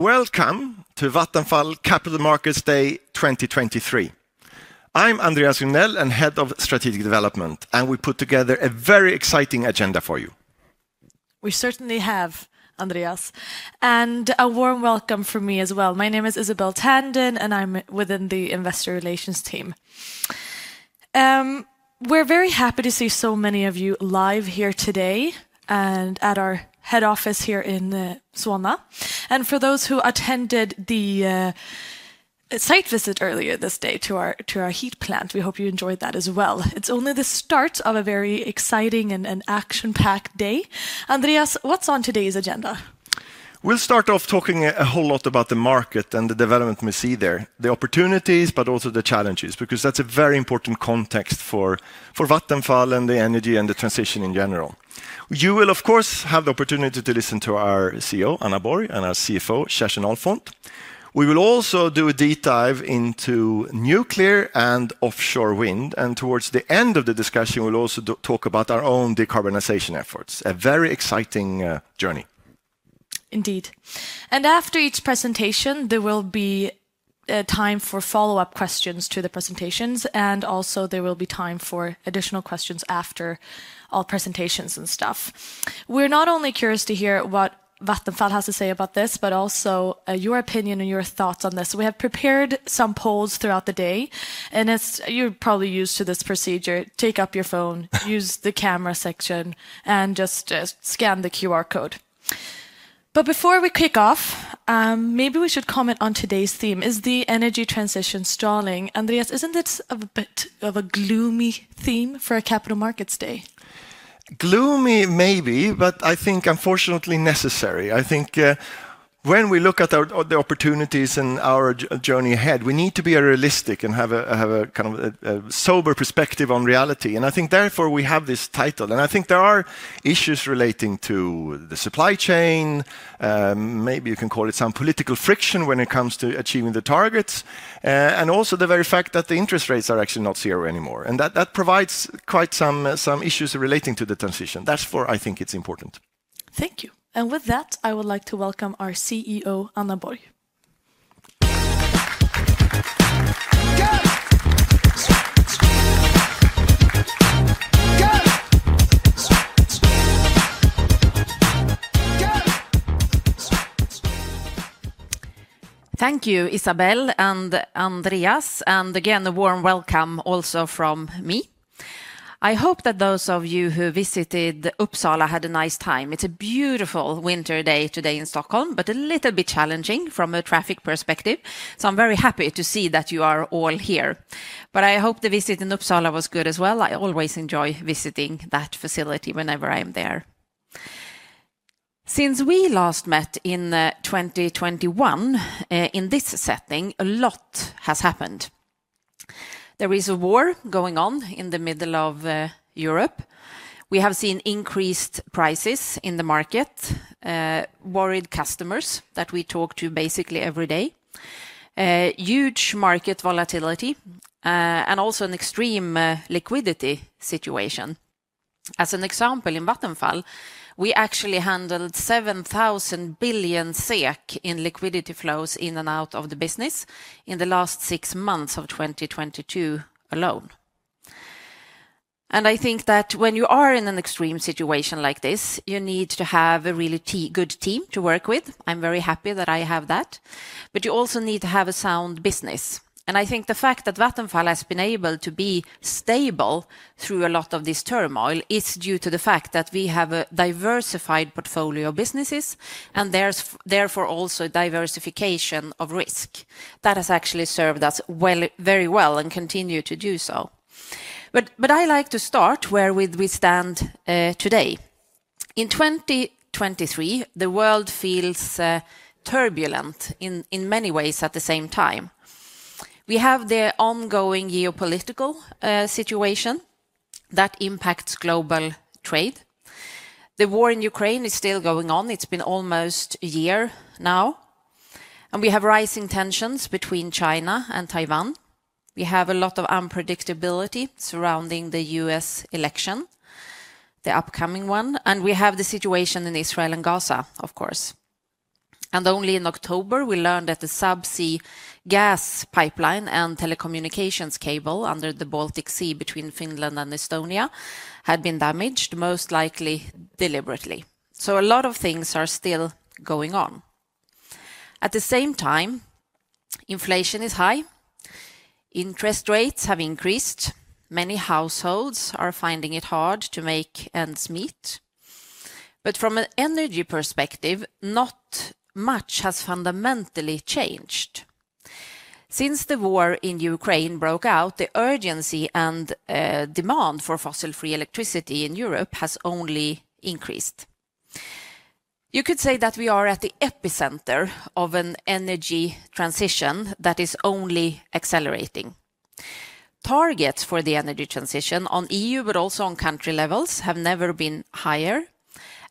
Welcome to Vattenfall Capital Markets Day 2023. I'm Andreas Regnell, Head of Strategic Development, and we put together a very exciting agenda for you. We certainly have, Andreas, and a warm welcome from me as well. My name is Isabelle Tandan, and I'm within the Investor Relations team. We're very happy to see so many of you live here today and at our head office here in Solna. And for those who attended the site visit earlier this day to our heat plant, we hope you enjoyed that as well. It's only the start of a very exciting and action-packed day. Andreas, what's on today's agenda? We'll start off talking a whole lot about the market and the development we see there, the opportunities, but also the challenges, because that's a very important context for Vattenfall and the energy and the transition in general. You will, of course, have the opportunity to listen to our Chief Executive Officer, Anna Borg, and our Chief Financial Officer, Kerstin Ahlfont. We will also do a deep dive into nuclear and offshore wind, and towards the end of the discussion, we'll also talk about our own decarbonization efforts, a very exciting journey. Indeed. And after each presentation, there will be time for follow-up questions to the presentations, and also there will be time for additional questions after all presentations and stuff. We're not only curious to hear what Vattenfall has to say about this, but also your opinion and your thoughts on this. We have prepared some polls throughout the day, and as you're probably used to this procedure, take up your phone, use the camera section, and just scan the QR code. But before we kick off, maybe we should comment on today's theme, Is the Energy Transition Stalling? Andreas, isn't this a bit of a gloomy theme for a capital markets day? Gloomy, maybe, but I think unfortunately necessary. I think, when we look at the opportunities and our journey ahead, we need to be realistic and have a kind of a sober perspective on reality, and I think therefore, we have this title. And I think there are issues relating to the supply chain, maybe you can call it some political friction when it comes to achieving the targets, and also the very fact that the interest rates are actually not zero anymore, and that provides quite some some issues relating to the transition. Therefore, I think it's important. Thank you. With that, I would like to welcome our Chief Executive Officer, Anna Borg. Thank you, Isabelle and Andreas, and again, a warm welcome also from me. I hope that those of you who visited Uppsala had a nice time. It's a beautiful winter day today in Stockholm, but a little bit challenging from a traffic perspective, so I'm very happy to see that you are all here. But I hope the visit in Uppsala was good as well. I always enjoy visiting that facility whenever I'm there. Since we last met in 2021 in this setting, a lot has happened. There is a war going on in the middle of Europe. We have seen increased prices in the market, worried customers that we talk to basically every day, a huge market volatility, and also an extreme liquidity situation. As an example, in Vattenfall, we actually handled 7,000 billion SEK in liquidity flows in and out of the business in the last six months of 2022 alone. And I think that when you are in an extreme situation like this, you need to have a really good team to work with. I'm very happy that I have that, but you also need to have a sound business. And I think the fact that Vattenfall has been able to be stable through a lot of this turmoil is due to the fact that we have a diversified portfolio of businesses, and there's therefore also diversification of risk. That has actually served us well, very well and continue to do so. But I like to start where we stand today. In 2023, the world feels turbulent in many ways at the same time. We have the ongoing geopolitical situation that impacts global trade. The war in Ukraine is still going on. It's been almost a year now, and we have rising tensions between China and Taiwan. We have a lot of unpredictability surrounding the U.S. election, the upcoming one, and we have the situation in Israel and Gaza, of course. And only in October, we learned that the sub-sea gas pipeline and telecommunications cable under the Baltic Sea between Finland and Estonia had been damaged, most likely deliberately. So a lot of things are still going on. At the same time, inflation is high, interest rates have increased, many households are finding it hard to make ends meet, but from an energy perspective, not much has fundamentally changed. Since the war in Ukraine broke out, the urgency and demand for fossil-free electricity in Europe has only increased. You could say that we are at the epicenter of an energy transition that is only accelerating. Targets for the energy transition on EU, but also on country levels, have never been higher,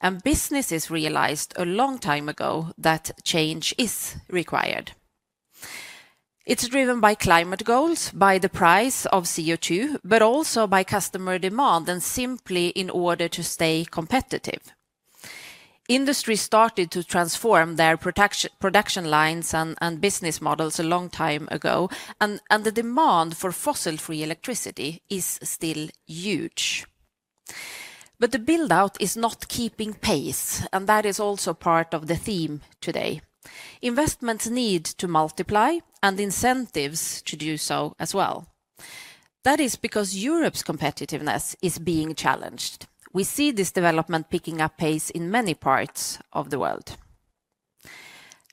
and businesses realized a long time ago that change is required. It's driven by climate goals, by the price of CO2, but also by customer demand and simply in order to stay competitive. Industry started to transform their production lines and business models a long time ago, and the demand for fossil-free electricity is still huge. But the build-out is not keeping pace, and that is also part of the theme today. Investments need to multiply, and incentives to do so as well. That is because Europe's competitiveness is being challenged. We see this development picking up pace in many parts of the world.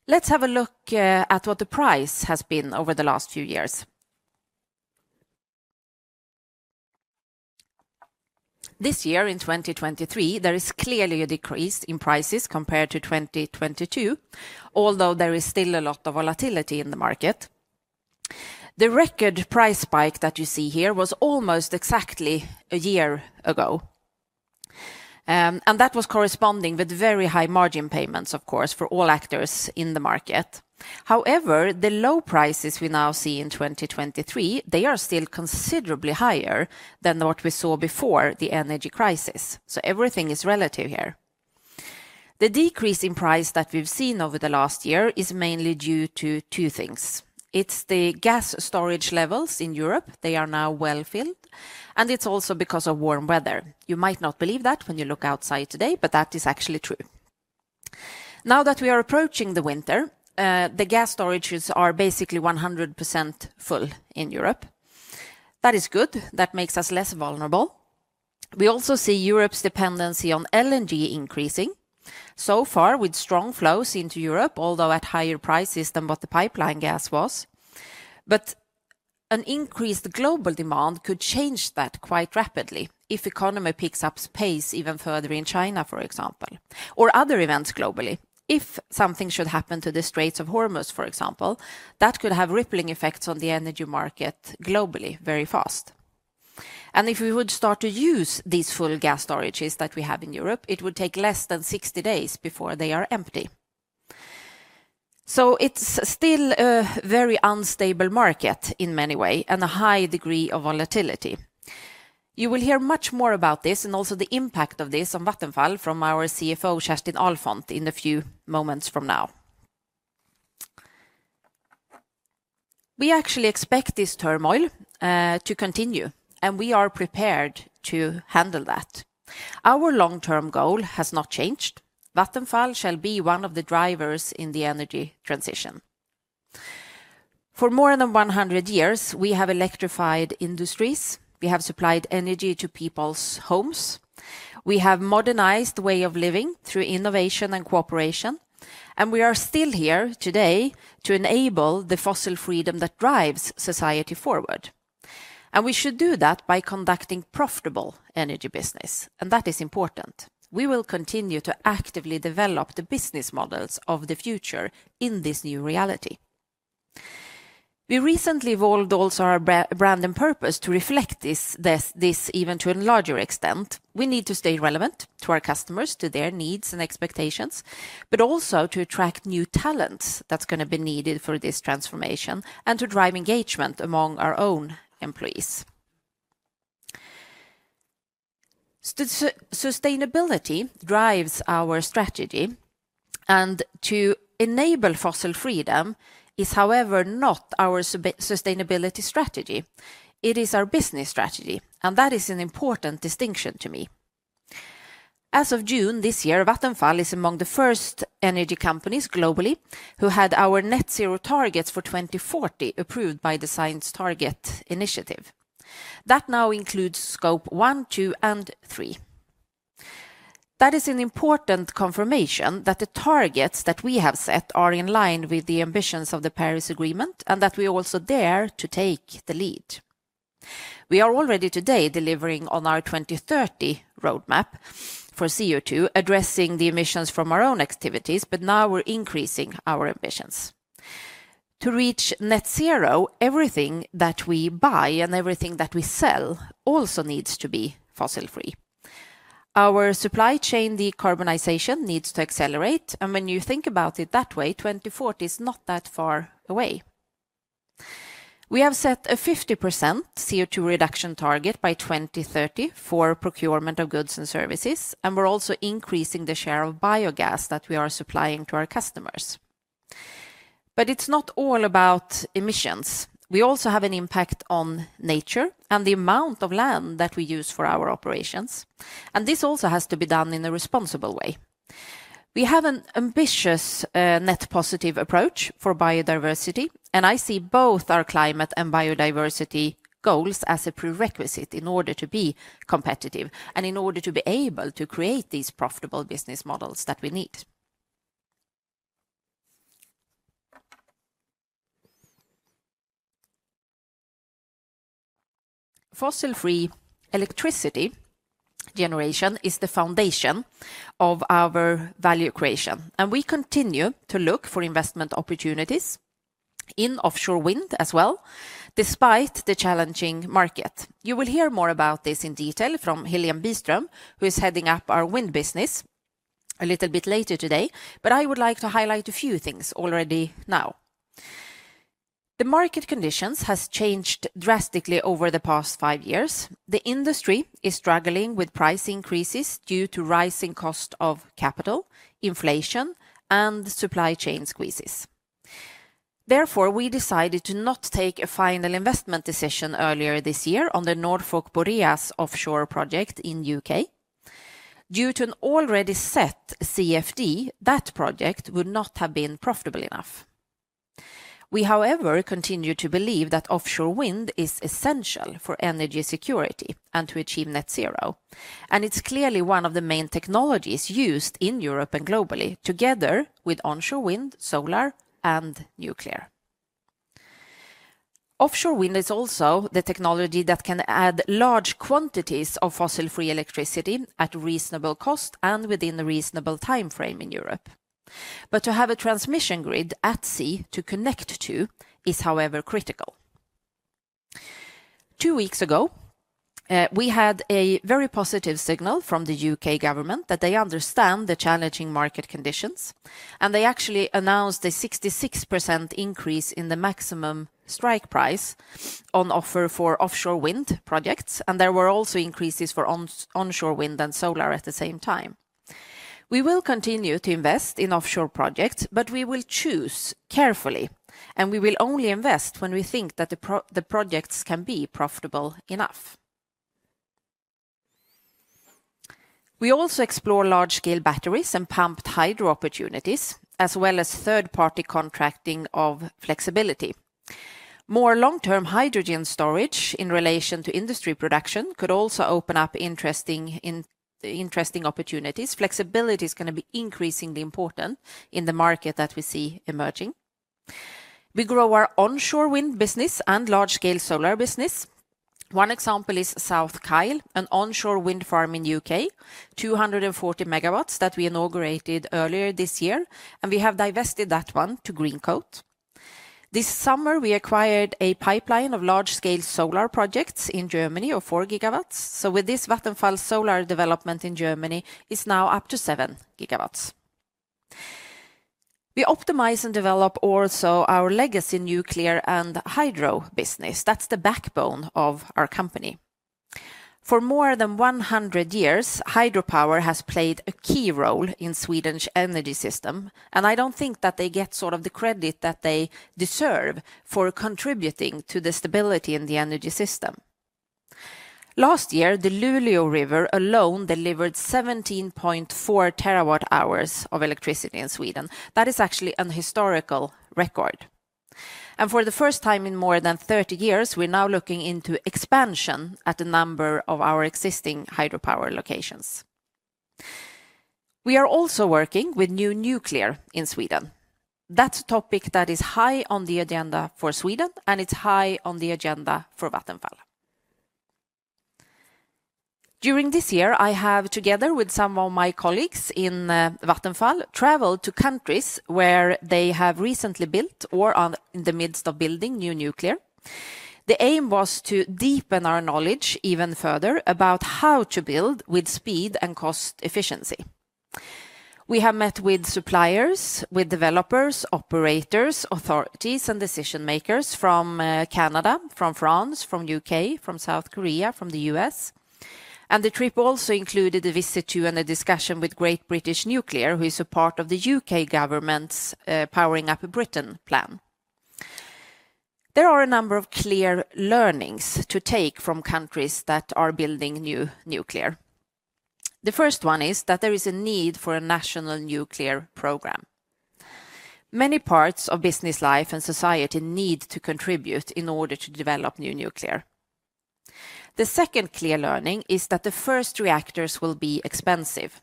Let's have a look at what the price has been over the last few years. This year, in 2023, there is clearly a decrease in prices compared to 2022, although there is still a lot of volatility in the market. The record price spike that you see here was almost exactly a year ago. And that was corresponding with very high margin payments, of course, for all actors in the market. However, the low prices we now see in 2023, they are still considerably higher than what we saw before the energy crisis, so everything is relative here. The decrease in price that we've seen over the last year is mainly due to two things. It's the gas storage levels in Europe, they are now well-filled, and it's also because of warm weather. You might not believe that when you look outside today, but that is actually true. Now that we are approaching the winter, the gas storages are basically 100% full in Europe. That is good. That makes us less vulnerable. We also see Europe's dependency on LNG increasing, so far with strong flows into Europe, although at higher prices than what the pipeline gas was. An increased global demand could change that quite rapidly if economy picks up pace even further in China, for example, or other events globally. If something should happen to the Straits of Hormuz, for example, that could have rippling effects on the energy market globally very fast. If we would start to use these full gas storages that we have in Europe, it would take less than 60 days before they are empty. So it's still a very unstable market in many way, and a high degree of volatility. You will hear much more about this, and also the impact of this on Vattenfall, from our Chief Financial Officer, Kerstin Ahlfont, in a few moments from now. We actually expect this turmoil to continue, and we are prepared to handle that. Our long-term goal has not changed. Vattenfall shall be one of the drivers in the energy transition. For more than 100 years, we have electrified industries, we have supplied energy to people's homes, we have modernized way of living through innovation and cooperation, and we are still here today to enable the fossil freedom that drives society forward. And we should do that by conducting profitable energy business, and that is important. We will continue to actively develop the business models of the future in this new reality. We recently evolved also our brand and purpose to reflect this even to a larger extent. We need to stay relevant to our customers, to their needs and expectations, but also to attract new talents that's gonna be needed for this transformation and to drive engagement among our own employees. Sustainability drives our strategy, and to enable fossil freedom is, however, not our sustainability strategy. It is our business strategy, and that is an important distinction to me. As of June this year, Vattenfall is among the first energy companies globally who had our net zero targets for 2040 approved by the Science Based Targets initiative. That now includes Scope 1, 2, and 3. That is an important confirmation that the targets that we have set are in line with the ambitions of the Paris Agreement and that we also dare to take the lead. We are already today delivering on our 2030 roadmap for CO2, addressing the emissions from our own activities, but now we're increasing our ambitions. To reach net zero, everything that we buy and everything that we sell also needs to be fossil-free. Our supply chain, the decarbonization, needs to accelerate, and when you think about it that way, 2040 is not that far away. We have set a 50% CO2 reduction target by 2030 for procurement of goods and services, and we're also increasing the share of biogas that we are supplying to our customers. But it's not all about emissions. We also have an impact on nature and the amount of land that we use for our operations, and this also has to be done in a responsible way. We have an ambitious net positive approach for biodiversity, and I see both our climate and biodiversity goals as a prerequisite in order to be competitive and in order to be able to create these profitable business models that we need. Fossil-free electricity generation is the foundation of our value creation, and we continue to look for investment opportunities in offshore wind as well, despite the challenging market. You will hear more about this in detail from Helene Biström, who is heading up our wind business. A little bit later today, but I would like to highlight a few things already now. The market conditions has changed drastically over the past five years. The industry is struggling with price increases due to rising cost of capital, inflation, and supply chain squeezes. Therefore, we decided to not take a final investment decision earlier this year on the Norfolk Boreas offshore project in U.K. Due to an already set CfD, that project would not have been profitable enough. We, however, continue to believe that offshore wind is essential for energy security and to achieve net zero, and it's clearly one of the main technologies used in Europe and globally, together with onshore wind, solar, and nuclear. Offshore wind is also the technology that can add large quantities of fossil-free electricity at reasonable cost and within a reasonable time frame in Europe. But to have a transmission grid at sea to connect to is, however, critical. Two weeks ago, we had a very positive signal from the U.K government that they understand the challenging market conditions, and they actually announced a 66% increase in the maximum strike price on offer for offshore wind projects, and there were also increases for onshore wind and solar at the same time. We will continue to invest in offshore projects, but we will choose carefully, and we will only invest when we think that the projects can be profitable enough. We also explore large-scale batteries and pumped hydro opportunities, as well as third-party contracting of flexibility. More long-term hydrogen storage in relation to industry production could also open up interesting opportunities. Flexibility is gonna be increasingly important in the market that we see emerging. We grow our onshore wind business and large-scale solar business. One example is South Kyle, an onshore wind farm in U.K, 240 MW that we inaugurated earlier this year, and we have divested that one to Greencoat. This summer, we acquired a pipeline of large-scale solar projects in Germany of 4 GW. So with this, Vattenfall solar development in Germany is now up to 7 GW. We optimize and develop also our legacy nuclear and hydro business. That's the backbone of our company. For more than 100 years, hydropower has played a key role in Swedish energy system, and I don't think that they get sort of the credit that they deserve for contributing to the stability in the energy system. Last year, the Luleå River alone delivered 17.4 TWh of electricity in Sweden. That is actually an historical record. For the first time in more than 30 years, we're now looking into expansion at a number of our existing hydropower locations. We are also working with new nuclear in Sweden. That's a topic that is high on the agenda for Sweden, and it's high on the agenda for Vattenfall. During this year, I have, together with some of my colleagues in Vattenfall, traveled to countries where they have recently built or are in the midst of building new nuclear. The aim was to deepen our knowledge even further about how to build with speed and cost efficiency. We have met with suppliers, with developers, operators, authorities, and decision-makers from Canada, from France, from the U.K., from South Korea, from the U.S., and the trip also included a visit to and a discussion with Great British Nuclear, who is a part of the U.K. government's Powering Up Britain plan. There are a number of clear learnings to take from countries that are building new nuclear. The first one is that there is a need for a national nuclear program. Many parts of business life and society need to contribute in order to develop new nuclear. The second clear learning is that the first reactors will be expensive,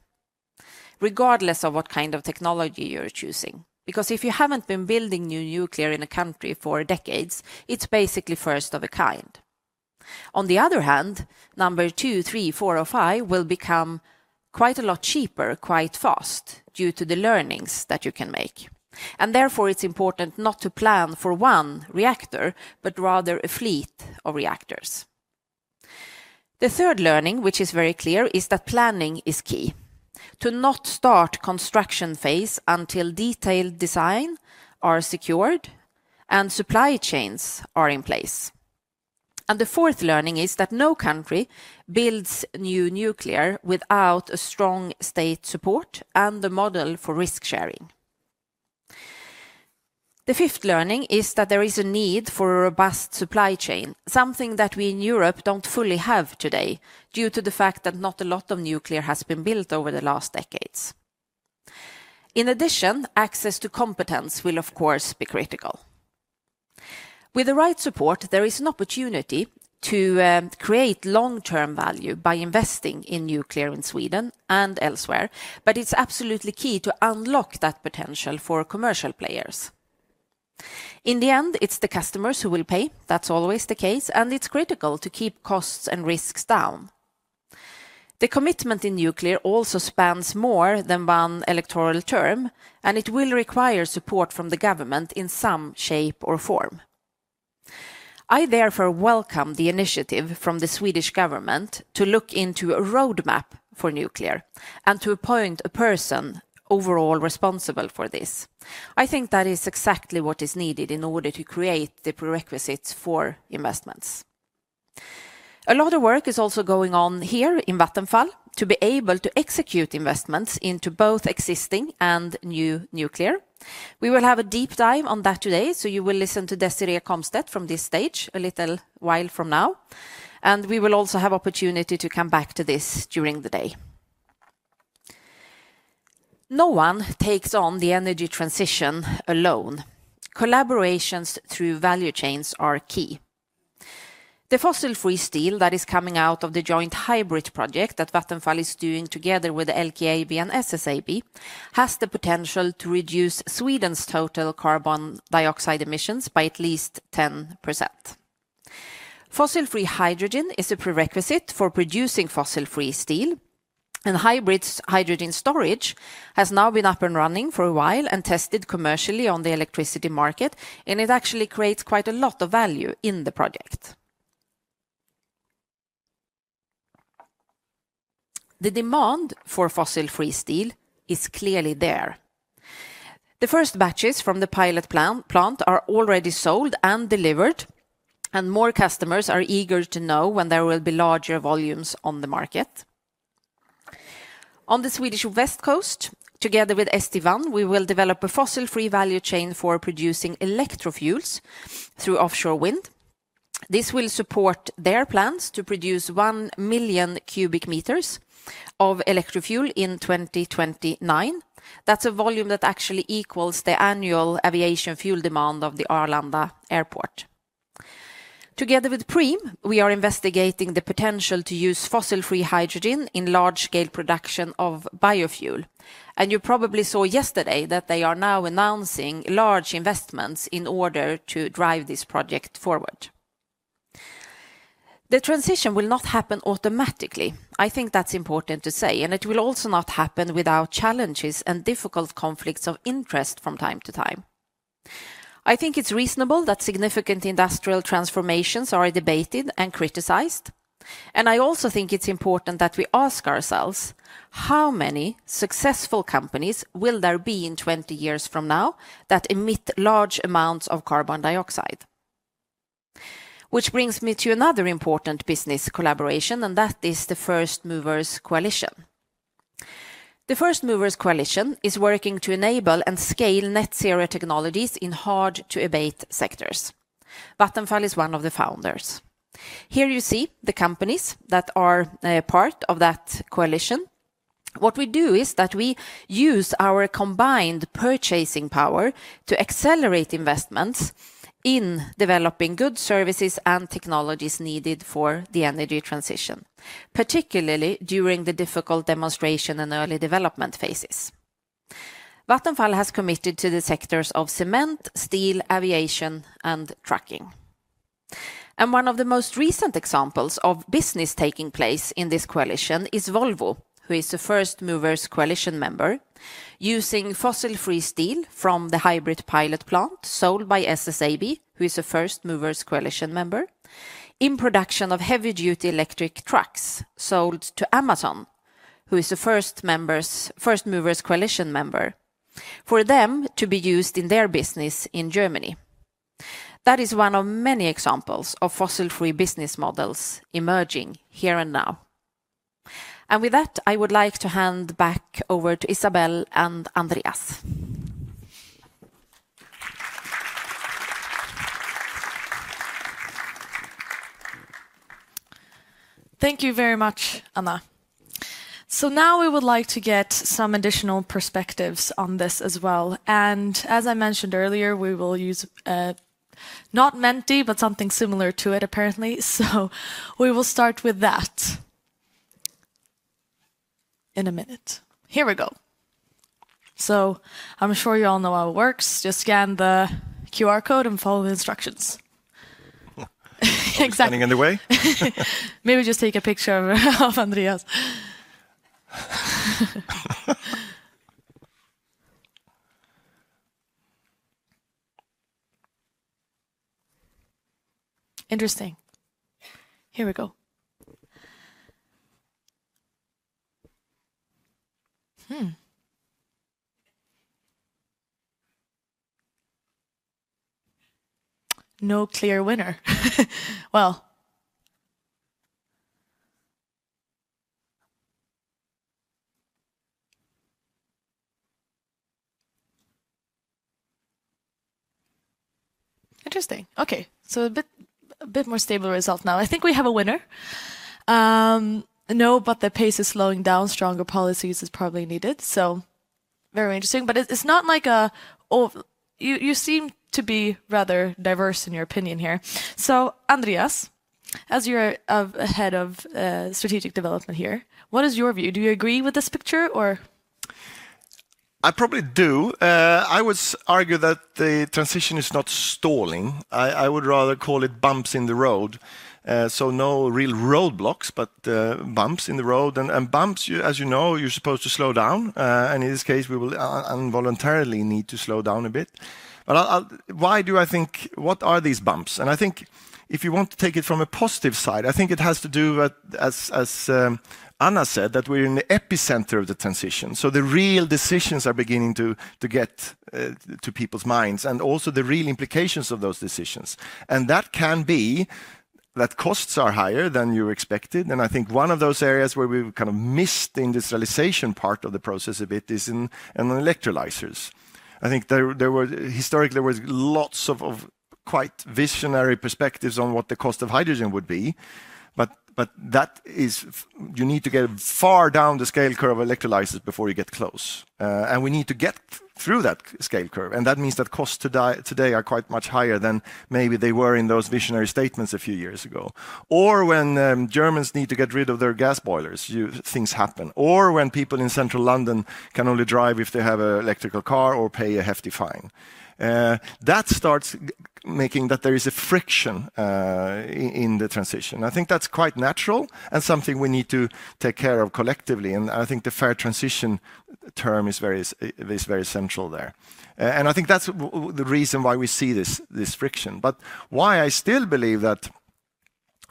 regardless of what kind of technology you're choosing, because if you haven't been building new nuclear in a country for decades, it's basically first of a kind. On the other hand, number two, three, four, or five will become quite a lot cheaper, quite fast due to the learnings that you can make. And therefore, it's important not to plan for one reactor, but rather a fleet of reactors. The third learning, which is very clear, is that planning is key. To not start construction phase until detailed design are secured and supply chains are in place. And the fourth learning is that no country builds new nuclear without a strong state support and a model for risk sharing. The fifth learning is that there is a need for a robust supply chain, something that we in Europe don't fully have today, due to the fact that not a lot of nuclear has been built over the last decades. In addition, access to competence will, of course, be critical. With the right support, there is an opportunity to create long-term value by investing in nuclear in Sweden and elsewhere, but it's absolutely key to unlock that potential for commercial players. In the end, it's the customers who will pay. That's always the case, and it's critical to keep costs and risks down. The commitment in nuclear also spans more than one electoral term, and it will require support from the government in some shape or form. I therefore welcome the initiative from the Swedish government to look into a roadmap for nuclear and to appoint a person overall responsible for this. I think that is exactly what is needed in order to create the prerequisites for investments. A lot of work is also going on here in Vattenfall to be able to execute investments into both existing and new nuclear. We will have a deep dive on that today, so you will listen to Desirée Comstedt from this stage a little while from now, and we will also have opportunity to come back to this during the day. No one takes on the energy transition alone. Collaborations through value chains are key. The fossil-free steel that is coming out of the joint HYBRIT project that Vattenfall is doing together with the LKAB and SSAB, has the potential to reduce Sweden's total carbon dioxide emissions by at least 10%. Fossil-free hydrogen is a prerequisite for producing fossil-free steel, and HYBRIT's hydrogen storage has now been up and running for a while and tested commercially on the electricity market, and it actually creates quite a lot of value in the project. The demand for fossil-free steel is clearly there. The first batches from the pilot plant are already sold and delivered, and more customers are eager to know when there will be larger volumes on the market. On the Swedish west coast, together with ST1, we will develop a fossil-free value chain for producing electro fuels through offshore wind. This will support their plans to produce 1 million cubic meters of electro fuel in 2029. That's a volume that actually equals the annual aviation fuel demand of the Arlanda Airport. Together with Preem, we are investigating the potential to use fossil-free hydrogen in large-scale production of biofuel, and you probably saw yesterday that they are now announcing large investments in order to drive this project forward. The transition will not happen automatically. I think that's important to say, and it will also not happen without challenges and difficult conflicts of interest from time to time. I think it's reasonable that significant industrial transformations are debated and criticized, and I also think it's important that we ask ourselves: how many successful companies will there be in 20 years from now that emit large amounts of carbon dioxide? Which brings me to another important business collaboration, and that is the First Movers Coalition. The First Movers Coalition is working to enable and scale net zero technologies in hard-to-abate sectors. Vattenfall is one of the founders. Here you see the companies that are part of that coalition. What we do is that we use our combined purchasing power to accelerate investments in developing good services and technologies needed for the energy transition, particularly during the difficult demonstration and early development phases. Vattenfall has committed to the sectors of cement, steel, aviation, and trucking. One of the most recent examples of business taking place in this coalition is Volvo, who is a First Movers Coalition member, using fossil-free steel from the HYBRIT pilot plant sold by SSAB, who is a First Movers Coalition member, in production of heavy-duty electric trucks sold to Amazon, who is a First Movers Coalition member, for them to be used in their business in Germany. That is one of many examples of fossil-free business models emerging here and now. With that, I would like to hand back over to Isabelle and Andreas. Thank you very much, Anna. So now we would like to get some additional perspectives on this as well, and as I mentioned earlier, we will use, not Menti, but something similar to it, apparently. So we will start with that in a minute. Here we go. So I'm sure you all know how it works. Just scan the QR code and follow the instructions. Exactly. Standing in the way? Maybe just take a picture of Andreas. Interesting. Here we go. Hmm. No clear winner. Well... Interesting. Okay, so a bit more stable result now. I think we have a winner. No, but the pace is slowing down. Stronger policies is probably needed, so very interesting. But it, it's not like a of... You seem to be rather diverse in your opinion here. So, Andreas, as you're a head of strategic development here, what is your view? Do you agree with this picture, or? I probably do. I would argue that the transition is not stalling. I would rather call it bumps in the road. So no real roadblocks, but bumps in the road, and bumps, as you know, you're supposed to slow down. And in this case, we will involuntarily need to slow down a bit. But I'll... Why do I think—what are these bumps? And I think... If you want to take it from a positive side, I think it has to do with, as Anna said, that we're in the epicenter of the transition. So the real decisions are beginning to get to people's minds, and also the real implications of those decisions. That can be that costs are higher than you expected, and I think one of those areas where we've kind of missed the industrialization part of the process a bit is in electrolyzers. I think there were historically lots of quite visionary perspectives on what the cost of hydrogen would be, but, that is, you need to get far down the scale curve of electrolyzers before you get close. And we need to get through that scale curve, and that means that costs today are quite much higher than maybe they were in those visionary statements a few years ago. Or when Germans need to get rid of their gas boilers, things happen. Or when people in central London can only drive if they have a electrical car or pay a hefty fine. That starts making that there is a friction in the transition. I think that's quite natural, and something we need to take care of collectively, and I think the fair transition term is very is very central there. And I think that's the reason why we see this this friction. But why I still believe that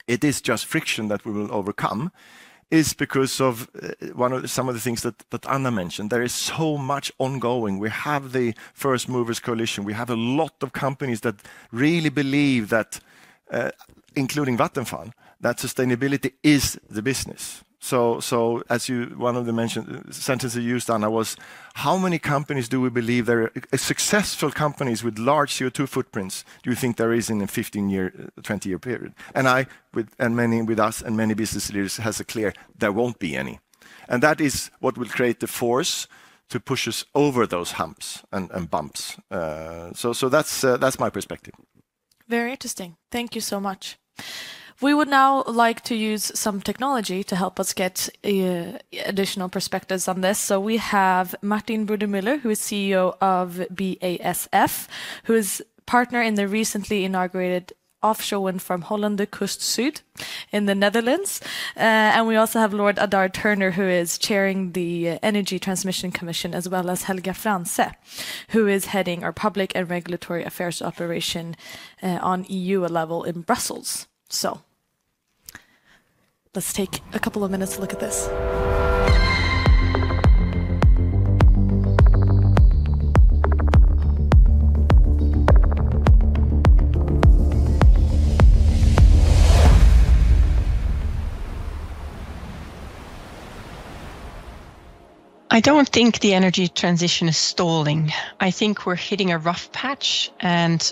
it is just friction that we will overcome is because of one of the some of the things that that Anna mentioned. There is so much ongoing. We have the First Movers Coalition. We have a lot of companies that really believe that, including Vattenfall, that sustainability is the business. So, so as you... One of the mentioned sentences you used, Anna, was, "How many companies do we believe there are successful companies with large CO2 footprints do you think there is in a 15-year, 20-year period?" And I and many with us and many business leaders has a clear there won't be any. And that is what will create the force to push us over those humps and bumps. So that's my perspective. Very interesting. Thank you so much. We would now like to use some technology to help us get, additional perspectives on this. So we have Martin Brudermüller, who is Chief Executive Officer of BASF, who is partner in the recently inaugurated offshore wind farm Hollandse Kust Zuid in the Netherlands. And we also have Lord Adair Turner, who is chairing the Energy Transitions Commission, as well as Helga Franssen, who is heading our Public and Regulatory Affairs operation, on EU level in Brussels. So let's take a couple of minutes to look at this. I don't think the energy transition is stalling. I think we're hitting a rough patch, and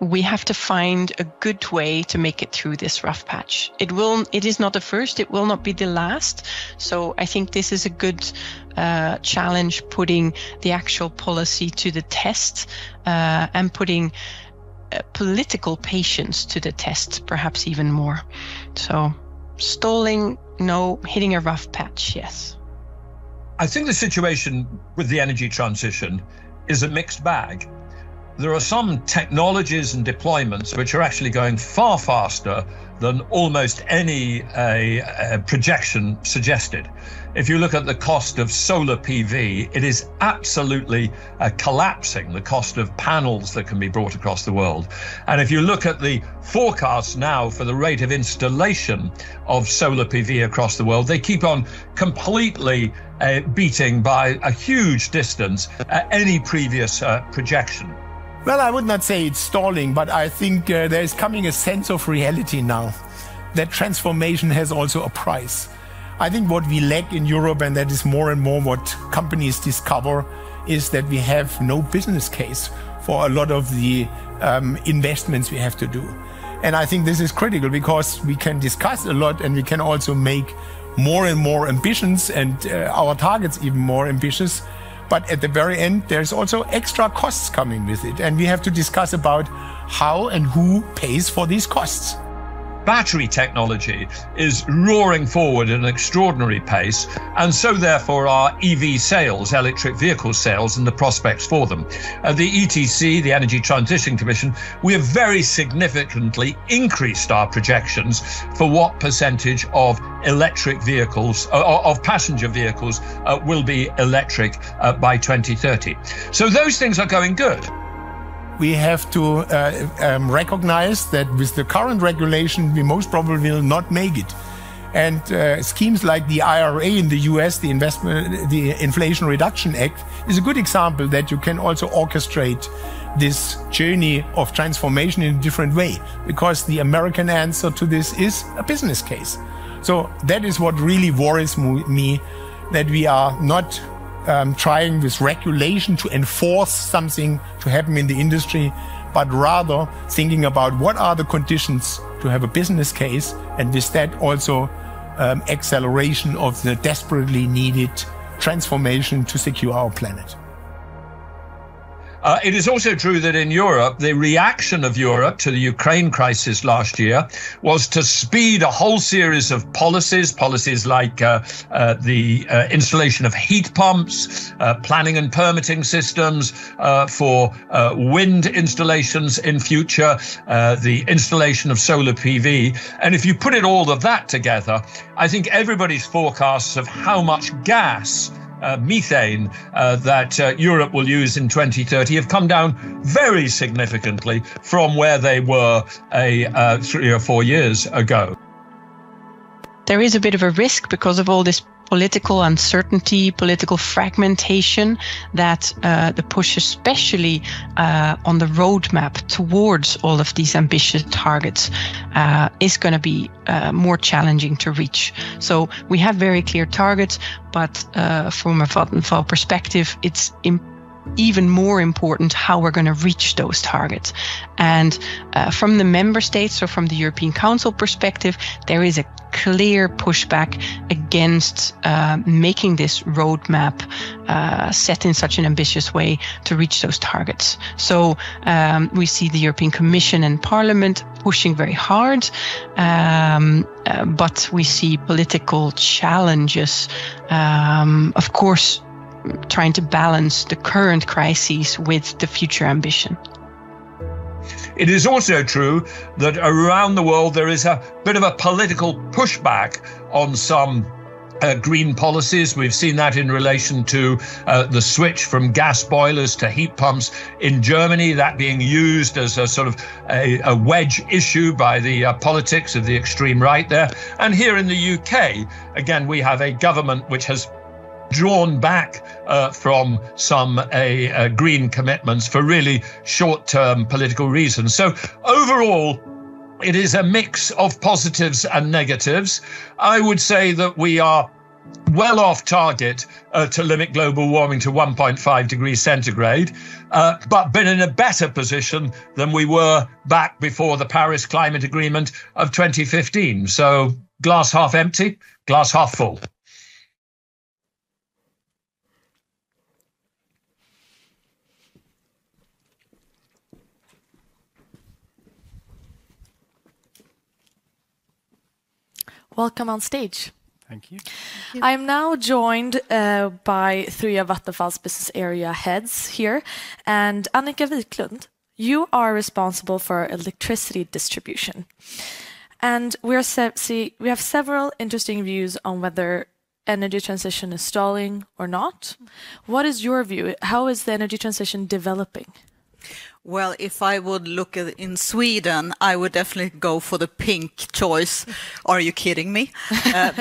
we have to find a good way to make it through this rough patch. It is not the first, it will not be the last, so I think this is a good challenge, putting the actual policy to the test, and putting political patience to the test, perhaps even more. So stalling, no. Hitting a rough patch, yes. I think the situation with the energy transition is a mixed bag. There are some technologies and deployments which are actually going far faster than almost any projection suggested. If you look at the cost of solar PV, it is absolutely collapsing, the cost of panels that can be brought across the world. If you look at the forecasts now for the rate of installation of solar PV across the world, they keep on completely beating by a huge distance any previous projection. Well, I would not say it's stalling, but I think there is coming a sense of reality now, that transformation has also a price. I think what we lack in Europe, and that is more and more what companies discover, is that we have no business case for a lot of the investments we have to do. And I think this is critical, because we can discuss a lot, and we can also make more and more ambitions and our targets even more ambitious, but at the very end, there's also extra costs coming with it, and we have to discuss about how and who pays for these costs. Battery technology is roaring forward at an extraordinary pace, and so therefore are EV sales, electric vehicle sales, and the prospects for them. The ETC, the Energy Transition Commission, we have very significantly increased our projections for what percentage of electric vehicles, of passenger vehicles, will be electric, by 2030. So those things are going good. We have to recognize that with the current regulation, we most probably will not make it. Schemes like the IRA in the US, the Inflation Reduction Act, is a good example that you can also orchestrate this journey of transformation in a different way. Because the American answer to this is a business case. So that is what really worries me, that we are not trying this regulation to enforce something to happen in the industry, but rather thinking about what are the conditions to have a business case, and with that, also, acceleration of the desperately needed transformation to secure our planet. It is also true that in Europe, the reaction of Europe to the Ukraine crisis last year was to speed a whole series of policies, policies like the installation of heat pumps, planning and permitting systems for wind installations in future, the installation of solar PV. And if you put in all of that together, I think everybody's forecasts of how much gas, methane, that Europe will use in 2030 have come down very significantly from where they were a three or four years ago. There is a bit of a risk because of all this political uncertainty, political fragmentation, that the push, especially, on the roadmap towards all of these ambitious targets, is gonna be more challenging to reach. So we have very clear targets, but from a Vattenfall perspective, it's even more important how we're gonna reach those targets. And from the member states or from the European Council perspective, there is a clear pushback against making this roadmap set in such an ambitious way to reach those targets. So we see the European Commission and Parliament pushing very hard, but we see political challenges, of course, trying to balance the current crises with the future ambition. It is also true that around the world there is a bit of a political pushback on some green policies. We've seen that in relation to the switch from gas boilers to heat pumps in Germany, that being used as a sort of a wedge issue by the politics of the extreme right there. And here in the U.K, again, we have a government which has drawn back from some green commitments for really short-term political reasons. So overall, it is a mix of positives and negatives. I would say that we are well off target to limit global warming to 1.5 degrees centigrade, but been in a better position than we were back before the Paris Climate Agreement of 2015. So glass half empty, glass half full. Welcome on stage. Thank you. I'm now joined by three of Vattenfall's business area heads here. Annika Viklund, you are responsible for electricity distribution, and we have several interesting views on whether energy transition is stalling or not. What is your view? How is the energy transition developing? Well, if I would look at in Sweden, I would definitely go for the pink choice. Are you kidding me?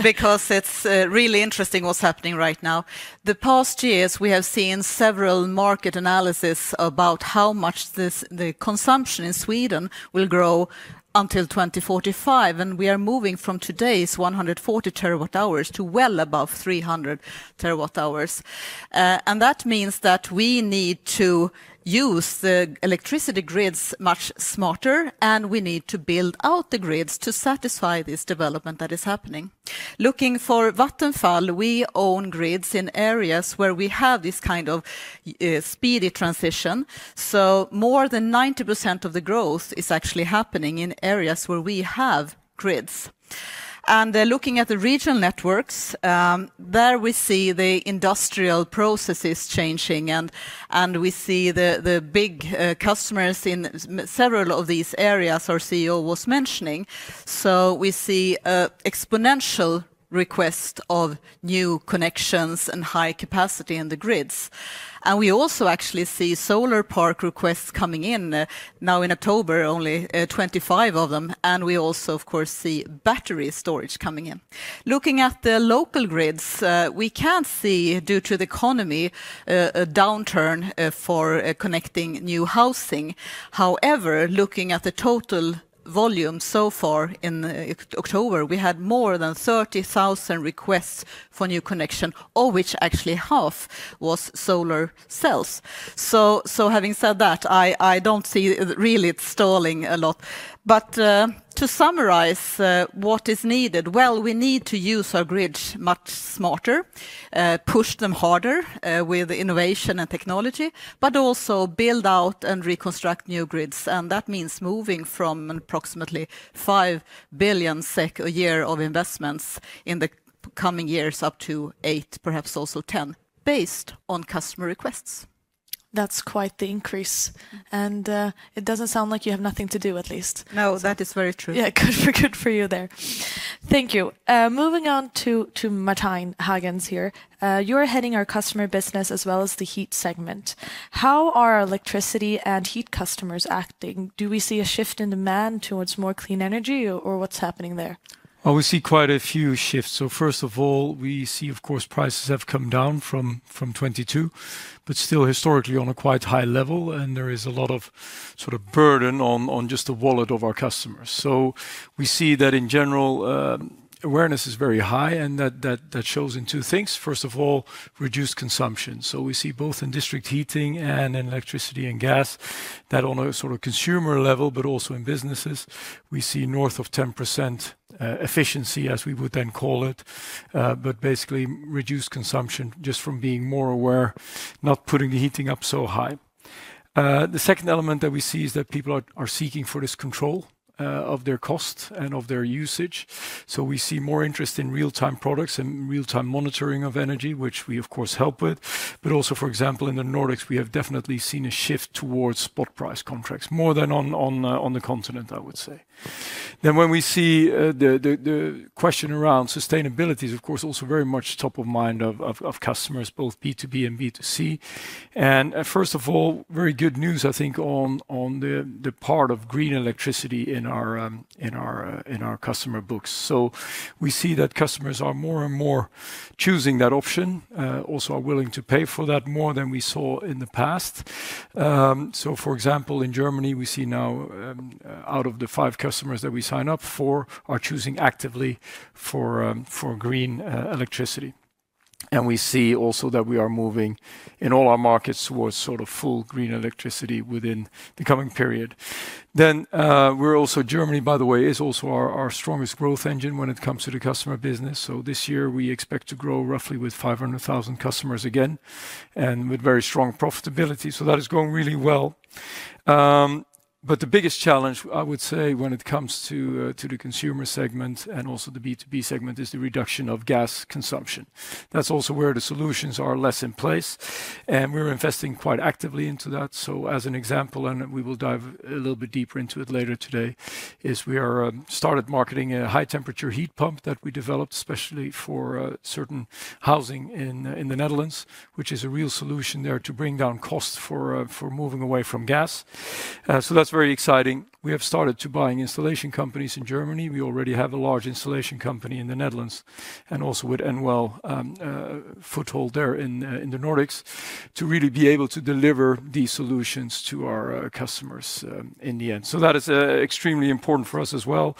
Because it's really interesting what's happening right now. The past years, we have seen several market analysis about how much this, the consumption in Sweden will grow until 2045, and we are moving from today's 140 TWh to well above 300 TWh. And that means that we need to use the electricity grids much smarter, and we need to build out the grids to satisfy this development that is happening. Looking for Vattenfall, we own grids in areas where we have this kind of speedy transition. So more than 90% of the growth is actually happening in areas where we have grids. Looking at the regional networks, there we see the industrial processes changing, and we see the big customers in several of these areas our Chief Executive Officer was mentioning. So we see exponential request of new connections and high capacity in the grids. And we also actually see solar park requests coming in, now in October, only 25 of them, and we also, of course, see battery storage coming in. Looking at the local grids, we can see, due to the economy, a downturn for connecting new housing. However, looking at the total volume so far in October, we had more than 30,000 requests for new connection, all which actually half was solar cells. So having said that, I don't see it really stalling a lot. To summarize what is needed, well, we need to use our grids much smarter, push them harder with innovation and technology, but also build out and reconstruct new grids, and that means moving from approximately 5 billion SEK a year of investments in the coming years, up to 8 billion, perhaps also 10 billion, based on customer requests. That's quite the increase, and it doesn't sound like you have nothing to do, at least. No, that is very true. Yeah. Good for, good for you there. Thank you. Moving on to Martijn Hagens here. You're heading our customer business as well as the heat segment. How are electricity and heat customers acting? Do we see a shift in demand towards more clean energy or what's happening there? Well, we see quite a few shifts. So first of all, we see, of course, prices have come down from 2022, but still historically on a quite high level, and there is a lot of sort of burden on just the wallet of our customers. So we see that in general, awareness is very high, and that shows in two things. First of all, reduced consumption. So we see both in district heating and in electricity and gas, that on a sort of consumer level, but also in businesses, we see north of 10% efficiency, as we would then call it. But basically reduced consumption just from being more aware, not putting the heating up so high. The second element that we see is that people are seeking for this control of their costs and of their usage. So we see more interest in real-time products and real-time monitoring of energy, which we of course help with. But also, for example, in the Nordics, we have definitely seen a shift towards spot price contracts, more than on the continent, I would say. Then when we see the question around sustainability is, of course, also very much top of mind of customers, both B2B and B2C. And, first of all, very good news, I think, on the part of green electricity in our customer books. So we see that customers are more and more choosing that option, also are willing to pay for that more than we saw in the past. So for example, in Germany, we see now, out of the five customers that we sign up, four are choosing actively for, for green, electricity. And we see also that we are moving in all our markets towards sort of full green electricity within the coming period. Then, we're also, Germany, by the way, is also our strongest growth engine when it comes to the customer business. So this year, we expect to grow roughly with 500,000 customers again, and with very strong profitability. So that is going really well. But the biggest challenge, I would say when it comes to, to the consumer segment and also the B2B segment, is the reduction of gas consumption. That's also where the solutions are less in place, and we're investing quite actively into that. So as an example, and we will dive a little bit deeper into it later today, is we are started marketing a high-temperature heat pump that we developed, especially for certain housing in the Netherlands, which is a real solution there to bring down costs for moving away from gas. So that's very exciting. We have started to buying installation companies in Germany. We already have a large installation company in the Netherlands, and also with Enel foothold there in the Nordics, to really be able to deliver these solutions to our customers in the end. So that is extremely important for us as well.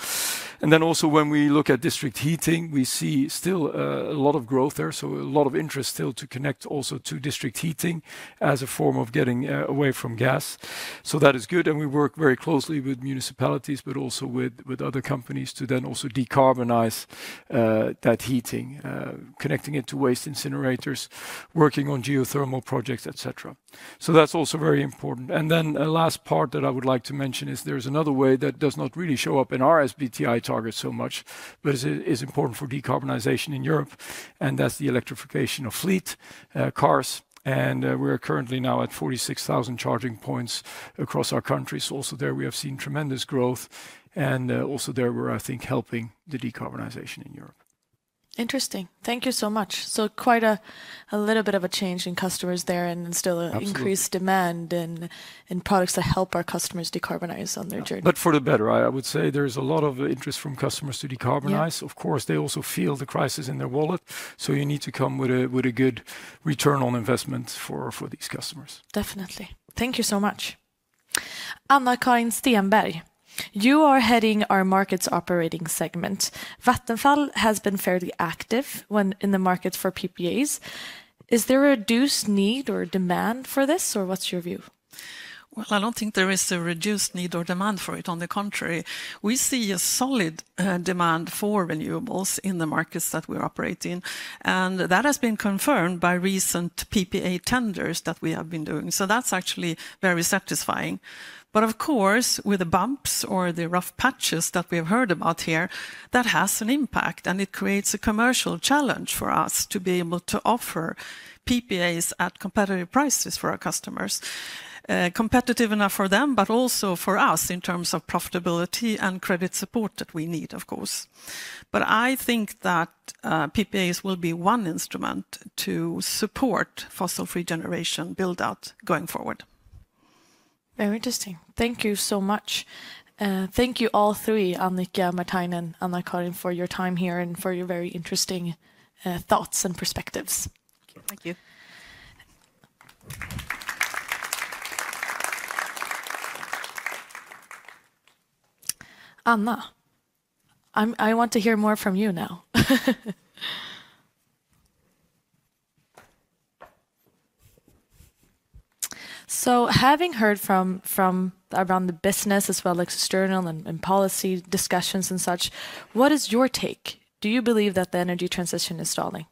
And then also when we look at district heating, we see still a lot of growth there, so a lot of interest still to connect also to district heating as a form of getting away from gas. So that is good, and we work very closely with municipalities, but also with other companies, to then also decarbonize that heating, connecting it to waste incinerators, working on geothermal projects, et cetera. So that's also very important. And then a last part that I would like to mention is there's another way that does not really show up in our SBTi target so much, but is important for decarbonization in Europe, and that's the electrification of fleet cars. And, we're currently now at 46,000 charging points across our countries. Also there, we have seen tremendous growth, and also there we're, I think, helping the decarbonization in Europe. Interesting. Thank you so much. So quite a little bit of a change in customers there, and still a- Absolutely... increased demand in products that help our customers decarbonize on their journey. Yeah, but for the better. I, I would say there is a lot of interest from customers to decarbonize. Yeah. Of course, they also feel the crisis in their wallet, so you need to come with a good return on investment for these customers. Definitely. Thank you so much. Anna-Karin Stenberg, you are heading our markets operating segment. Vattenfall has been fairly active when in the market for PPAs. Is there a reduced need or demand for this, or what's your view? Well, I don't think there is a reduced need or demand for it, on the contrary, we see a solid, demand for renewables in the markets that we operate in, and that has been confirmed by recent PPA tenders that we have been doing, so that's actually very satisfying. But of course, with the bumps or the rough patches that we have heard about here, that has an impact, and it creates a commercial challenge for us to be able to offer PPAs at competitive prices for our customers. Competitive enough for them, but also for us in terms of profitability and credit support that we need, of course. But I think that, PPAs will be one instrument to support fossil-free generation build-out going forward. Very interesting. Thank you so much. Thank you, all three, Annika, Martijn, and Anna-Karin, for your time here and for your very interesting thoughts and perspectives. Thank you. Thank you. Anna, I want to hear more from you now. So having heard from around the business, as well as external and policy discussions and such, what is your take? Do you believe that the energy transition is stalling?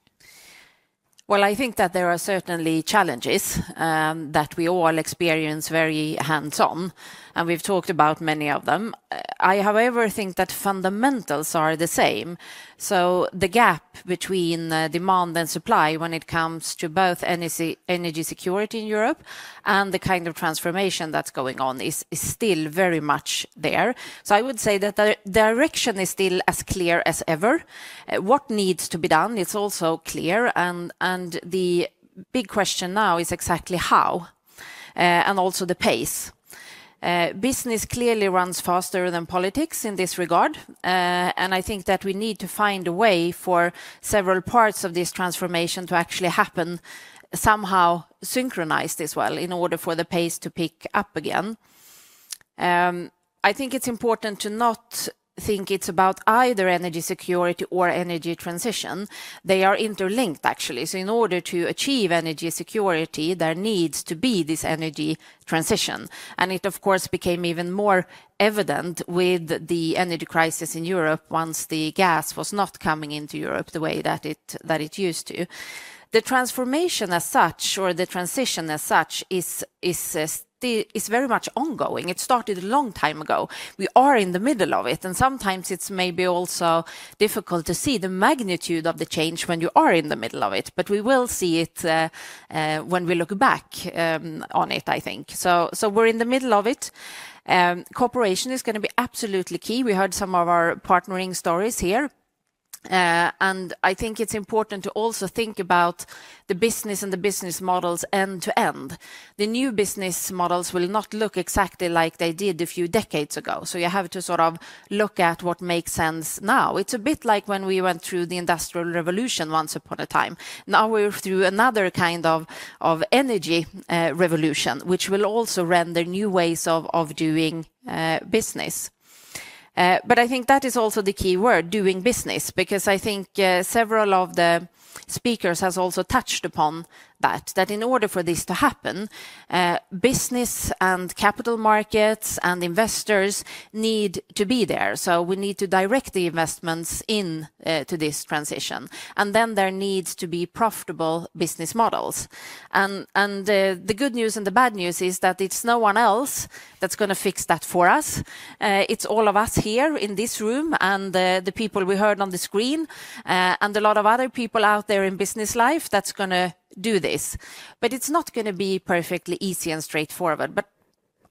Well, I think that there are certainly challenges that we all experience very hands-on, and we've talked about many of them. I, however, think that fundamentals are the same, so the gap between demand and supply when it comes to both energy security in Europe and the kind of transformation that's going on is still very much there. So I would say that the direction is still as clear as ever. What needs to be done is also clear, and the big question now is exactly how and also the pace. Business clearly runs faster than politics in this regard, and I think that we need to find a way for several parts of this transformation to actually happen somehow synchronized as well, in order for the pace to pick up again. I think it's important to not think it's about either energy security or energy transition. They are interlinked, actually, so in order to achieve energy security, there needs to be this energy transition. And it, of course, became even more evident with the energy crisis in Europe once the gas was not coming into Europe the way that it used to. The transformation as such or the transition as such is still very much ongoing. It started a long time ago. We are in the middle of it, and sometimes it's maybe also difficult to see the magnitude of the change when you are in the middle of it, but we will see it when we look back on it, I think. So we're in the middle of it. Cooperation is gonna be absolutely key. We heard some of our partnering stories here. And I think it's important to also think about the business and the business models end to end. The new business models will not look exactly like they did a few decades ago, so you have to sort of look at what makes sense now. It's a bit like when we went through the Industrial Revolution once upon a time. Now we're through another kind of energy revolution, which will also render new ways of doing business. But I think that is also the key word, doing business, because I think several of the speakers has also touched upon that. That in order for this to happen, business and capital markets and investors need to be there. So we need to direct the investments in to this transition, and then there needs to be profitable business models. The good news and the bad news is that it's no one else that's gonna fix that for us. It's all of us here in this room, and the people we heard on the screen, and a lot of other people out there in business life that's gonna do this. But it's not gonna be perfectly easy and straightforward, but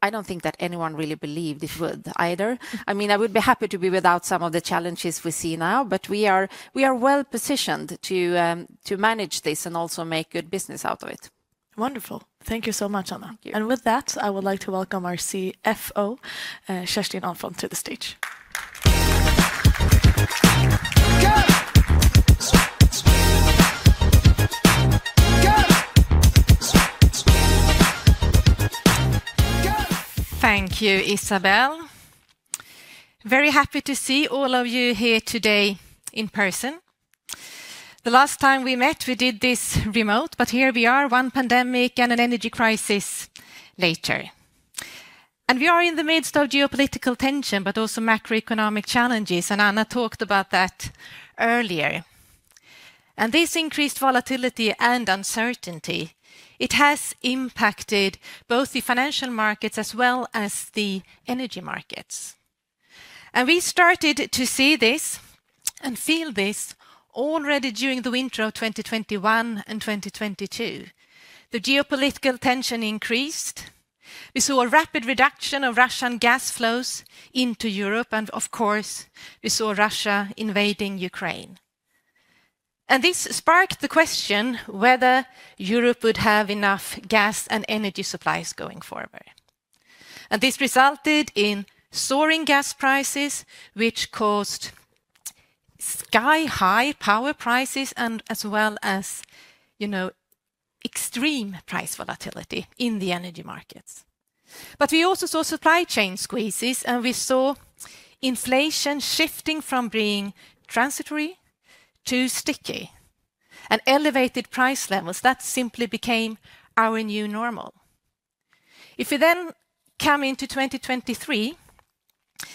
I don't think that anyone really believed it would either. I mean, I would be happy to be without some of the challenges we see now, but we are well-positioned to manage this and also make good business out of it. Wonderful. Thank you so much, Anna. Thank you. And with that, I would like to welcome our Chief Financial Officer, Kerstin Ahlfont, to the stage. Thank you, Isabelle. Very happy to see all of you here today in person. The last time we met, we did this remote, but here we are, one pandemic and an energy crisis later. We are in the midst of geopolitical tension, but also macroeconomic challenges, and Anna talked about that earlier. This increased volatility and uncertainty, it has impacted both the financial markets as well as the energy markets. We started to see this and feel this already during the winter of 2021 and 2022. The geopolitical tension increased. We saw a rapid reduction of Russian gas flows into Europe, and of course, we saw Russia invading Ukraine. This sparked the question whether Europe would have enough gas and energy supplies going forward. This resulted in soaring gas prices, which caused sky-high power prices and as well as, you know, extreme price volatility in the energy markets. We also saw supply chain squeezes, and we saw inflation shifting from being transitory to sticky, and elevated price levels, that simply became our new normal. If you then come into 2023,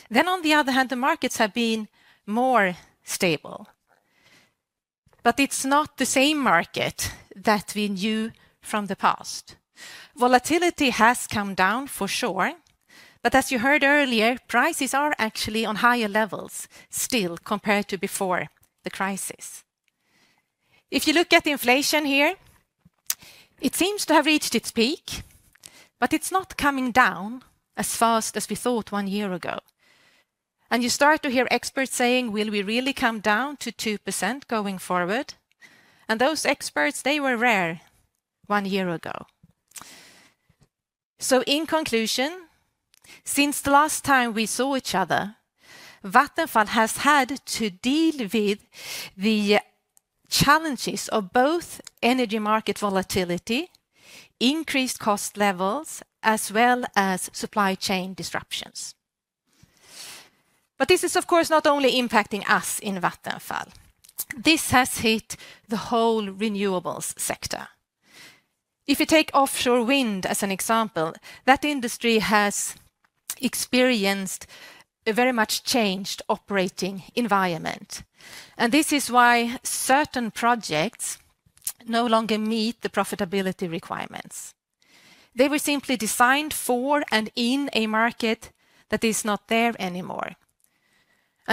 then on the other hand, the markets have been more stable. It's not the same market that we knew from the past. Volatility has come down, for sure, but as you heard earlier, prices are actually on higher levels still compared to before the crisis. If you look at the inflation here, it seems to have reached its peak, but it's not coming down as fast as we thought one year ago. You start to hear experts saying, "Will we really come down to 2% going forward?" And those experts, they were rare one year ago. So in conclusion, since the last time we saw each other, Vattenfall has had to deal with the challenges of both energy market volatility, increased cost levels, as well as supply chain disruptions. But this is, of course, not only impacting us in Vattenfall, this has hit the whole renewables sector. If you take offshore wind as an example, that industry has experienced a very much changed operating environment, and this is why certain projects no longer meet the profitability requirements. They were simply designed for and in a market that is not there anymore.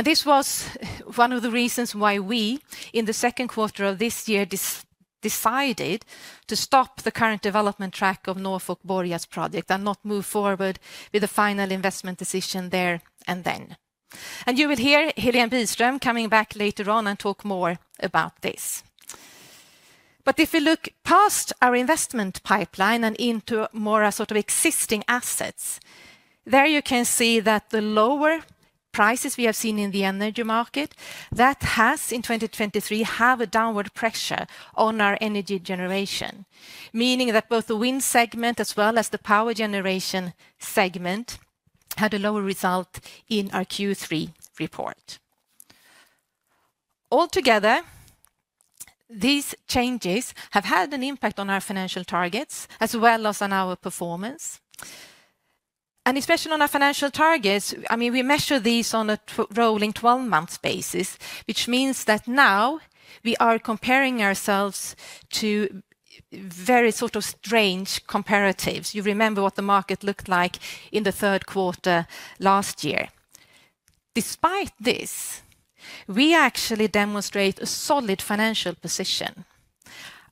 This was one of the reasons why we, in the second quarter of this year, decided to stop the current development track of Norfolk Boreas project and not move forward with the final investment decision there and then. You will hear Helene Biström coming back later on and talk more about this. But if you look past our investment pipeline and into more a sort of existing assets, there you can see that the lower prices we have seen in the energy market, that has, in 2023, have a downward pressure on our energy generation. Meaning that both the wind segment, as well as the power generation segment, had a lower result in our Q3 report. Altogether, these changes have had an impact on our financial targets, as well as on our performance, and especially on our financial targets. I mean, we measure these on a rolling twelve-month basis, which means that now we are comparing ourselves to very sort of strange comparatives. You remember what the market looked like in the third quarter last year. Despite this, we actually demonstrate a solid financial position.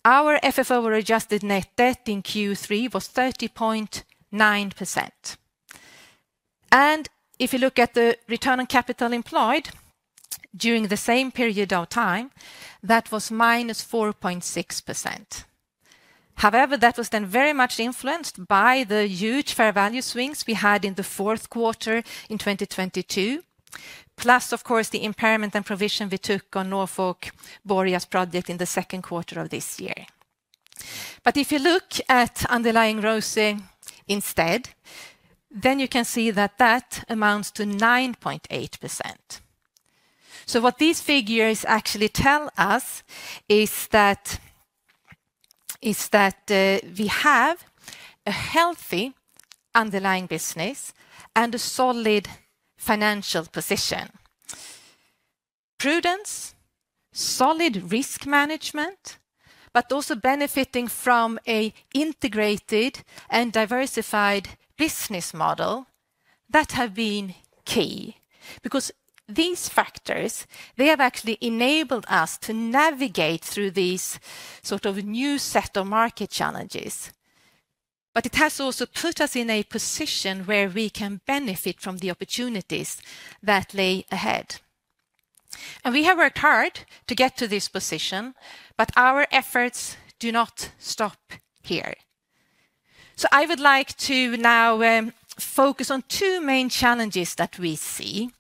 Our FFO-adjusted net debt in Q3 was 30.9%. And if you look at the return on capital employed during the same period of time, that was -4.6%. However, that was then very much influenced by the huge fair value swings we had in the fourth quarter in 2022. Plus, of course, the impairment and provision we took on Norfolk Boreas project in the second quarter of this year. But if you look at underlying growth rate instead, then you can see that that amounts to 9.8%. So what these figures actually tell us is that we have a healthy underlying business and a solid financial position. Prudent, solid risk management, but also benefiting from an integrated and diversified business model that have been key. Because these factors, they have actually enabled us to navigate through these sort of new set of market challenges. But it has also put us in a position where we can benefit from the opportunities that lay ahead. And we have worked hard to get to this position, but our efforts do not stop here. So I would like to now focus on two main challenges that we see.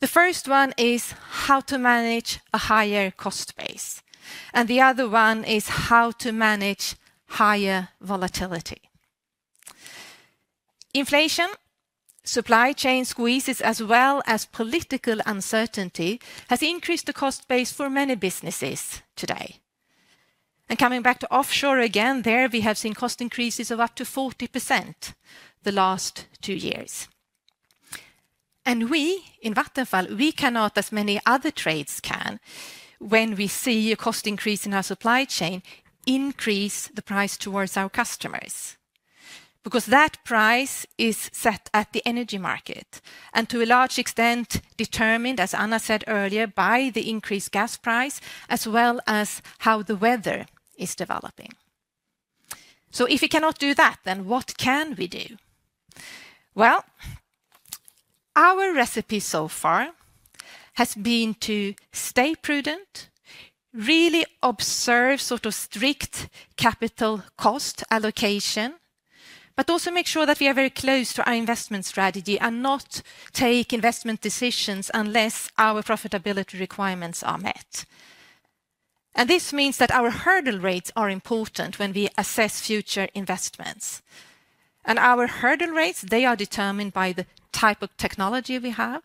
The first one is how to manage a higher cost base, and the other one is how to manage higher volatility. Inflation, supply chain squeezes, as well as political uncertainty, has increased the cost base for many businesses today. Coming back to offshore again, there we have seen cost increases of up to 40% the last two years. We, in Vattenfall, we cannot, as many other trades can, when we see a cost increase in our supply chain, increase the price towards our customers. Because that price is set at the energy market, and to a large extent, determined, as Anna said earlier, by the increased gas price, as well as how the weather is developing. If we cannot do that, then what can we do? Well, our recipe so far has been to stay prudent, really observe sort of strict capital cost allocation, but also make sure that we are very close to our investment strategy and not take investment decisions unless our profitability requirements are met. This means that our hurdle rates are important when we assess future investments. Our hurdle rates, they are determined by the type of technology we have,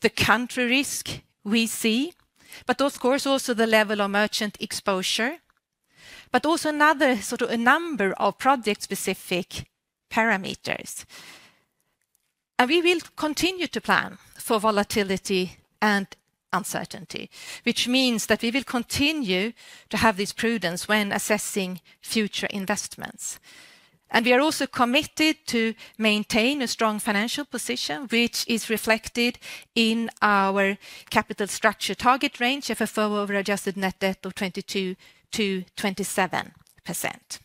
the country risk we see, but of course, also the level of merchant exposure, but also another, sort of, a number of project-specific parameters. We will continue to plan for volatility and uncertainty, which means that we will continue to have this prudence when assessing future investments. We are also committed to maintain a strong financial position, which is reflected in our capital structure target range, FFO over adjusted net debt of 22%-27%.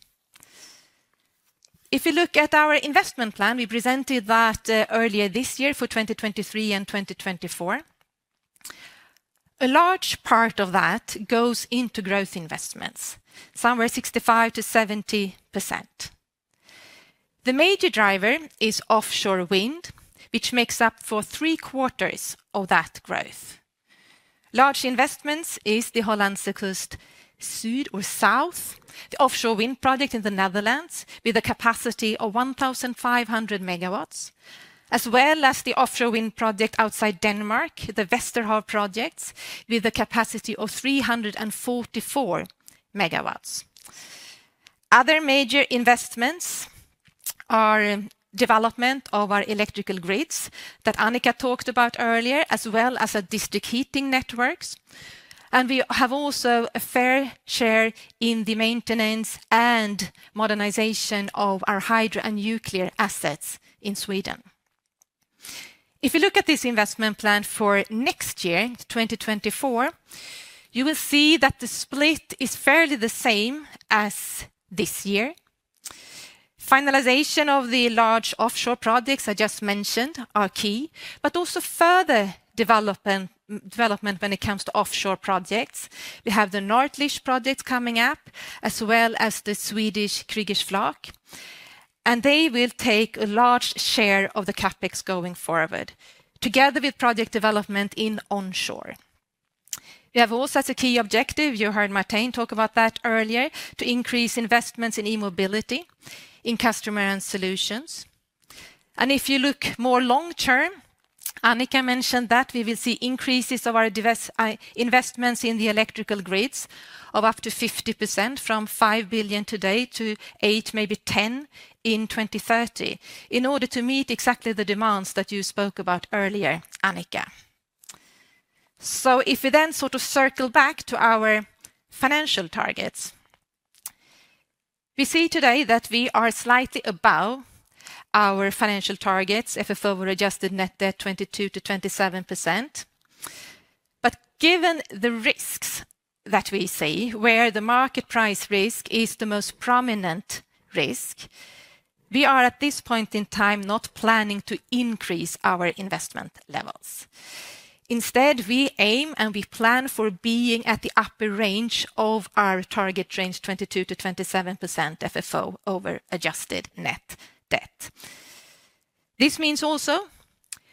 If you look at our investment plan, we presented that earlier this year for 2023 and 2024. A large part of that goes into growth investments, somewhere 65%-70%. The major driver is offshore wind, which makes up for three quarters of that growth. Large investments is the Hollandse Kust Zuid or South, the offshore wind project in the Netherlands, with a capacity of 1,500 MW, as well as the offshore wind project outside Denmark, the Vesterhav projects, with a capacity of 344 MW. Other major investments are development of our electrical grids that Annika talked about earlier, as well as a district heating networks, and we have also a fair share in the maintenance and modernization of our hydro and nuclear assets in Sweden. If you look at this investment plan for next year, in 2024, you will see that the split is fairly the same as this year. Finalization of the large offshore projects I just mentioned are key, but also further development, development when it comes to offshore projects. We have the Nordlicht project coming up, as well as the Swedish Kriegers Flak, and they will take a large share of the CapEx going forward, together with project development in onshore. We have also as a key objective, you heard Martin talk about that earlier, to increase investments in e-mobility, in customer and solutions. If you look more long term, Annika mentioned that we will see increases of our distribution investments in the electrical grids of up to 50%, from 5 billion today to 8 billion, maybe 10 billion, in 2030, in order to meet exactly the demands that you spoke about earlier, Annika. So if we then sort of circle back to our financial targets, we see today that we are slightly above our financial targets, FFO-adjusted net debt 22%-27%. But given the risks that we see, where the market price risk is the most prominent risk, we are, at this point in time, not planning to increase our investment levels. Instead, we aim and we plan for being at the upper range of our target range, 22%-27% FFO over adjusted net debt. This means also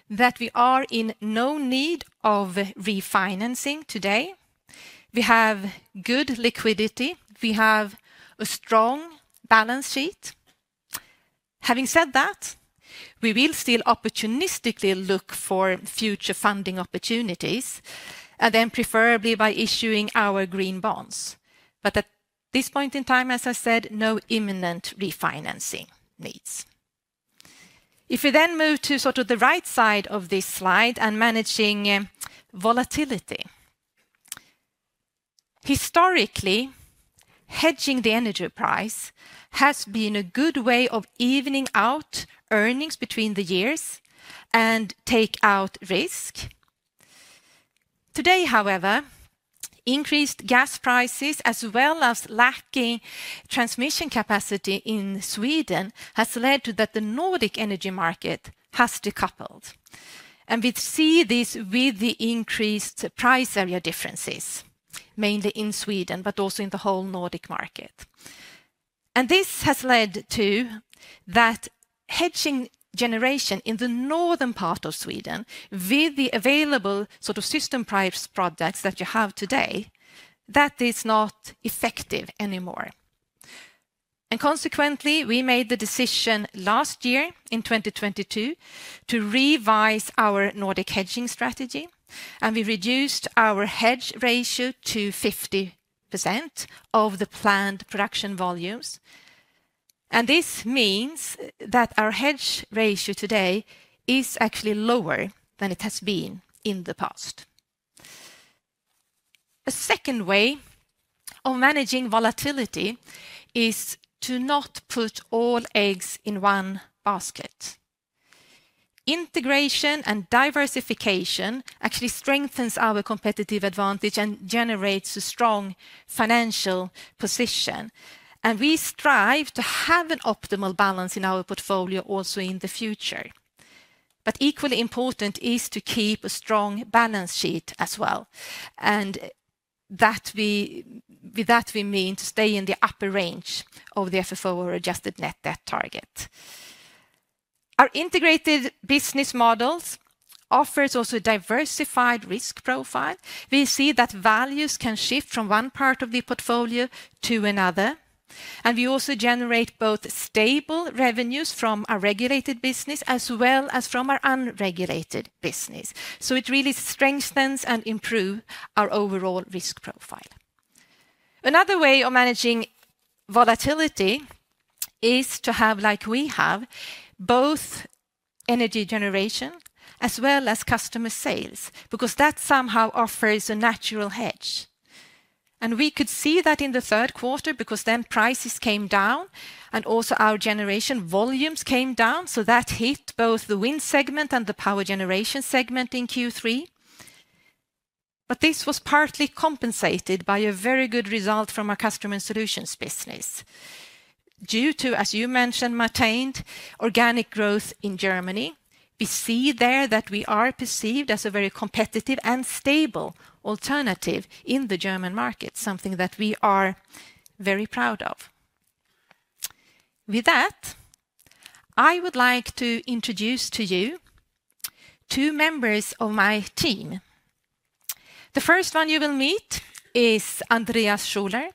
that we are in no need of refinancing today. We have good liquidity, we have a strong balance sheet. Having said that, we will still opportunistically look for future funding opportunities, and then preferably by issuing our green bonds. But at this point in time, as I said, no imminent refinancing needs. If we then move to sort of the right side of this slide and managing volatility. Historically, hedging the energy price has been a good way of evening out earnings between the years and take out risk. Today, however, increased gas prices, as well as lacking transmission capacity in Sweden, has led to that the Nordic energy market has decoupled, and we see this with the increased price area differences, mainly in Sweden, but also in the whole Nordic market. This has led to that hedging generation in the northern part of Sweden, with the available sort of system price products that you have today, that is not effective anymore. Consequently, we made the decision last year, in 2022, to revise our Nordic hedging strategy, and we reduced our hedge ratio to 50% of the planned production volumes. This means that our hedge ratio today is actually lower than it has been in the past. A second way of managing volatility is to not put all eggs in one basket. Integration and diversification actually strengthens our competitive advantage and generates a strong financial position, and we strive to have an optimal balance in our portfolio also in the future. But equally important is to keep a strong balance sheet as well, and, with that, we mean to stay in the upper range of the FFO or adjusted net debt target. Our integrated business models offers also a diversified risk profile. We see that values can shift from one part of the portfolio to another, and we also generate both stable revenues from our regulated business, as well as from our unregulated business. So it really strengthens and improve our overall risk profile. Another way of managing volatility is to have, like we have, both energy generation as well as customer sales, because that somehow offers a natural hedge. We could see that in the third quarter because then prices came down and also our generation volumes came down, so that hit both the wind segment and the power generation segment in Q3. But this was partly compensated by a very good result from our customer and solutions business. Due to, as you mentioned, maintained organic growth in Germany, we see there that we are perceived as a very competitive and stable alternative in the German market, something that we are very proud of. With that, I would like to introduce to you two members of my team. The first one you will meet is Andreas Regnell.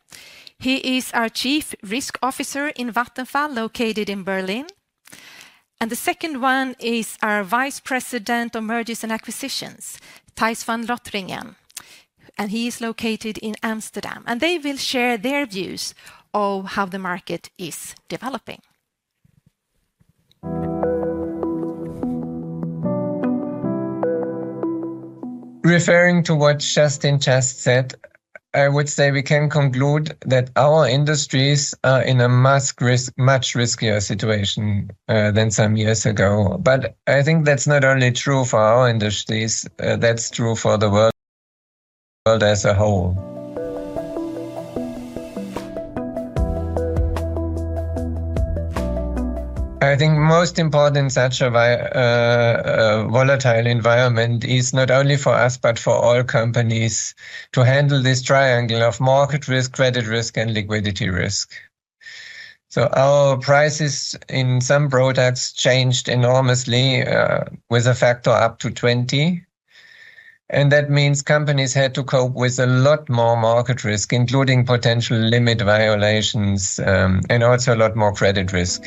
He is our Chief Risk Officer in Vattenfall, located in Berlin. And the second one is our Vice President of Mergers and Acquisitions, Thijs van Lotringen, and he is located in Amsterdam. They will share their views of how the market is developing. Referring to what Kerstin just said, I would say we can conclude that our industries are in a much risk, much riskier situation than some years ago. But I think that's not only true for our industries; that's true for the world as a whole. I think most important such a volatile environment is not only for us, but for all companies, to handle this triangle of market risk, credit risk, and liquidity risk. So our prices in some products changed enormously with a factor up to 20, and that means companies had to cope with a lot more market risk, including potential limit violations, and also a lot more credit risk.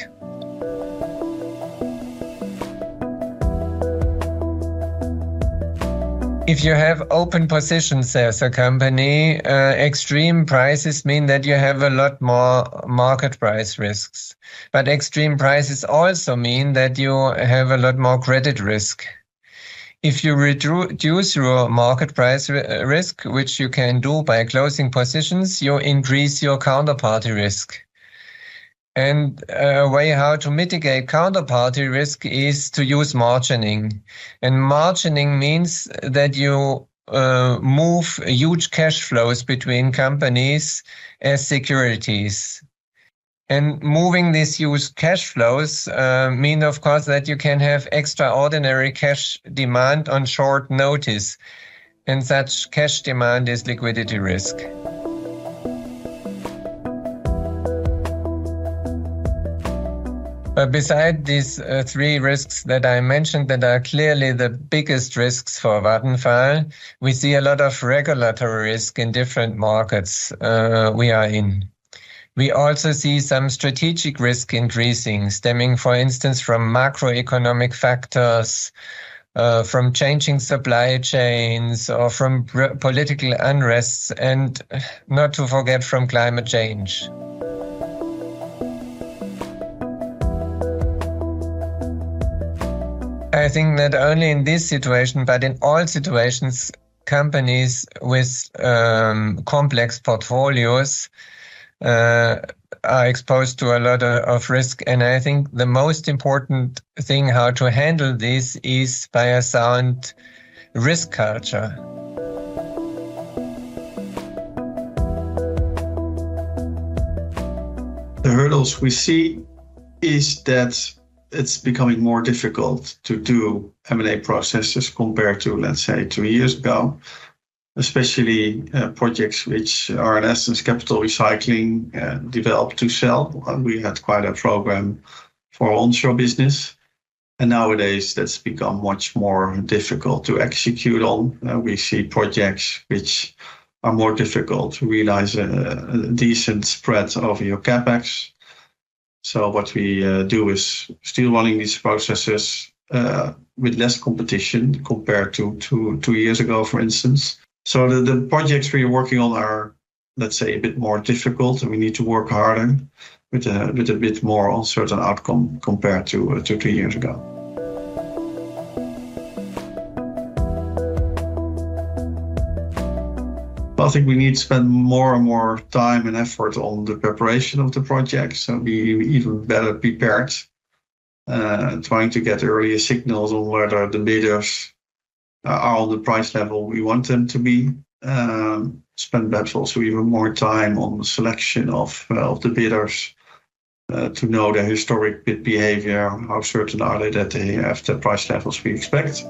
If you have open positions as a company, extreme prices mean that you have a lot more market price risks. But extreme prices also mean that you have a lot more credit risk. If you reduce your market price risk, which you can do by closing positions, you increase your counterparty risk. And way how to mitigate counterparty risk is to use margining. And margining means that you move huge cash flows between companies as securities. And moving these huge cash flows mean, of course, that you can have extraordinary cash demand on short notice, and such cash demand is liquidity risk. But besides these three risks that I mentioned, that are clearly the biggest risks for Vattenfall, we see a lot of regulatory risk in different markets we are in. We also see some strategic risk increasing, stemming, for instance, from macroeconomic factors, from changing supply chains, or from political unrest, and not to forget, from climate change. I think not only in this situation, but in all situations, companies with complex portfolios are exposed to a lot of risk. And I think the most important thing, how to handle this, is by a sound risk culture. The hurdles we see is that it's becoming more difficult to do M&A processes compared to, let's say, two years ago. Especially, projects which are, in essence, capital recycling, developed to sell. We had quite a program for onshore business, and nowadays that's become much more difficult to execute on. We see projects which are more difficult to realize, a decent spread of your CapEx. So what we do is still running these processes, with less competition compared to two years ago, for instance. So the projects we are working on are, let's say, a bit more difficult, and we need to work harder with a bit more uncertain outcome compared to two years ago. I think we need to spend more and more time and effort on the preparation of the project, so be even better prepared, trying to get earlier signals on whether the bidders are on the price level we want them to be. Spend perhaps also even more time on the selection of the bidders, to know their historic bid behavior. How certain are they that they have the price levels we expect?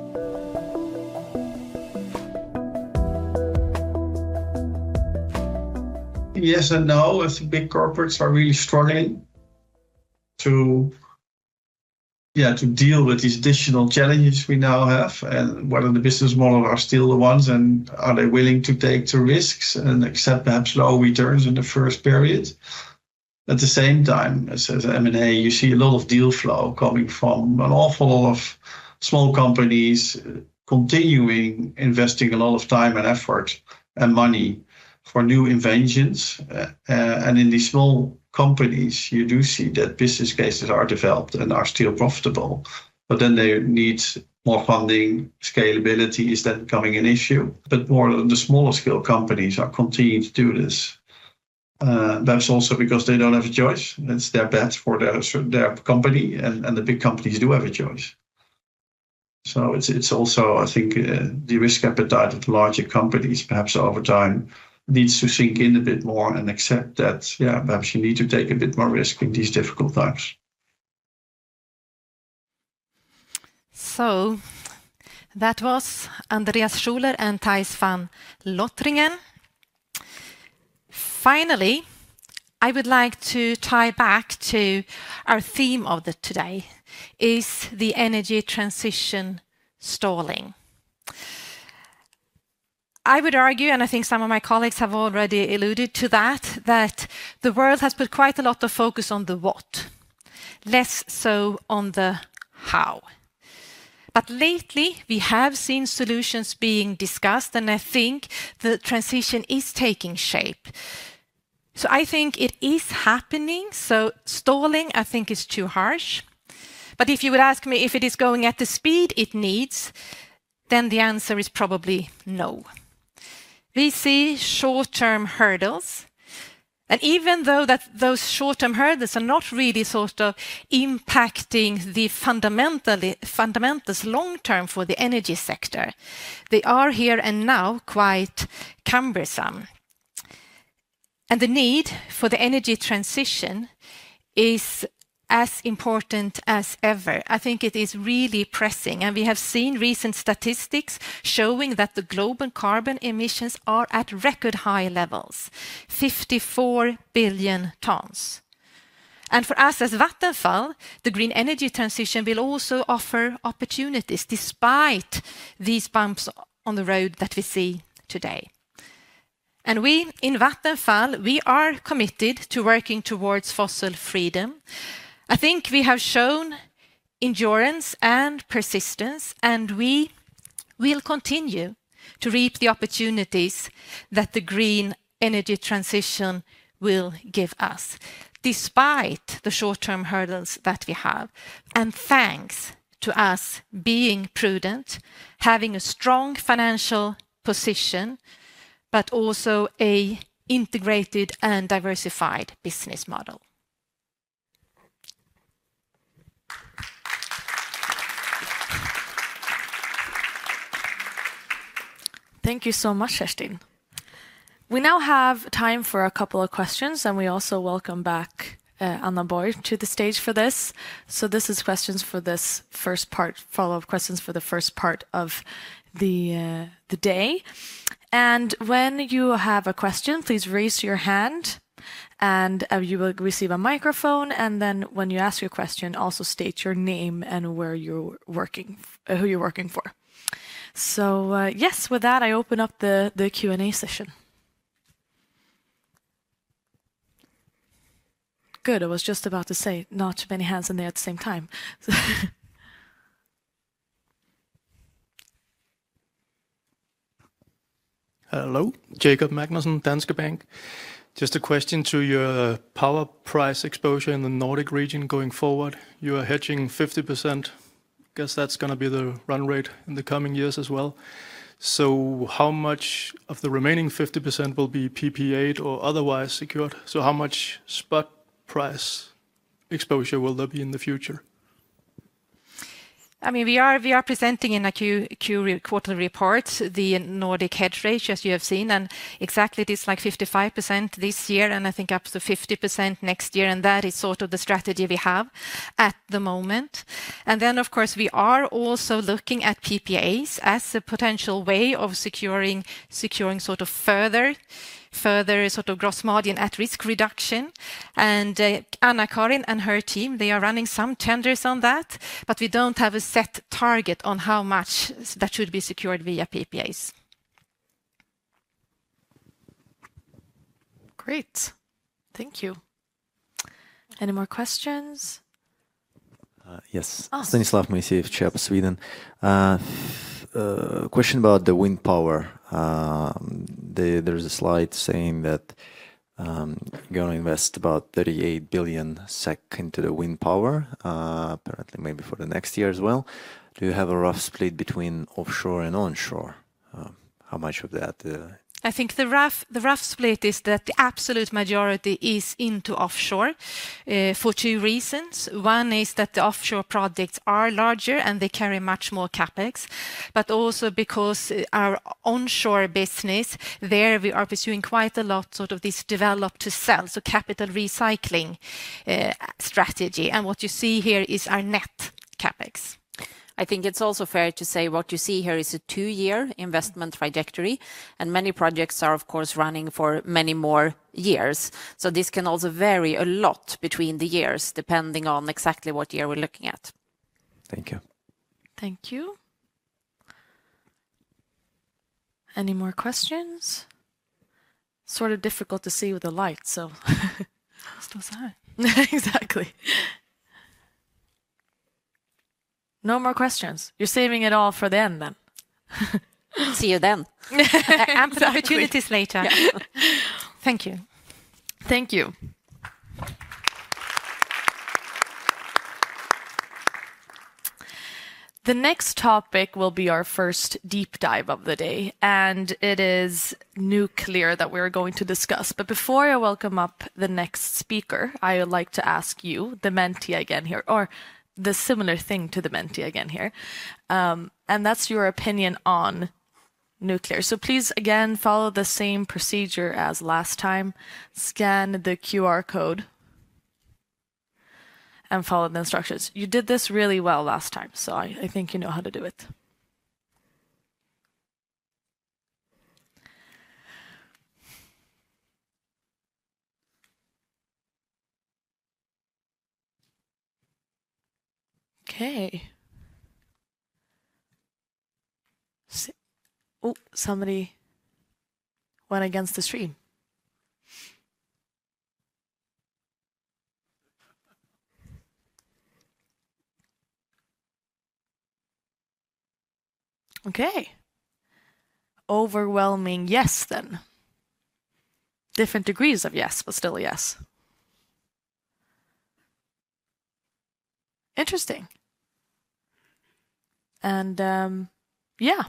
Yes and no. I think big corporates are really struggling to deal with these additional challenges we now have, and whether the business model are still the ones, and are they willing to take the risks and accept perhaps low returns in the first period? At the same time, as M&A, you see a lot of deal flow coming from an awful lot of small companies continuing investing a lot of time and effort and money for new inventions. And in these small companies, you do see that business cases are developed and are still profitable, but then they need more funding. Scalability is then becoming an issue, but more of the smaller scale companies are continuing to do this. That's also because they don't have a choice. It's their best for their company, and the big companies do have a choice. So it's also, I think, the risk appetite of larger companies, perhaps over time, needs to sink in a bit more and accept that, yeah, perhaps you need to take a bit more risk in these difficult times. So that was Andreas Regnell and Thijs van Lotringen Finally, I would like to tie back to our theme of today, Is the Energy Transition Stalling? I would argue, and I think some of my colleagues have already alluded to that, that the world has put quite a lot of focus on the what, less so on the how. But lately, we have seen solutions being discussed, and I think the transition is taking shape. So I think it is happening, so stalling, I think, is too harsh. But if you would ask me if it is going at the speed it needs, then the answer is probably no. We see short-term hurdles, and even though that those short-term hurdles are not really sort of impacting the fundamentally... Fundamentals long-term for the energy sector, they are here and now quite cumbersome, and the need for the energy transition is as important as ever. I think it is really pressing, and we have seen recent statistics showing that the global carbon emissions are at record high levels, 54 billion tons. For us, as Vattenfall, the green energy transition will also offer opportunities despite these bumps on the road that we see today. We, in Vattenfall, we are committed to working towards fossil freedom. I think we have shown endurance and persistence, and we will continue to reap the opportunities that the green energy transition will give us, despite the short-term hurdles that we have, and thanks to us being prudent, having a strong financial position, but also an integrated and diversified business model. Thank you so much, Kerstin. We now have time for a couple of questions, and we also welcome back on the board to the stage for this. So this is questions for this first part, follow-up questions for the first part of the day. And when you have a question, please raise your hand, and you will receive a microphone, and then when you ask your question, also state your name and where you're working, who you're working for. So, yes, with that, I open up the Q&A session. Good. I was just about to say, not too many hands in there at the same time. Hello, Jakob Magnussen, Danske Bank. Just a question to your power price exposure in the Nordic region going forward. You are hedging 50%, because that's gonna be the run rate in the coming years as well. So how much of the remaining 50% will be PPA or otherwise secured? So how much spot price exposure will there be in the future? I mean, we are presenting in a quarterly report the Nordic hedge rate, as you have seen, and exactly, it is like 55% this year, and I think up to 50% next year, and that is sort of the strategy we have at the moment. And then, of course, we are also looking at PPAs as a potential way of securing sort of further sort of gross margin at-risk reduction. And, Anna-Karin and her team, they are running some tenders on that, but we don't have a set target on how much that should be secured via PPAs. Great. Thank you. Any more questions? Uh, yes. Awesome. Stanislas Maizé, Cheuvreux Sweden. Question about the wind power. There is a slide saying that you're going to invest about 38 billion SEK into the wind power, apparently, maybe for the next year as well. Do you have a rough split between offshore and onshore? How much of that? I think the rough split is that the absolute majority is into offshore for two reasons. One is that the offshore projects are larger, and they carry much more CapEx, but also because our onshore business, there we are pursuing quite a lot, sort of this develop to sell, so capital recycling strategy. And what you see here is our net CapEx. I think it's also fair to say what you see here is a two-year investment trajectory, and many projects are, of course, running for many more years. So this can also vary a lot between the years, depending on exactly what year we're looking at. Thank you. Thank you. Any more questions? Sort of difficult to see with the light, so, So was I. Exactly. No more questions. You're saving it all for the end, then. See you then. I have the opportunities later. Thank you. Thank you. The next topic will be our first deep dive of the day, and it is nuclear that we're going to discuss. But before I welcome up the next speaker, I would like to ask you the Menti again here, or the similar thing to the Menti again here, and that's your opinion on nuclear. So please, again, follow the same procedure as last time. Scan the QR code and follow the instructions. You did this really well last time, so I, I think you know how to do it. Okay. Oh, somebody went against the stream. Okay. Overwhelming yes, then. Different degrees of yes, but still yes. Interesting. And, yeah,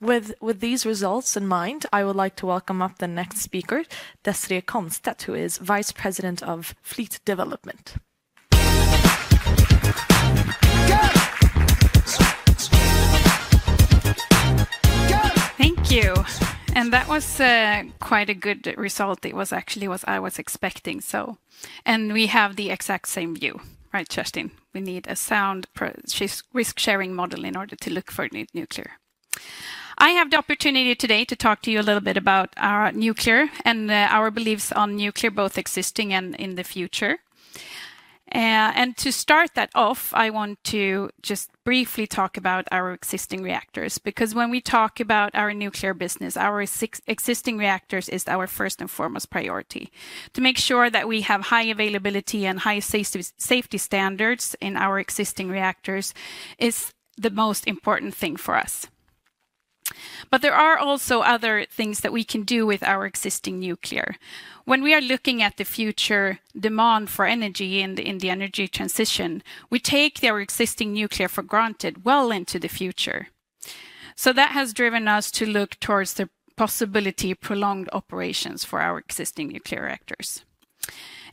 with these results in mind, I would like to welcome up the next speaker, Desirée Comstedt, who is Vice President of Fleet Development. Thank you. That was quite a good result. It was actually what I was expecting, so... And we have the exact same view, right, Justin? We need a sound pro-business risk-sharing model in order to look for nuclear. I have the opportunity today to talk to you a little bit about our nuclear and our beliefs on nuclear, both existing and in the future. And to start that off, I want to just briefly talk about our existing reactors, because when we talk about our nuclear business, our existing reactors is our first and foremost priority. To make sure that we have high availability and high safety standards in our existing reactors is the most important thing for us. But there are also other things that we can do with our existing nuclear. When we are looking at the future demand for energy in the energy transition, we take our existing nuclear for granted well into the future. So that has driven us to look towards the possibility of prolonged operations for our existing nuclear reactors.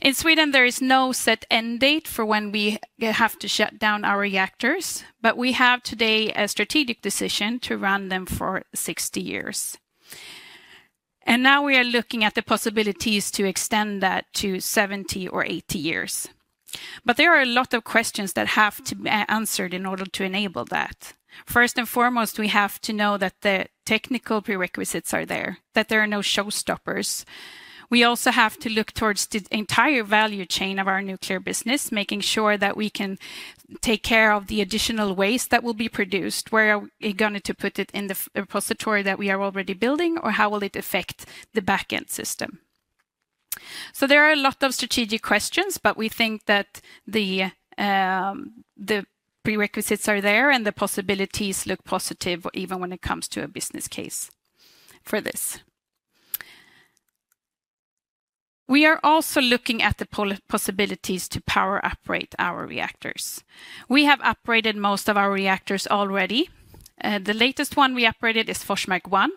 In Sweden, there is no set end date for when we have to shut down our reactors, but we have today a strategic decision to run them for 60 years. And now we are looking at the possibilities to extend that to 70 or 80 years. But there are a lot of questions that have to be answered in order to enable that. First and foremost, we have to know that the technical prerequisites are there, that there are no showstoppers. We also have to look towards the entire value chain of our nuclear business, making sure that we can take care of the additional waste that will be produced. Where are we going to put it in the repository that we are already building, or how will it affect the back-end system? So there are a lot of strategic questions, but we think that the prerequisites are there, and the possibilities look positive, even when it comes to a business case for this. We are also looking at the possibilities to power uprate our reactors. We have uprated most of our reactors already, the latest one we uprated is Forsmark one.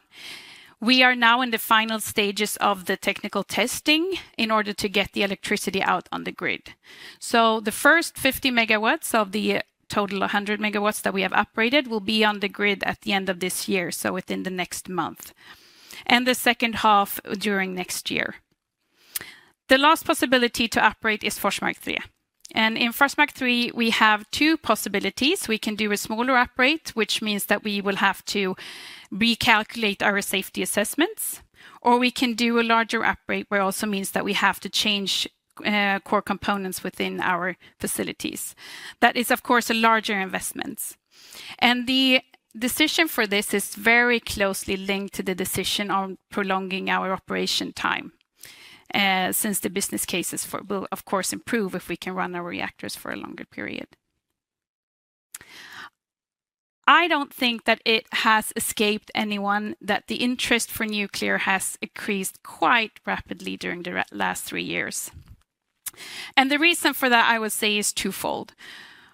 We are now in the final stages of the technical testing in order to get the electricity out on the grid. The first 50 MW of the total 100 MW that we have uprated will be on the grid at the end of this year, so within the next month, and the second half during next year. The last possibility to uprate is Forsmark 3. In Forsmark 3, we have two possibilities. We can do a smaller uprate, which means that we will have to recalculate our safety assessments, or we can do a larger uprate, where it also means that we have to change core components within our facilities. That is, of course, a larger investments. The decision for this is very closely linked to the decision on prolonging our operation time, since the business cases will, of course, improve if we can run our reactors for a longer period. I don't think that it has escaped anyone that the interest for nuclear has increased quite rapidly during the last three years. And the reason for that, I would say, is twofold.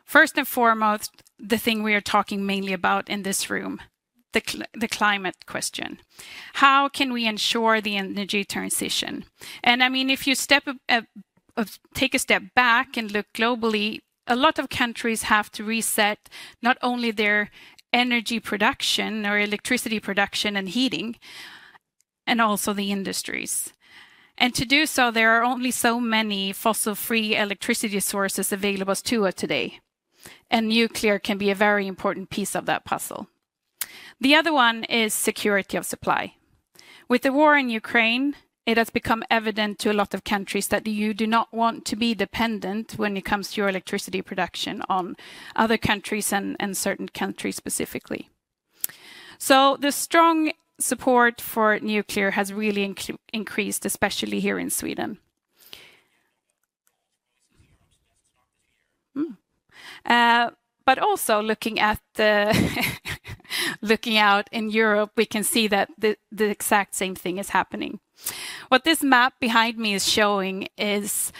First and foremost, the thing we are talking mainly about in this room, the climate question. How can we ensure the energy transition? And I mean, if you take a step back and look globally, a lot of countries have to reset not only their energy production or electricity production and heating, and also the industries. And to do so, there are only so many fossil-free electricity sources available to us today, and nuclear can be a very important piece of that puzzle. The other one is security of supply. With the war in Ukraine, it has become evident to a lot of countries that you do not want to be dependent when it comes to your electricity production on other countries and, and certain countries specifically. So the strong support for nuclear has really increased, especially here in Sweden. But also looking out in Europe, we can see that the exact same thing is happening. What this map behind me is showing is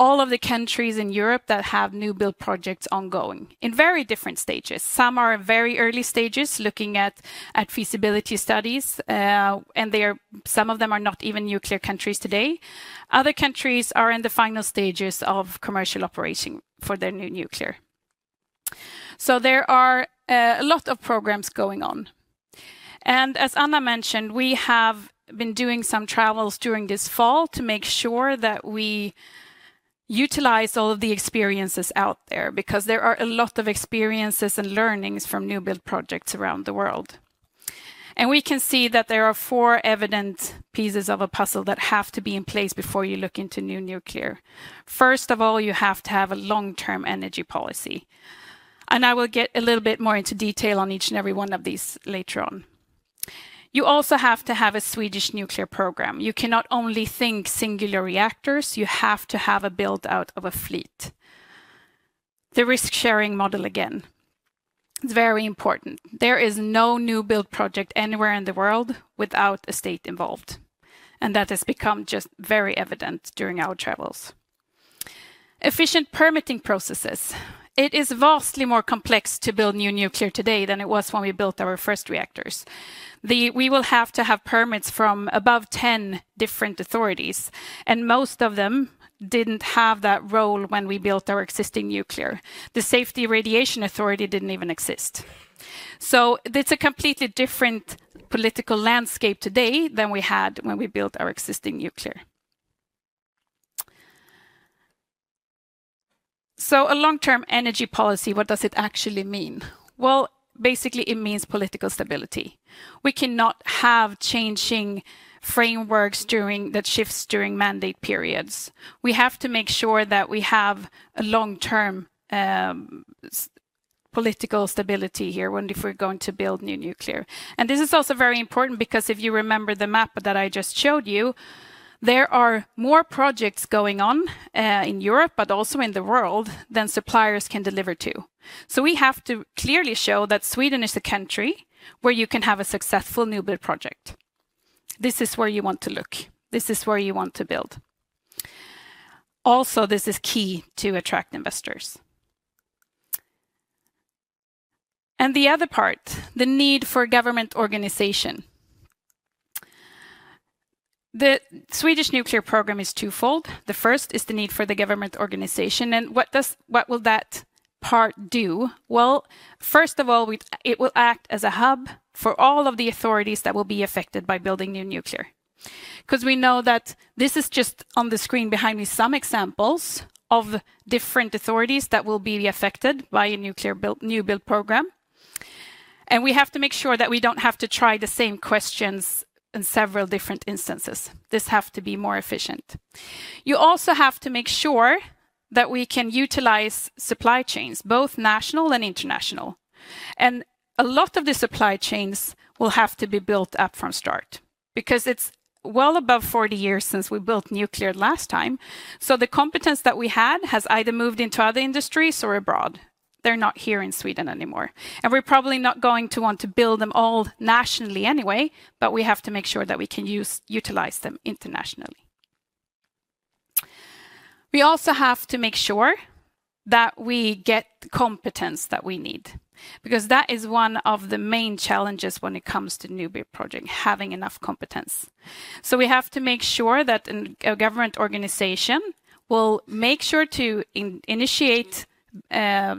all of the countries in Europe that have new build projects ongoing in very different stages. Some are in very early stages, looking at feasibility studies, and some of them are not even nuclear countries today. Other countries are in the final stages of commercial operation for their new nuclear. So there are a lot of programs going on. As Anna mentioned, we have been doing some travels during this fall to make sure that we utilize all of the experiences out there, because there are a lot of experiences and learnings from new build projects around the world. We can see that there are four evident pieces of a puzzle that have to be in place before you look into new nuclear. First of all, you have to have a long-term energy policy, and I will get a little bit more into detail on each and every one of these later on. You also have to have a Swedish nuclear program. You cannot only think singular reactors, you have to have a build-out of a fleet. The risk-sharing model, again, is very important. There is no new build project anywhere in the world without a state involved, and that has become just very evident during our travels. Efficient permitting processes. It is vastly more complex to build new nuclear today than it was when we built our first reactors. We will have to have permits from above 10 different authorities, and most of them didn't have that role when we built our existing nuclear. The Radiation Safety Authority didn't even exist. So it's a completely different political landscape today than we had when we built our existing nuclear. So a long-term energy policy, what does it actually mean? Well, basically, it means political stability. We cannot have changing frameworks during that shifts during mandate periods. We have to make sure that we have a long-term, political stability here when if we're going to build new nuclear. And this is also very important because if you remember the map that I just showed you, there are more projects going on in Europe, but also in the world, than suppliers can deliver to. So we have to clearly show that Sweden is a country where you can have a successful new build project. This is where you want to look. This is where you want to build. Also, this is key to attract investors. And the other part, the need for government organization. The Swedish nuclear program is twofold. The first is the need for the government organization, and what will that part do? Well, first of all, it will act as a hub for all of the authorities that will be affected by building new nuclear. 'Cause we know that this is just on the screen behind me, some examples of different authorities that will be affected by a nuclear new-build program. We have to make sure that we don't have to try the same questions in several different instances. This have to be more efficient. You also have to make sure that we can utilize supply chains, both national and international. A lot of the supply chains will have to be built up from start, because it's well above 40 years since we built nuclear last time. So the competence that we had has either moved into other industries or abroad. They're not here in Sweden anymore. We're probably not going to want to build them all nationally anyway, but we have to make sure that we can utilize them internationally. We also have to make sure that we get the competence that we need, because that is one of the main challenges when it comes to new-build project, having enough competence. So we have to make sure that a government organization will make sure to initiate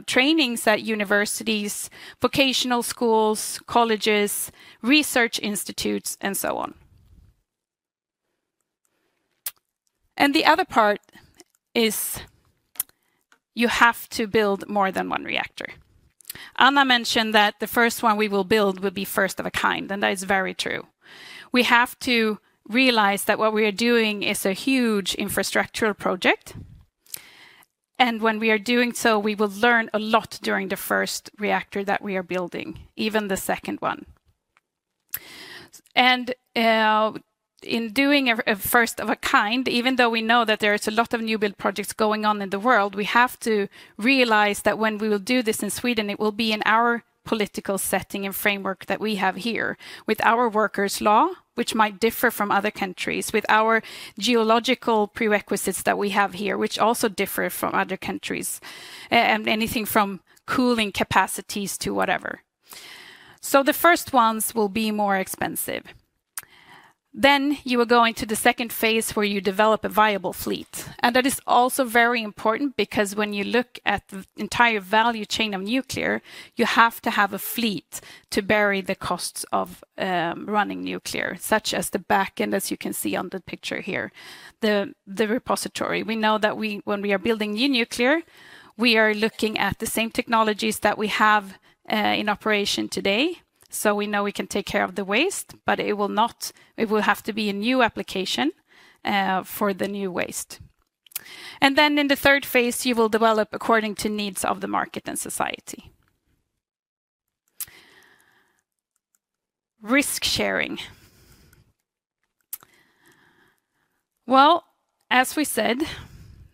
trainings at universities, vocational schools, colleges, research institutes, and so on. And the other part is, you have to build more than one reactor. Anna mentioned that the first one we will build will be first of a kind, and that is very true. We have to realize that what we are doing is a huge infrastructural project, and when we are doing so, we will learn a lot during the first reactor that we are building, even the second one. In doing a first of a kind, even though we know that there is a lot of new-build projects going on in the world, we have to realize that when we will do this in Sweden, it will be in our political setting and framework that we have here, with our workers' law, which might differ from other countries, with our geological prerequisites that we have here, which also differ from other countries, and anything from cooling capacities to whatever. So the first ones will be more expensive. Then you will go into the second phase, where you develop a viable fleet, and that is also very important because when you look at the entire value chain of nuclear, you have to have a fleet to bury the costs of running nuclear, such as the back end, as you can see on the picture here, the repository. We know that when we are building new nuclear, we are looking at the same technologies that we have in operation today, so we know we can take care of the waste, but it will not. It will have to be a new application for the new waste. And then in the third phase, you will develop according to needs of the market and society. Risk sharing. Well, as we said,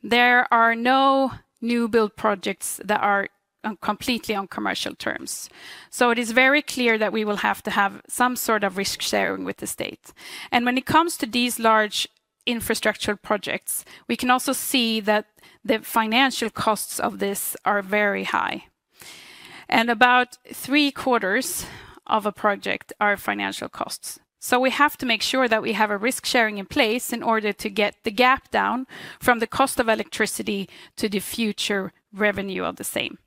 there are no new-build projects that are completely on commercial terms. So it is very clear that we will have to have some sort of risk sharing with the state. And when it comes to these large infrastructure projects, we can also see that the financial costs of this are very high, and about three-quarters of a project are financial costs. So we have to make sure that we have a risk sharing in place in order to get the gap down from the cost of electricity to the future revenue of the same.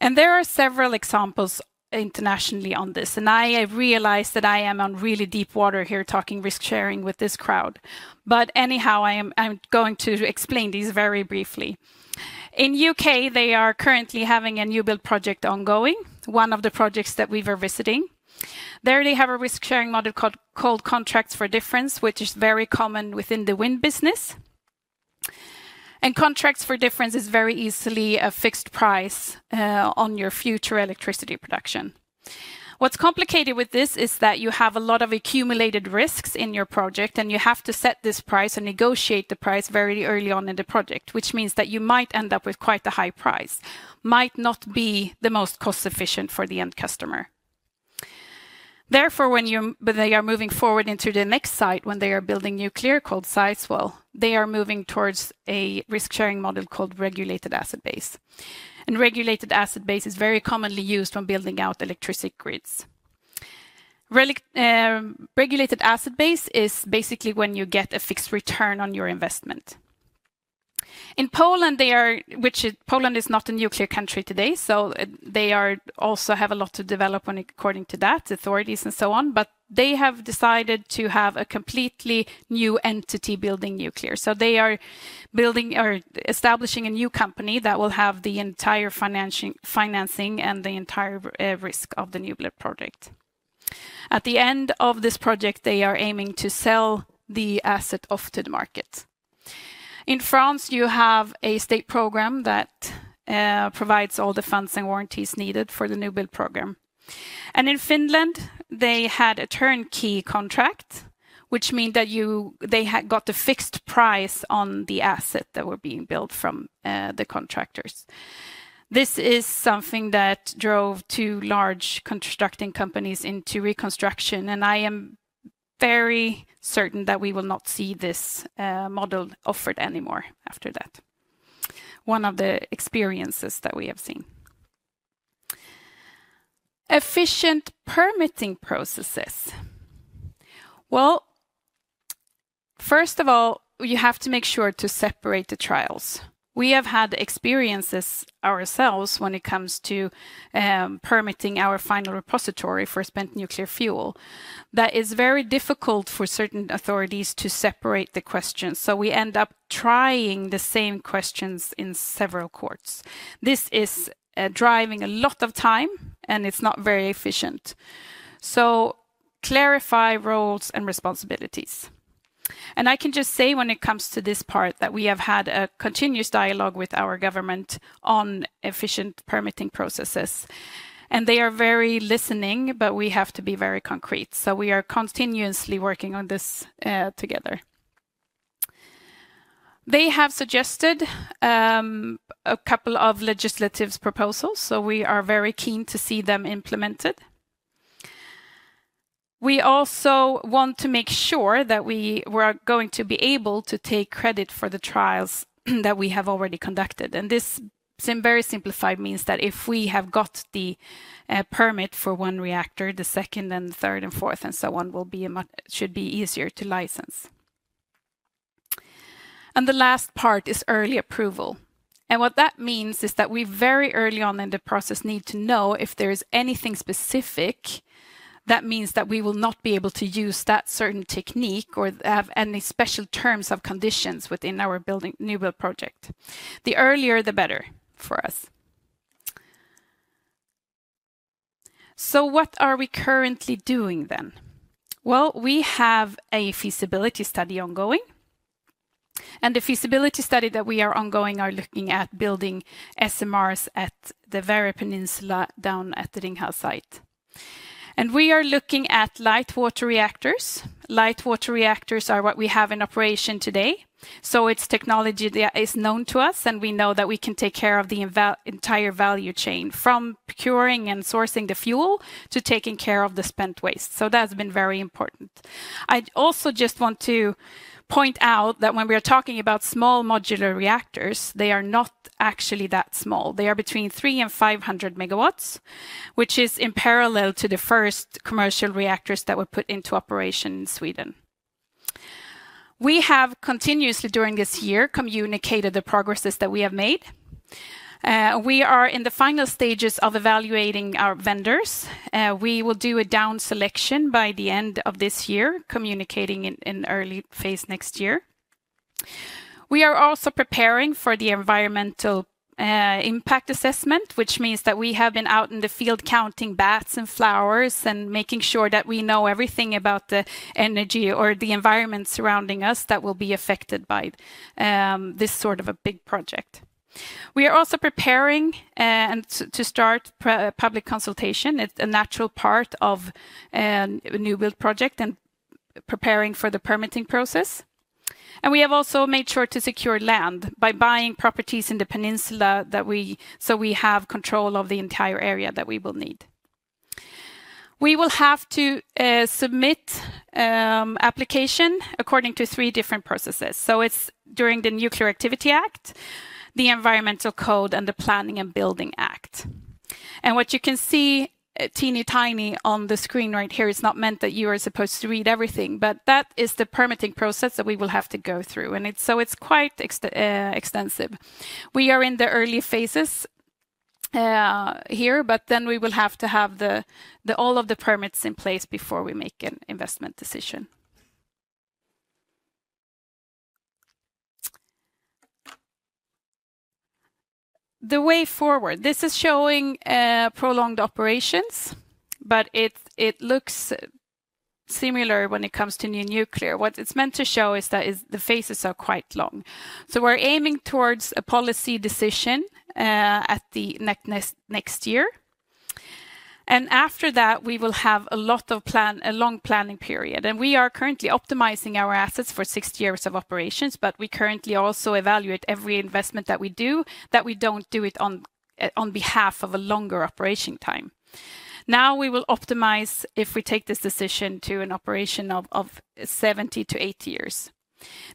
And there are several examples internationally on this, and I have realized that I am on really deep water here, talking risk-sharing with this crowd. But anyhow, I am, I'm going to explain these very briefly. In U.K., they are currently having a new-build project ongoing, one of the projects that we were visiting. There, they have a risk-sharing model called Contracts for Difference, which is very common within the wind business. Contracts for Difference is very easily a fixed price on your future electricity production. What's complicated with this is that you have a lot of accumulated risks in your project, and you have to set this price and negotiate the price very early on in the project, which means that you might end up with quite a high price. It might not be the most cost efficient for the end customer. Therefore, when they are moving forward into the next site, when they are building nuclear called sites, well, they are moving towards a risk-sharing model called Regulated Asset Base. Regulated Asset Base is very commonly used when building out electricity grids. Regulated asset base is basically when you get a fixed return on your investment. In Poland, which is, Poland is not a nuclear country today, so they also have a lot to develop when according to that, authorities and so on, but they have decided to have a completely new entity building nuclear. So they are building or establishing a new company that will have the entire financial financing and the entire risk of the new-build project. At the end of this project, they are aiming to sell the asset off to the market. In France, you have a state program that provides all the funds and warranties needed for the new-build program. And in Finland, they had a turnkey contract, which mean that they had got a fixed price on the asset that were being built from the contractors. This is something that drove two large construction companies into reconstruction, and I am very certain that we will not see this model offered anymore after that. One of the experiences that we have seen.... Efficient permitting processes. Well, first of all, you have to make sure to separate the trials. We have had experiences ourselves when it comes to permitting our final repository for spent nuclear fuel. That is very difficult for certain authorities to separate the questions, so we end up trying the same questions in several courts. This is driving a lot of time, and it's not very efficient. So clarify roles and responsibilities. I can just say, when it comes to this part, that we have had a continuous dialogue with our government on efficient permitting processes, and they are very listening, but we have to be very concrete. So we are continuously working on this together. They have suggested a couple of legislative proposals, so we are very keen to see them implemented. We also want to make sure that we're going to be able to take credit for the trials that we have already conducted, and this very simplified means that if we have got the permit for one reactor, the second and third and fourth and so on should be easier to license. And the last part is early approval. And what that means is that we very early on in the process need to know if there is anything specific that means that we will not be able to use that certain technique or have any special terms and conditions within our building new-build project. The earlier, the better for us. So what are we currently doing then? Well, we have a feasibility study ongoing, and the feasibility study that we are ongoing are looking at building SMRs at the very peninsula down at the Ringhals site. And we are looking at light water reactors. Light water reactors are what we have in operation today, so it's technology that is known to us, and we know that we can take care of the entire value chain, from procuring and sourcing the fuel to taking care of the spent waste. So that's been very important. I'd also just want to point out that when we are talking about small modular reactors, they are not actually that small. They are between 300-500 MW, which is in parallel to the first commercial reactors that were put into operation in Sweden. We have continuously, during this year, communicated the progresses that we have made. We are in the final stages of evaluating our vendors. We will do a down selection by the end of this year, communicating in early phase next year. We are also preparing for the environmental impact assessment, which means that we have been out in the field counting bats and flowers, and making sure that we know everything about the energy or the environment surrounding us, that will be affected by this sort of a big project. We are also preparing to start public consultation. It's a natural part of a new-build project and preparing for the permitting process. We have also made sure to secure land by buying properties in the peninsula so we have control of the entire area that we will need. We will have to submit application according to three different processes. So it's during the Nuclear Activity Act, the Environmental Code, and the Planning and Building Act. What you can see, teeny-tiny on the screen right here, it's not meant that you are supposed to read everything, but that is the permitting process that we will have to go through. And it's quite extensive. We are in the early phases here, but then we will have to have all of the permits in place before we make an investment decision. The way forward, this is showing prolonged operations, but it looks similar when it comes to new nuclear. What it's meant to show is that the phases are quite long. So we're aiming towards a policy decision at the next year. And after that, we will have a lot of plan, a long planning period. And we are currently optimizing our assets for 60 years of operations, but we currently also evaluate every investment that we do, that we don't do it on, on behalf of a longer operating time. Now, we will optimize if we take this decision to an operation of 70-80 years.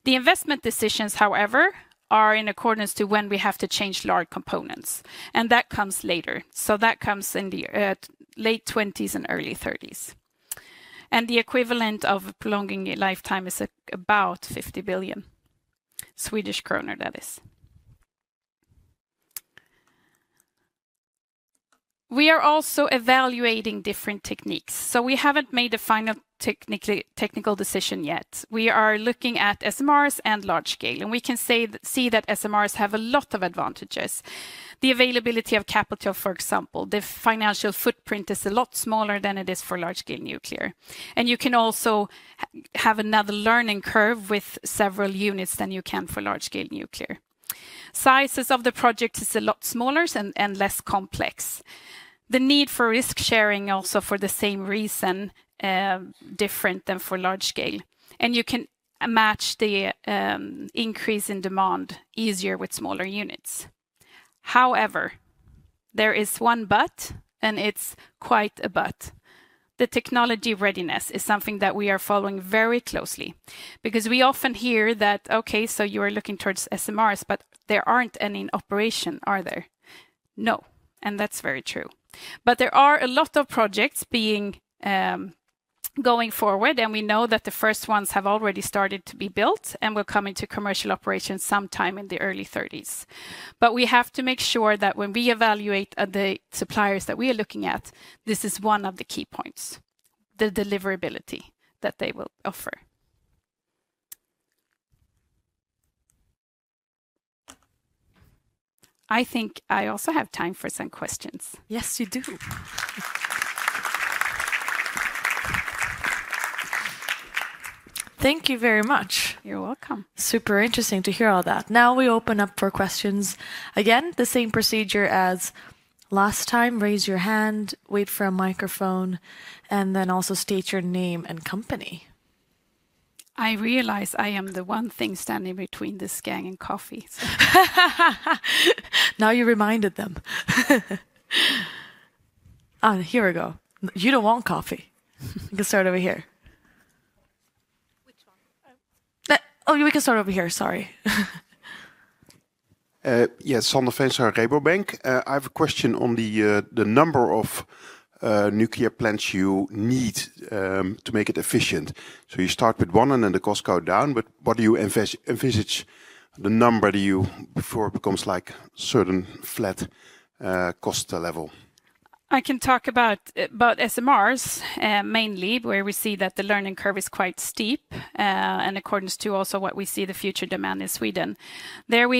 The investment decisions, however, are in accordance to when we have to change large components, and that comes later. So that comes in the late twenties and early thirties. And the equivalent of prolonging a lifetime is about 50 billion Swedish kronor, that is. We are also evaluating different techniques, so we haven't made a final technical decision yet. We are looking at SMRs and large-scale, and we can see that SMRs have a lot of advantages. The availability of capital, for example, the financial footprint is a lot smaller than it is for large-scale nuclear. And you can also have another learning curve with several units than you can for large-scale nuclear. Sizes of the project is a lot smaller and less complex. The need for risk-sharing also for the same reason different than for large-scale. And you can match the increase in demand easier with smaller units. However, there is one but, and it's quite a but. The technology readiness is something that we are following very closely, because we often hear that, "Okay, so you are looking towards SMRs, but there aren't any in operation, are there?" No, and that's very true. But there are a lot of projects being going forward, and we know that the first ones have already started to be built and will come into commercial operation sometime in the early 2030s. But we have to make sure that when we evaluate the suppliers that we are looking at, this is one of the key points, the deliverability that they will offer. I think I also have time for some questions. Yes, you do. Thank you very much. You're welcome. Super interesting to hear all that. Now, we open up for questions. Again, the same procedure as last time, raise your hand, wait for a microphone, and then also state your name and company. I realize I am the one thing standing between this gang and coffee, so Now, you reminded them. Ah, here we go. You don't want coffee. Let's start over here. Which one? Oh, we can start over here. Sorry. Yes, Sander Feenstra, Rabobank. I have a question on the number of nuclear plants you need to make it efficient. So you start with one, and then the costs go down, but what do you envisage the number do you before it becomes like certain flat cost level? I can talk about SMRs, mainly, where we see that the learning curve is quite steep, in accordance to also what we see the future demand in Sweden. There,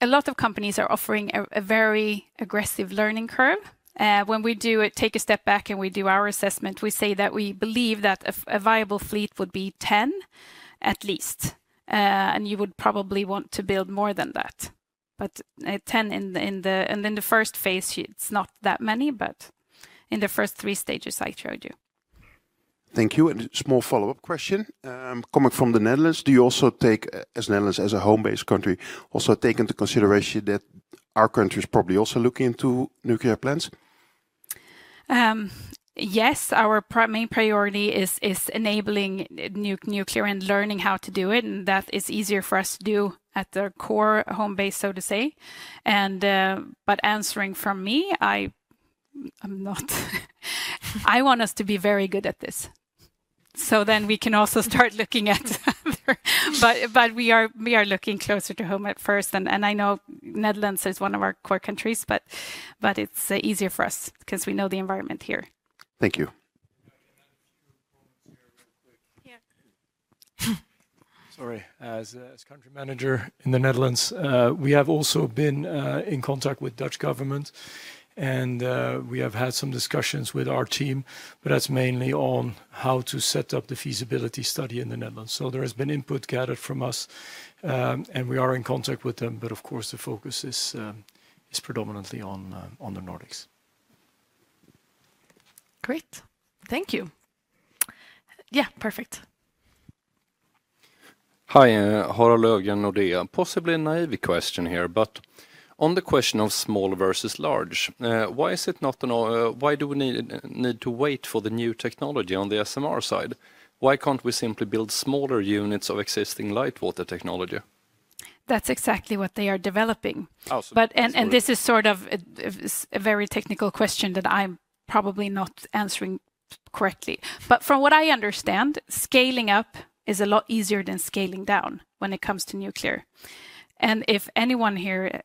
A lot of companies are offering a very aggressive learning curve. When we do it, take a step back and we do our assessment, we say that we believe that a viable fleet would be 10, at least, and you would probably want to build more than that. But, 10 in the, in the-- and in the first phase, it's not that many, but in the first three stages I showed you. Thank you, and a small follow-up question. Coming from the Netherlands, do you also take, as Netherlands, as a home-based country, also take into consideration that our country is probably also looking into nuclear plants? Yes, our main priority is enabling nuclear and learning how to do it, and that is easier for us to do at the core home base, so to say. But answering from me, I, I'm not, I want us to be very good at this. So then we can also start looking at other... But we are looking closer to home at first, and I know Netherlands is one of our core countries, but it's easier for us because we know the environment here. Thank you. Yeah, and then a few comments here real quick. Yeah. Sorry. As country manager in the Netherlands, we have also been in contact with Dutch government, and we have had some discussions with our team, but that's mainly on how to set up the feasibility study in the Netherlands. So there has been input gathered from us, and we are in contact with them, but of course, the focus is predominantly on the Nordics. Great. Thank you. Yeah, perfect. Hi, Harald Löfgren Nordea. Possibly a naive question here, but on the question of small versus large, why is it not an, why do we need to wait for the new technology on the SMR side? Why can't we simply build smaller units of existing light water technology? That's exactly what they are developing. Oh, so- But this is sort of a very technical question that I'm probably not answering correctly. But from what I understand, scaling up is a lot easier than scaling down when it comes to nuclear. And if anyone here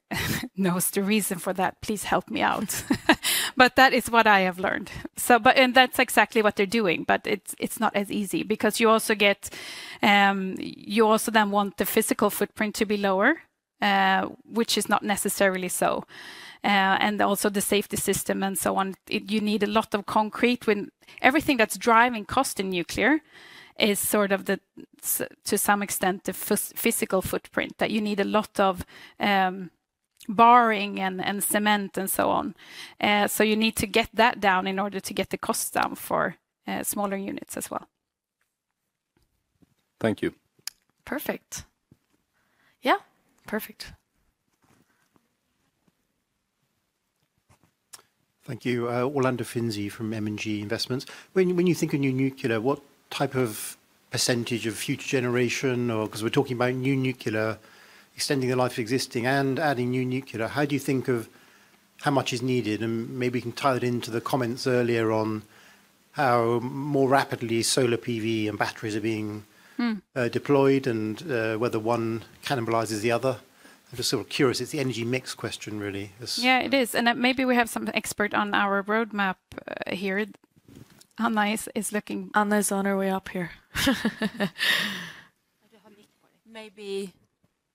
knows the reason for that, please help me out. But that is what I have learned. So that's exactly what they're doing, but it's not as easy because you also get, you also then want the physical footprint to be lower, which is not necessarily so, and also the safety system and so on. You need a lot of concrete when everything that's driving cost in nuclear is sort of the same to some extent, the physical footprint, that you need a lot of rebar and cement and so on. So you need to get that down in order to get the costs down for smaller units as well. Thank you. Perfect. Yeah, perfect. Thank you. Orlando Finzi from M&G Investments. When you think of new nuclear, what type of percentage of future generation or... Because we're talking about new nuclear, extending the life of existing and adding new nuclear, how do you think of how much is needed? And maybe we can tie it into the comments earlier on how more rapidly solar PV and batteries are being- Mm. deployed, and whether one cannibalizes the other. I'm just sort of curious. It's the energy mix question, really. Yes. Yeah, it is. Maybe we have some expert on our roadmap here. Anna is looking- Anna is on her way up here. Maybe...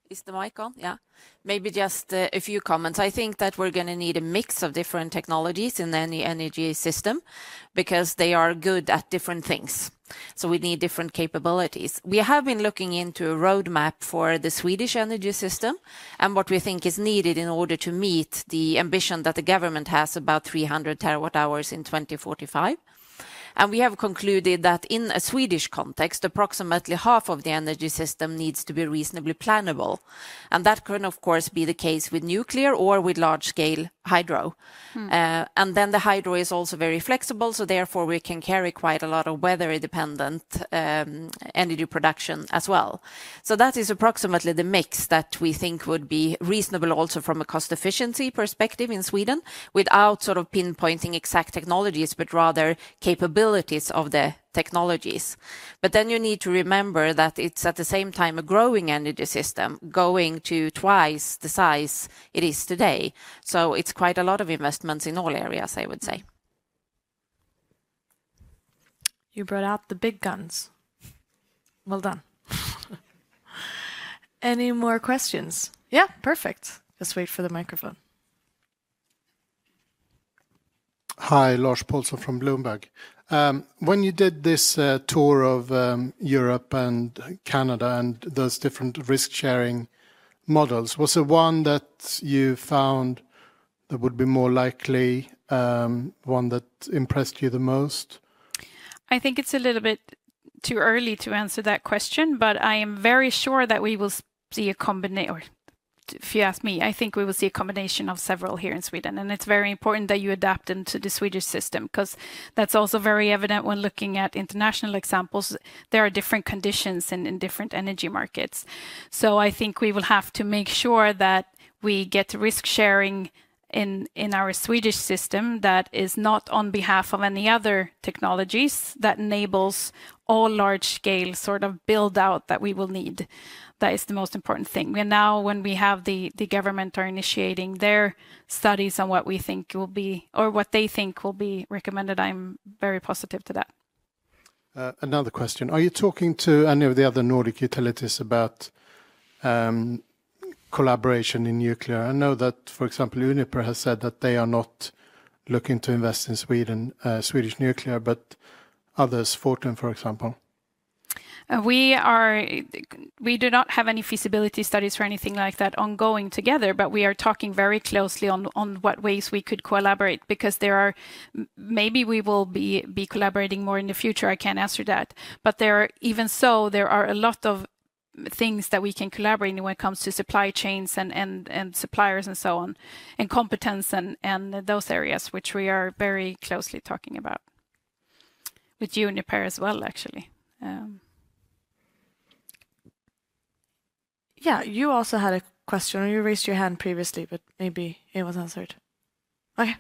Is the mic on? Yeah. Maybe just, a few comments. I think that we're going to need a mix of different technologies in any energy system because they are good at different things. So we need different capabilities. We have been looking into a roadmap for the Swedish energy system and what we think is needed in order to meet the ambition that the government has about 300 TWh in 2045.... And we have concluded that in a Swedish context, approximately half of the energy system needs to be reasonably plannable, and that can, of course, be the case with nuclear or with large-scale hydro. And then the hydro is also very flexible, so therefore we can carry quite a lot of weather-dependent, energy production as well. So that is approximately the mix that we think would be reasonable, also from a cost efficiency perspective in Sweden, without sort of pinpointing exact technologies, but rather capabilities of the technologies. But then you need to remember that it's, at the same time, a growing energy system, going to twice the size it is today. So it's quite a lot of investments in all areas, I would say. You brought out the big guns. Well done. Any more questions? Yeah, perfect. Just wait for the microphone. Hi, Lars Paulsson from Bloomberg. When you did this tour of Europe and Canada and those different risk-sharing models, was there one that you found that would be more likely, one that impressed you the most? I think it's a little bit too early to answer that question, but I am very sure that we will see a combination of several here in Sweden. It's very important that you adapt into the Swedish system, 'cause that's also very evident when looking at international examples. There are different conditions in different energy markets. So I think we will have to make sure that we get risk sharing in our Swedish system that is not on behalf of any other technologies, that enables all large scale, sort of, build out that we will need. That is the most important thing. We are now, when we have the government initiating their studies on what we think will be or what they think will be recommended. I'm very positive to that. Another question: Are you talking to any of the other Nordic utilities about collaboration in nuclear? I know that, for example, Uniper has said that they are not looking to invest in Sweden, Swedish nuclear, but others, Fortum, for example. We do not have any feasibility studies or anything like that ongoing together, but we are talking very closely on what ways we could collaborate, because there are... maybe we will be collaborating more in the future. I can't answer that. But there are, even so, there are a lot of things that we can collaborate when it comes to supply chains and suppliers and so on, and competence and those areas, which we are very closely talking about with Uniper as well, actually. Yeah, you also had a question, or you raised your hand previously, but maybe it was answered. Okay.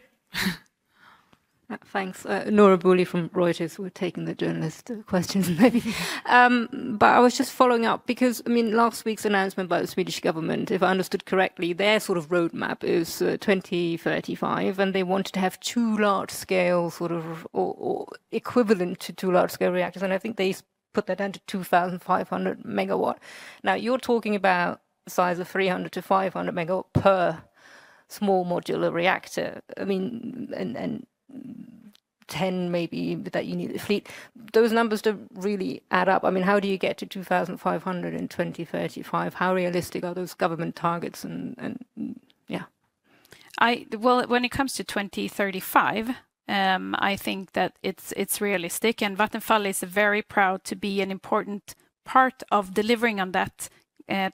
Thanks. Nora Buli from Reuters. We're taking the journalist questions, maybe. But I was just following up because, I mean, last week's announcement by the Swedish government, if I understood correctly, their sort of roadmap is 2035, and they wanted to have two large-scale, sort of, or equivalent to two large-scale reactors, and I think they put that down to 2,500 MW. Now, you're talking about the size of 300-500 MW per small modular reactor. I mean, and 10 maybe, that you need a fleet. Those numbers don't really add up. I mean, how do you get to 2,500 in 2035? How realistic are those government targets, and yeah. Well, when it comes to 2035, I think that it's realistic, and Vattenfall is very proud to be an important part of delivering on that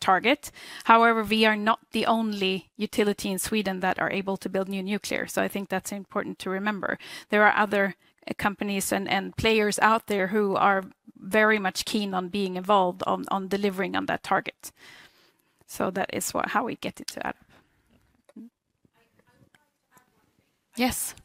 target. However, we are not the only utility in Sweden that are able to build new nuclear, so I think that's important to remember. There are other companies and players out there who are very much keen on being involved on delivering on that target. So that is what, how we get it to add up. I would like to add one thing.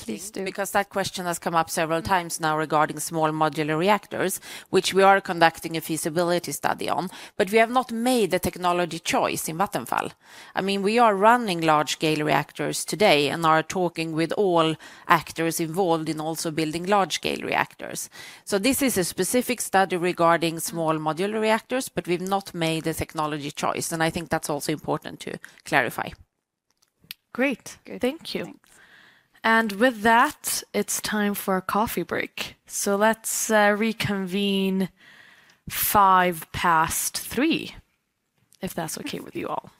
Yes, please do. Because that question has come up several times now regarding small modular reactors, which we are conducting a feasibility study on, but we have not made a technology choice in Vattenfall. I mean, we are running large-scale reactors today and are talking with all actors involved in also building large-scale reactors. So this is a specific study regarding small modular reactors, but we've not made a technology choice, and I think that's also important to clarify. Great. Good. Thank you. Thanks. With that, it's time for a coffee break. Let's reconvene 3:05 P.M., if that's okay with you all.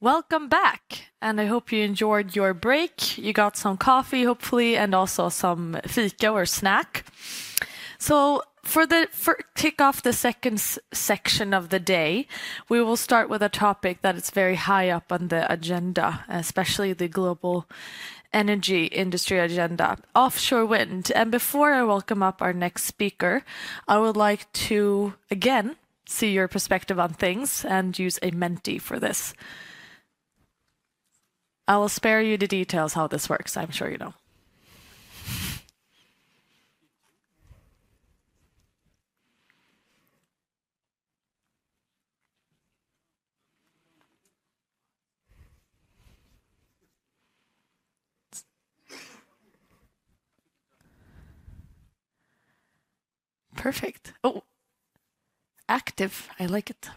Welcome back, and I hope you enjoyed your break. You got some coffee, hopefully, and also some fika or snack. To kick off the second section of the day, we will start with a topic that is very high up on the agenda, especially the global energy industry agenda, offshore wind. Before I welcome up our next speaker, I would like to, again, see your perspective on things and use a Menti for this. I will spare you the details how this works. I'm sure you know. Perfect. Oh, active, I like it.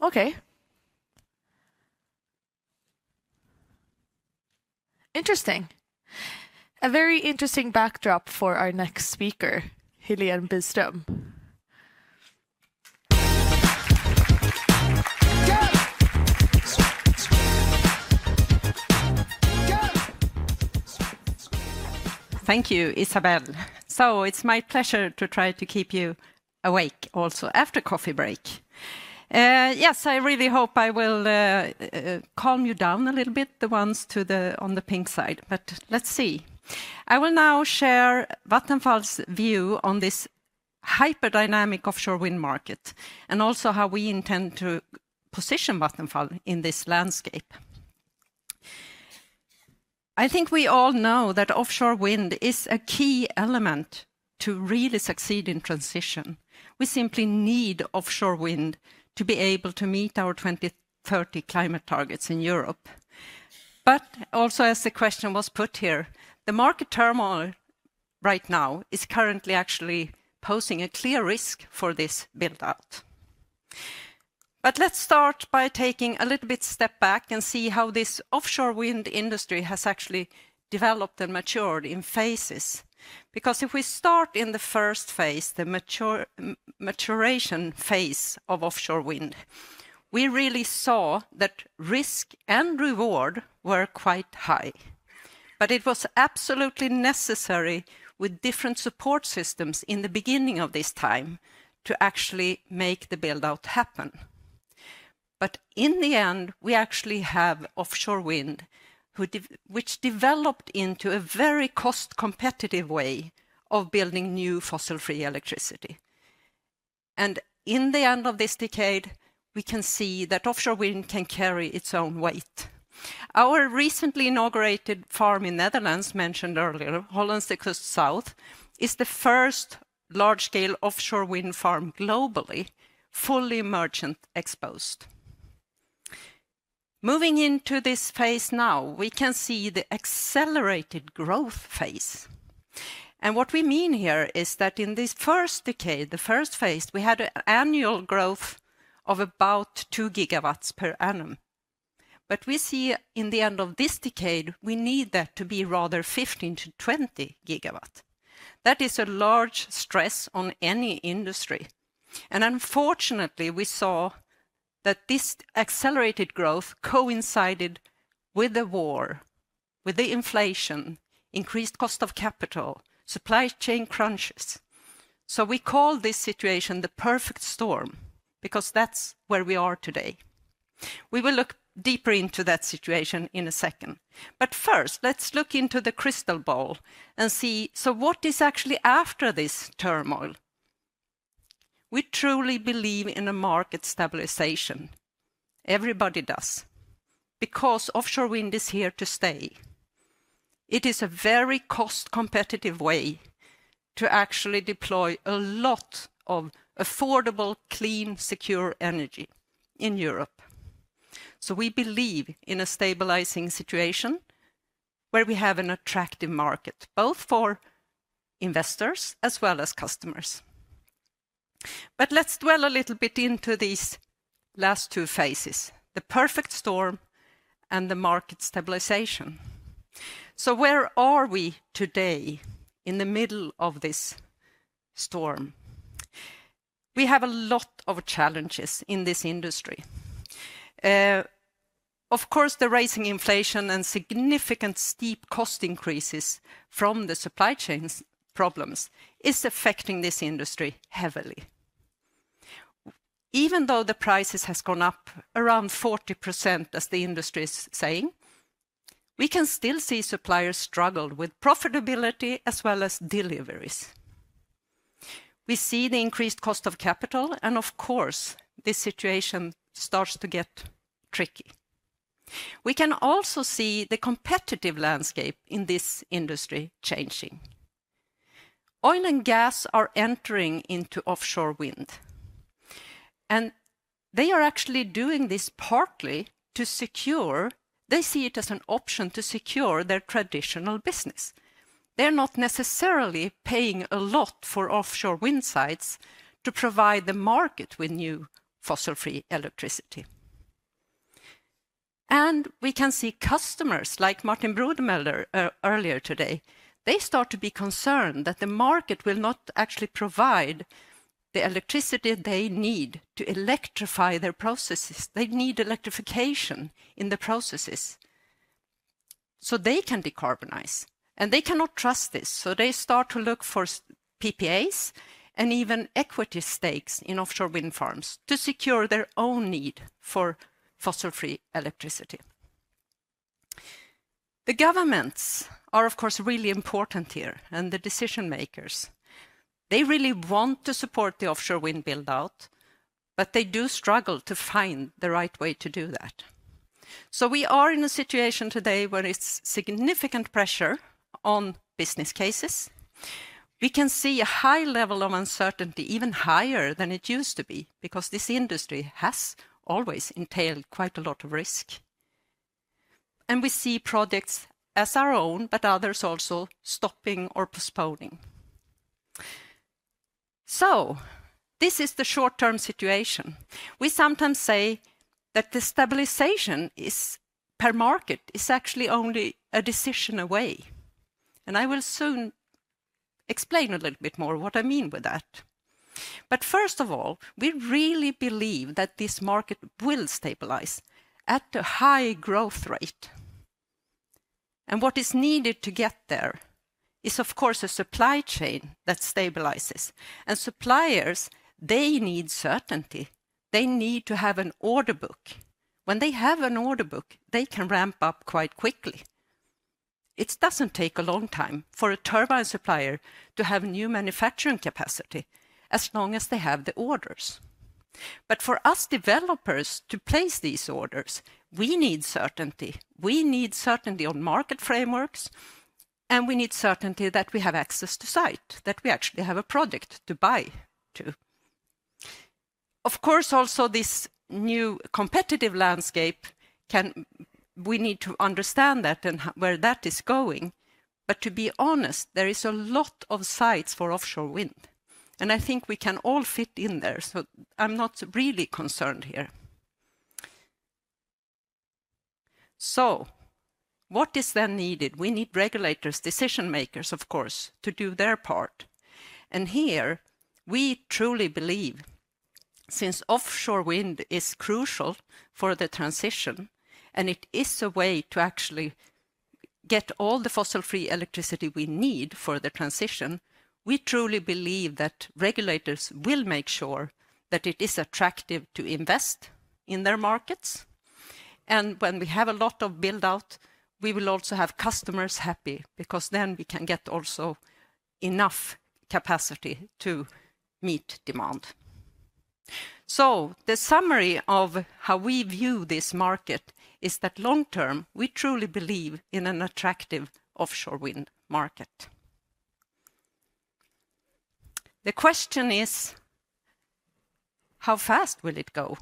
Okay. Interesting! A very interesting backdrop for our next speaker, Helene Biström. Thank you, Isabelle. It's my pleasure to try to keep you awake also after coffee break. Yes, I really hope I will calm you down a little bit, the ones to the, on the pink side, but let's see. I will now share Vattenfall's view on this hyper-dynamic offshore wind market, and also how we intend to position Vattenfall in this landscape. I think we all know that offshore wind is a key element to really succeed in transition. We simply need offshore wind to be able to meet our 2030 climate targets in Europe. But also, as the question was put here, the market turmoil right now is currently actually posing a clear risk for this build-out. But let's start by taking a little bit step back and see how this offshore wind industry has actually developed and matured in phases. Because if we start in the first phase, the maturation phase of offshore wind, we really saw that risk and reward were quite high. But it was absolutely necessary, with different support systems in the beginning of this time, to actually make the build-out happen. But in the end, we actually have offshore wind, which developed into a very cost-competitive way of building new fossil-free electricity. And in the end of this decade, we can see that offshore wind can carry its own weight. Our recently inaugurated farm in Netherlands, mentioned earlier, Hollandse Kust South, is the first large-scale offshore wind farm globally, fully merchant exposed. Moving into this phase now, we can see the accelerated growth phase. And what we mean here is that in this first decade, the first phase, we had an annual growth of about two gigawatts per annum. But we see in the end of this decade, we need that to be rather 15-20 GW. That is a large stress on any industry, and unfortunately, we saw that this accelerated growth coincided with the war, with the inflation, increased cost of capital, supply chain crunches. So we call this situation the perfect storm, because that's where we are today. We will look deeper into that situation in a second. But first, let's look into the crystal ball and see, so what is actually after this turmoil? We truly believe in a market stabilization. Everybody does. Because offshore wind is here to stay. It is a very cost-competitive way to actually deploy a lot of affordable, clean, secure energy in Europe. So we believe in a stabilizing situation, where we have an attractive market, both for investors as well as customers. Let's dwell a little bit into these last two phases, the perfect storm and the market stabilization. Where are we today in the middle of this storm? We have a lot of challenges in this industry. Of course, the rising inflation and significant steep cost increases from the supply chains problems is affecting this industry heavily. Even though the prices has gone up around 40%, as the industry is saying, we can still see suppliers struggle with profitability as well as deliveries. We see the increased cost of capital, and of course, this situation starts to get tricky. We can also see the competitive landscape in this industry changing. Oil and gas are entering into offshore wind, and they are actually doing this partly to secure... They see it as an option to secure their traditional business. They're not necessarily paying a lot for offshore wind sites to provide the market with new fossil-free electricity. And we can see customers, like Martin Brudermüller, earlier today, they start to be concerned that the market will not actually provide the electricity they need to electrify their processes. They need electrification in the processes so they can decarbonize, and they cannot trust this, so they start to look for PPAs and even equity stakes in offshore wind farms to secure their own need for fossil-free electricity. The governments are, of course, really important here, and the decision-makers. They really want to support the offshore wind build-out, but they do struggle to find the right way to do that. So we are in a situation today where it's significant pressure on business cases. We can see a high level of uncertainty, even higher than it used to be, because this industry has always entailed quite a lot of risk. We see projects as our own, but others also stopping or postponing. This is the short-term situation. We sometimes say that the stabilization is, per market, actually only a decision away, and I will soon explain a little bit more what I mean by that. But first of all, we really believe that this market will stabilize at a high growth rate. What is needed to get there is, of course, a supply chain that stabilizes. Suppliers, they need certainty. They need to have an order book. When they have an order book, they can ramp up quite quickly. It doesn't take a long time for a turbine supplier to have new manufacturing capacity, as long as they have the orders. But for us developers to place these orders, we need certainty. We need certainty on market frameworks, and we need certainty that we have access to site, that we actually have a project to buy to. Of course, also this new competitive landscape we need to understand that and where that is going. But to be honest, there is a lot of sites for offshore wind, and I think we can all fit in there, so I'm not really concerned here. So what is then needed? We need regulators, decision-makers, of course, to do their part. Here we truly believe, since offshore wind is crucial for the transition, and it is a way to actually get all the fossil-free electricity we need for the transition, we truly believe that regulators will make sure that it is attractive to invest in their markets. When we have a lot of build-out, we will also have customers happy, because then we can get also enough capacity to meet demand. The summary of how we view this market is that long term, we truly believe in an attractive offshore wind market. The question is, how fast will it go?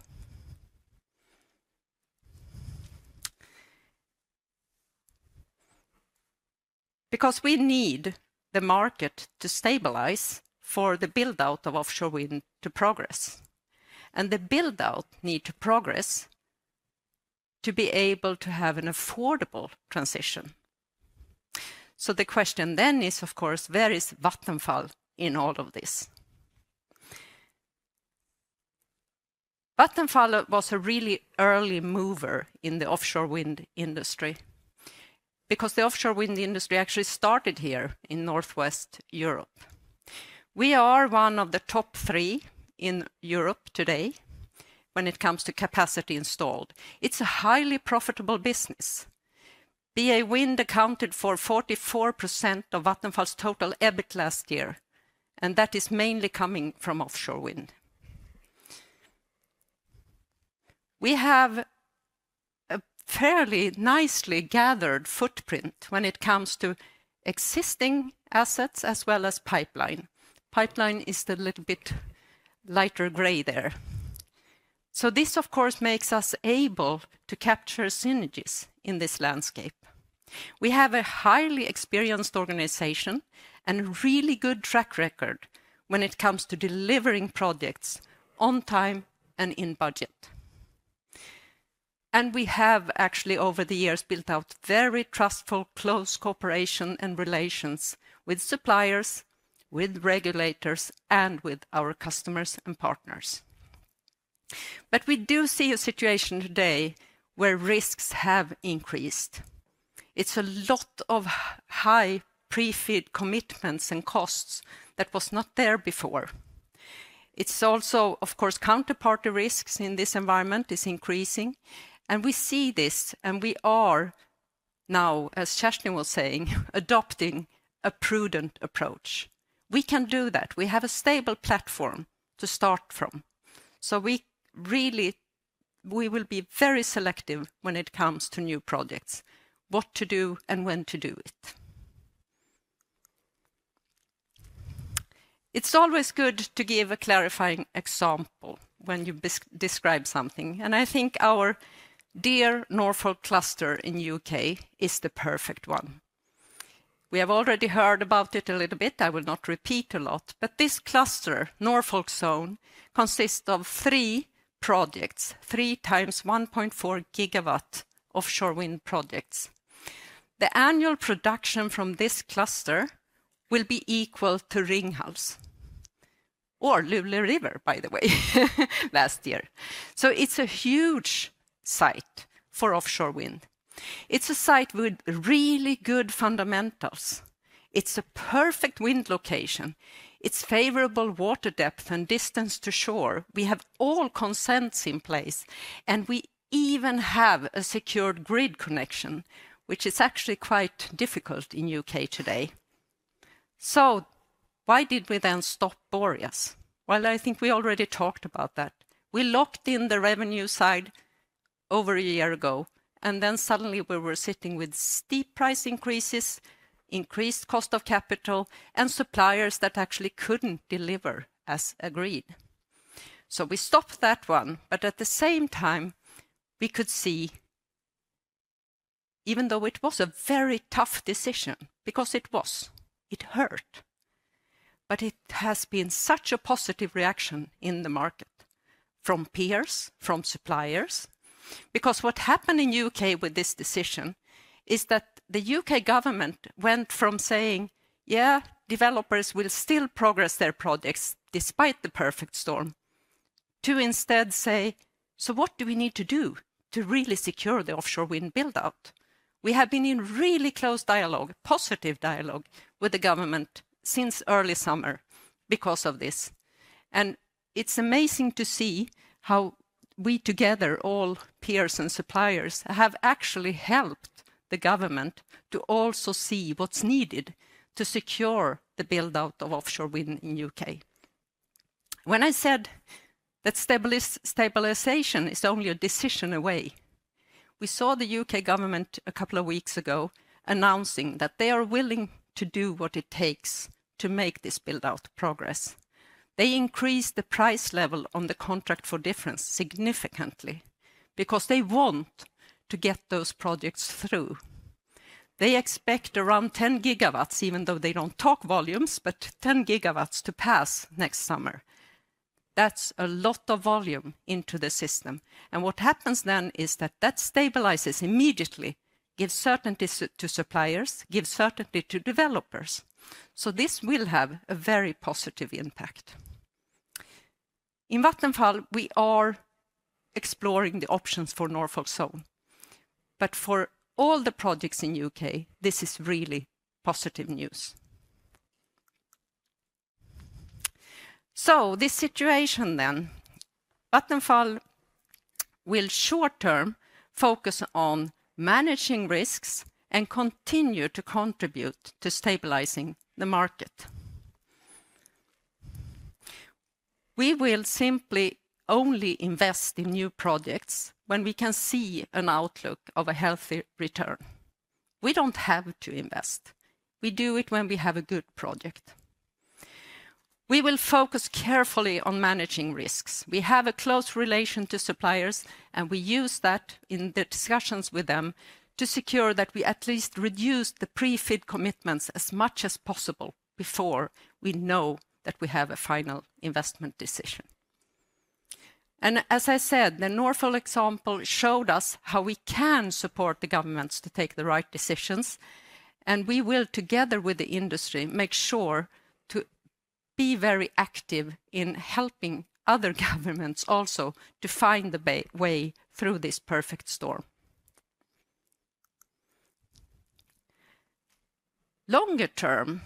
Because we need the market to stabilize for the build-out of offshore wind to progress, and the build-out need to progress to be able to have an affordable transition. The question then is, of course, where is Vattenfall in all of this? Vattenfall was a really early mover in the offshore wind industry because the offshore wind industry actually started here in Northwest Europe. We are one of the top three in Europe today when it comes to capacity installed. It's a highly profitable business. BA Wind accounted for 44% of Vattenfall's total EBIT last year, and that is mainly coming from offshore wind. We have a fairly nicely gathered footprint when it comes to existing assets as well as pipeline. Pipeline is the little bit lighter gray there. This, of course, makes us able to capture synergies in this landscape. We have a highly experienced organization and a really good track record when it comes to delivering projects on time and in budget. We have actually, over the years, built out very trustful, close cooperation and relations with suppliers, with regulators, and with our customers and partners. But we do see a situation today where risks have increased. It's a lot of high pre-FEED commitments and costs that was not there before. It's also, of course, counterparty risks in this environment is increasing, and we see this, and we are now, as Kerstin was saying, adopting a prudent approach. We can do that. We have a stable platform to start from. So we really... we will be very selective when it comes to new projects, what to do and when to do it. It's always good to give a clarifying example when you describe something, and I think our dear Norfolk cluster in U.K. is the perfect one. We have already heard about it a little bit. I will not repeat a lot, but this cluster, Norfolk Zone, consists of three projects, three 1.4 GW offshore wind projects. The annual production from this cluster will be equal to Ringhals or Luleå River, by the way, last year. So it's a huge site for offshore wind. It's a site with really good fundamentals. It's a perfect wind location. It's favorable water depth and distance to shore. We have all consents in place, and we even have a secured grid connection, which is actually quite difficult in the U.K. today. So why did we then stop Boreas? Well, I think we already talked about that. We locked in the revenue side over a year ago, and then suddenly we were sitting with steep price increases, increased cost of capital, and suppliers that actually couldn't deliver as agreed... So we stopped that one, but at the same time, we could see, even though it was a very tough decision, because it was, it hurt. But it has been such a positive reaction in the market, from peers, from suppliers. Because what happened in UK with this decision is that the UK government went from saying, "Yeah, developers will still progress their projects despite the perfect storm," to instead say, "So what do we need to do to really secure the offshore wind build-out?" We have been in really close dialogue, positive dialogue, with the government since early summer because of this. And it's amazing to see how we together, all peers and suppliers, have actually helped the government to also see what's needed to secure the build-out of offshore wind in UK. When I said that stabilization is only a decision away, we saw the UK government a couple of weeks ago announcing that they are willing to do what it takes to make this build-out progress. They increased the price level on the Contracts for Difference significantly because they want to get those projects through. They expect around 10 GW, even though they don't talk volumes, but 10 GW to pass next summer. That's a lot of volume into the system. And what happens then is that that stabilizes immediately, gives certainty to suppliers, gives certainty to developers. This will have a very positive impact. In Vattenfall, we are exploring the options for Norfolk Zone, but for all the projects in the U.K., this is really positive news. This situation then, Vattenfall will short-term focus on managing risks and continue to contribute to stabilizing the market. We will simply only invest in new projects when we can see an outlook of a healthy return. We don't have to invest. We do it when we have a good project. We will focus carefully on managing risks. We have a close relation to suppliers, and we use that in the discussions with them to secure that we at least reduce the pre-FID commitments as much as possible before we know that we have a final investment decision. And as I said, the Norfolk example showed us how we can support the governments to take the right decisions, and we will, together with the industry, make sure to be very active in helping other governments also to find the way through this perfect storm. Longer term,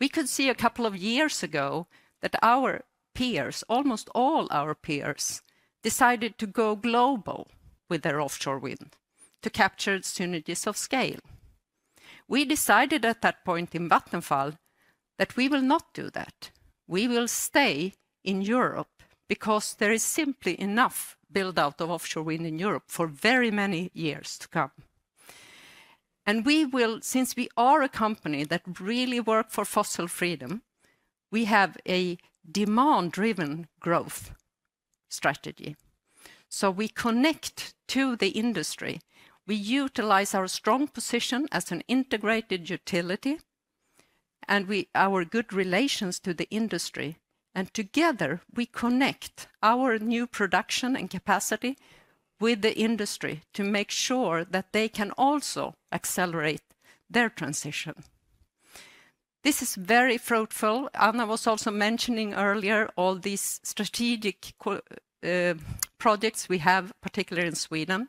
we could see a couple of years ago that our peers, almost all our peers, decided to go global with their offshore wind to capture synergies of scale. We decided at that point in Vattenfall, that we will not do that. We will stay in Europe because there is simply enough build-out of offshore wind in Europe for very many years to come. We will, since we are a company that really work for fossil freedom, we have a demand-driven growth strategy, so we connect to the industry. We utilize our strong position as an integrated utility, and we our good relations to the industry, and together, we connect our new production and capacity with the industry to make sure that they can also accelerate their transition. This is very fruitful. Anna was also mentioning earlier, all these strategic projects we have, particularly in Sweden.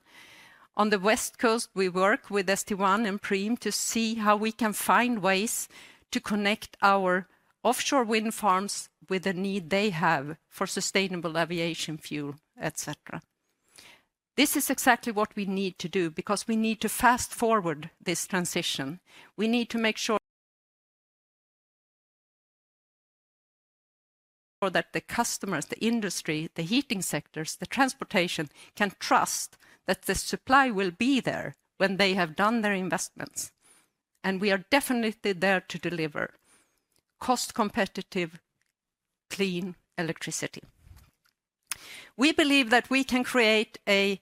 On the west coast, we work with ST1 and Preem to see how we can find ways to connect our offshore wind farms with the need they have for sustainable aviation fuel, et cetera. This is exactly what we need to do because we need to fast-forward this transition. We need to make sure that the customers, the industry, the heating sectors, the transportation, can trust that the supply will be there when they have done their investments. And we are definitely there to deliver cost-competitive, clean electricity. We believe that we can create a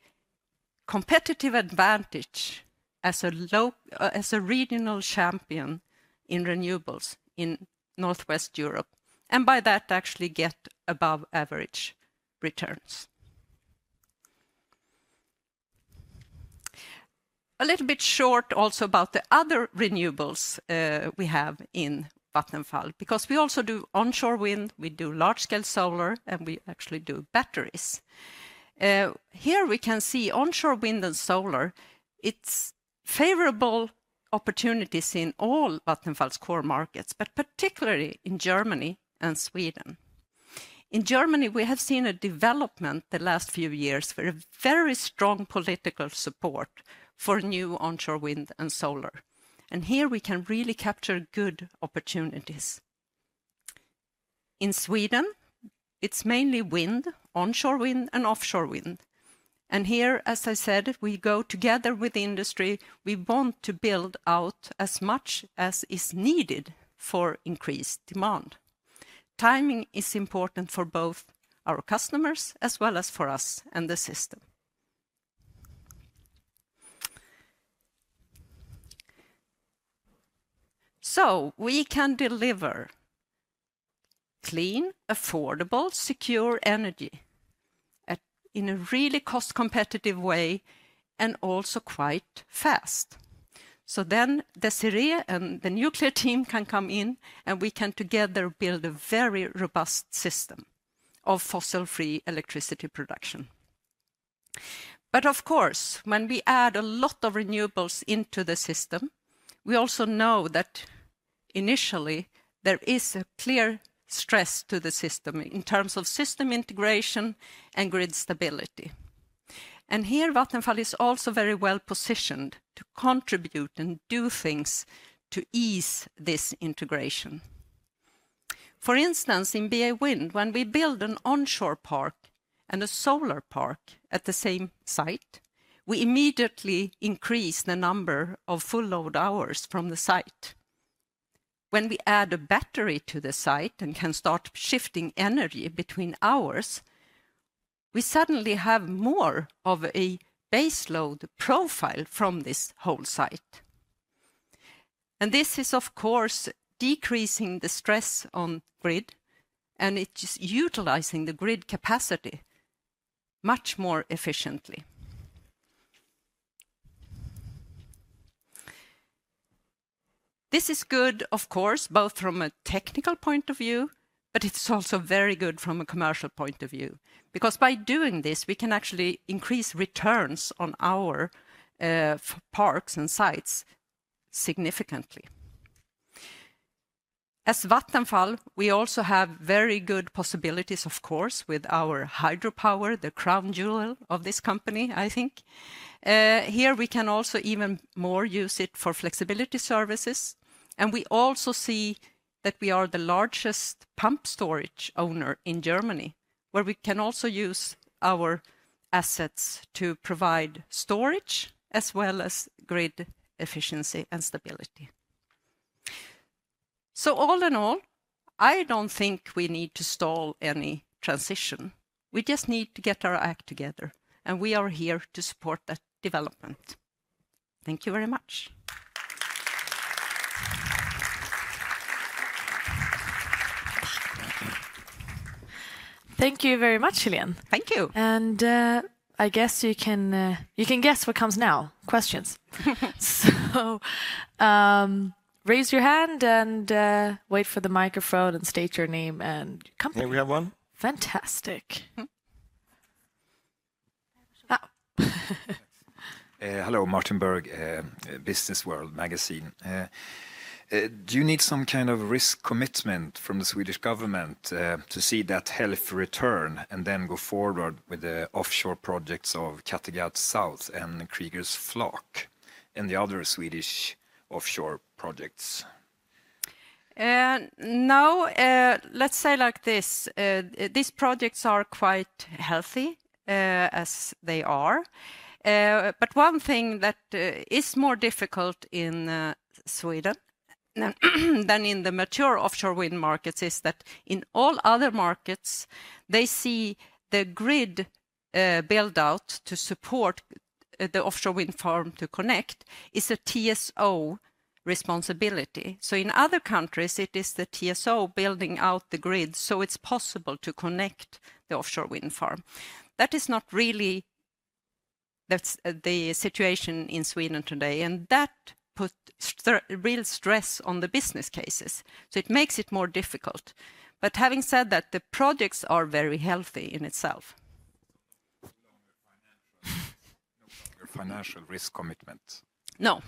competitive advantage as a regional champion in renewables in Northwest Europe, and by that, actually get above average returns. A little bit short also about the other renewables we have in Vattenfall, because we also do onshore wind, we do large-scale solar, and we actually do batteries. Here we can see onshore wind and solar. It's favorable opportunities in all Vattenfall's core markets, but particularly in Germany and Sweden. In Germany, we have seen a development the last few years for a very strong political support for new onshore wind and solar, and here we can really capture good opportunities. In Sweden, it's mainly wind, onshore wind and offshore wind... and here, as I said, we go together with the industry. We want to build out as much as is needed for increased demand. Timing is important for both our customers as well as for us and the system. So we can deliver clean, affordable, secure energy at, in a really cost competitive way, and also quite fast. So then the SMR and the nuclear team can come in, and we can together build a very robust system of fossil-free electricity production. But of course, when we add a lot of renewables into the system, we also know that initially there is a clear stress to the system in terms of system integration and grid stability. And here, Vattenfall is also very well-positioned to contribute and do things to ease this integration. For instance, in BA Wind, when we build an onshore park and a solar park at the same site, we immediately increase the number of full load hours from the site. When we add a battery to the site and can start shifting energy between hours, we suddenly have more of a base load profile from this whole site. And this is, of course, decreasing the stress on grid, and it is utilizing the grid capacity much more efficiently. This is good, of course, both from a technical point of view, but it's also very good from a commercial point of view. Because by doing this, we can actually increase returns on our parks and sites significantly. As Vattenfall, we also have very good possibilities, of course, with our hydropower, the crown jewel of this company, I think. Here we can also even more use it for flexibility services, and we also see that we are the largest pump storage owner in Germany, where we can also use our assets to provide storage as well as grid efficiency and stability. So all in all, I don't think we need to stall any transition. We just need to get our act together, and we are here to support that development. Thank you very much. Thank you very much, Helene. Thank you. I guess you can guess what comes now. Questions. So, raise your hand and wait for the microphone, and state your name and company. Here we have one. Fantastic. Ah. Hello, Martin Berg, Business World Magazine. Do you need some kind of risk commitment from the Swedish government to see that healthy return and then go forward with the offshore projects of Kattegat South and Kriegers Flak and the other Swedish offshore projects? No. Let's say like this, these projects are quite healthy, as they are. But one thing that is more difficult in Sweden than in the mature offshore wind markets is that in all other markets, they see the grid build out to support the offshore wind farm to connect is a TSO responsibility. So in other countries, it is the TSO building out the grid, so it's possible to connect the offshore wind farm. That is not really... That's the situation in Sweden today, and that put real stress on the business cases, so it makes it more difficult. But having said that, the projects are very healthy in itself. Financial risk commitment? No.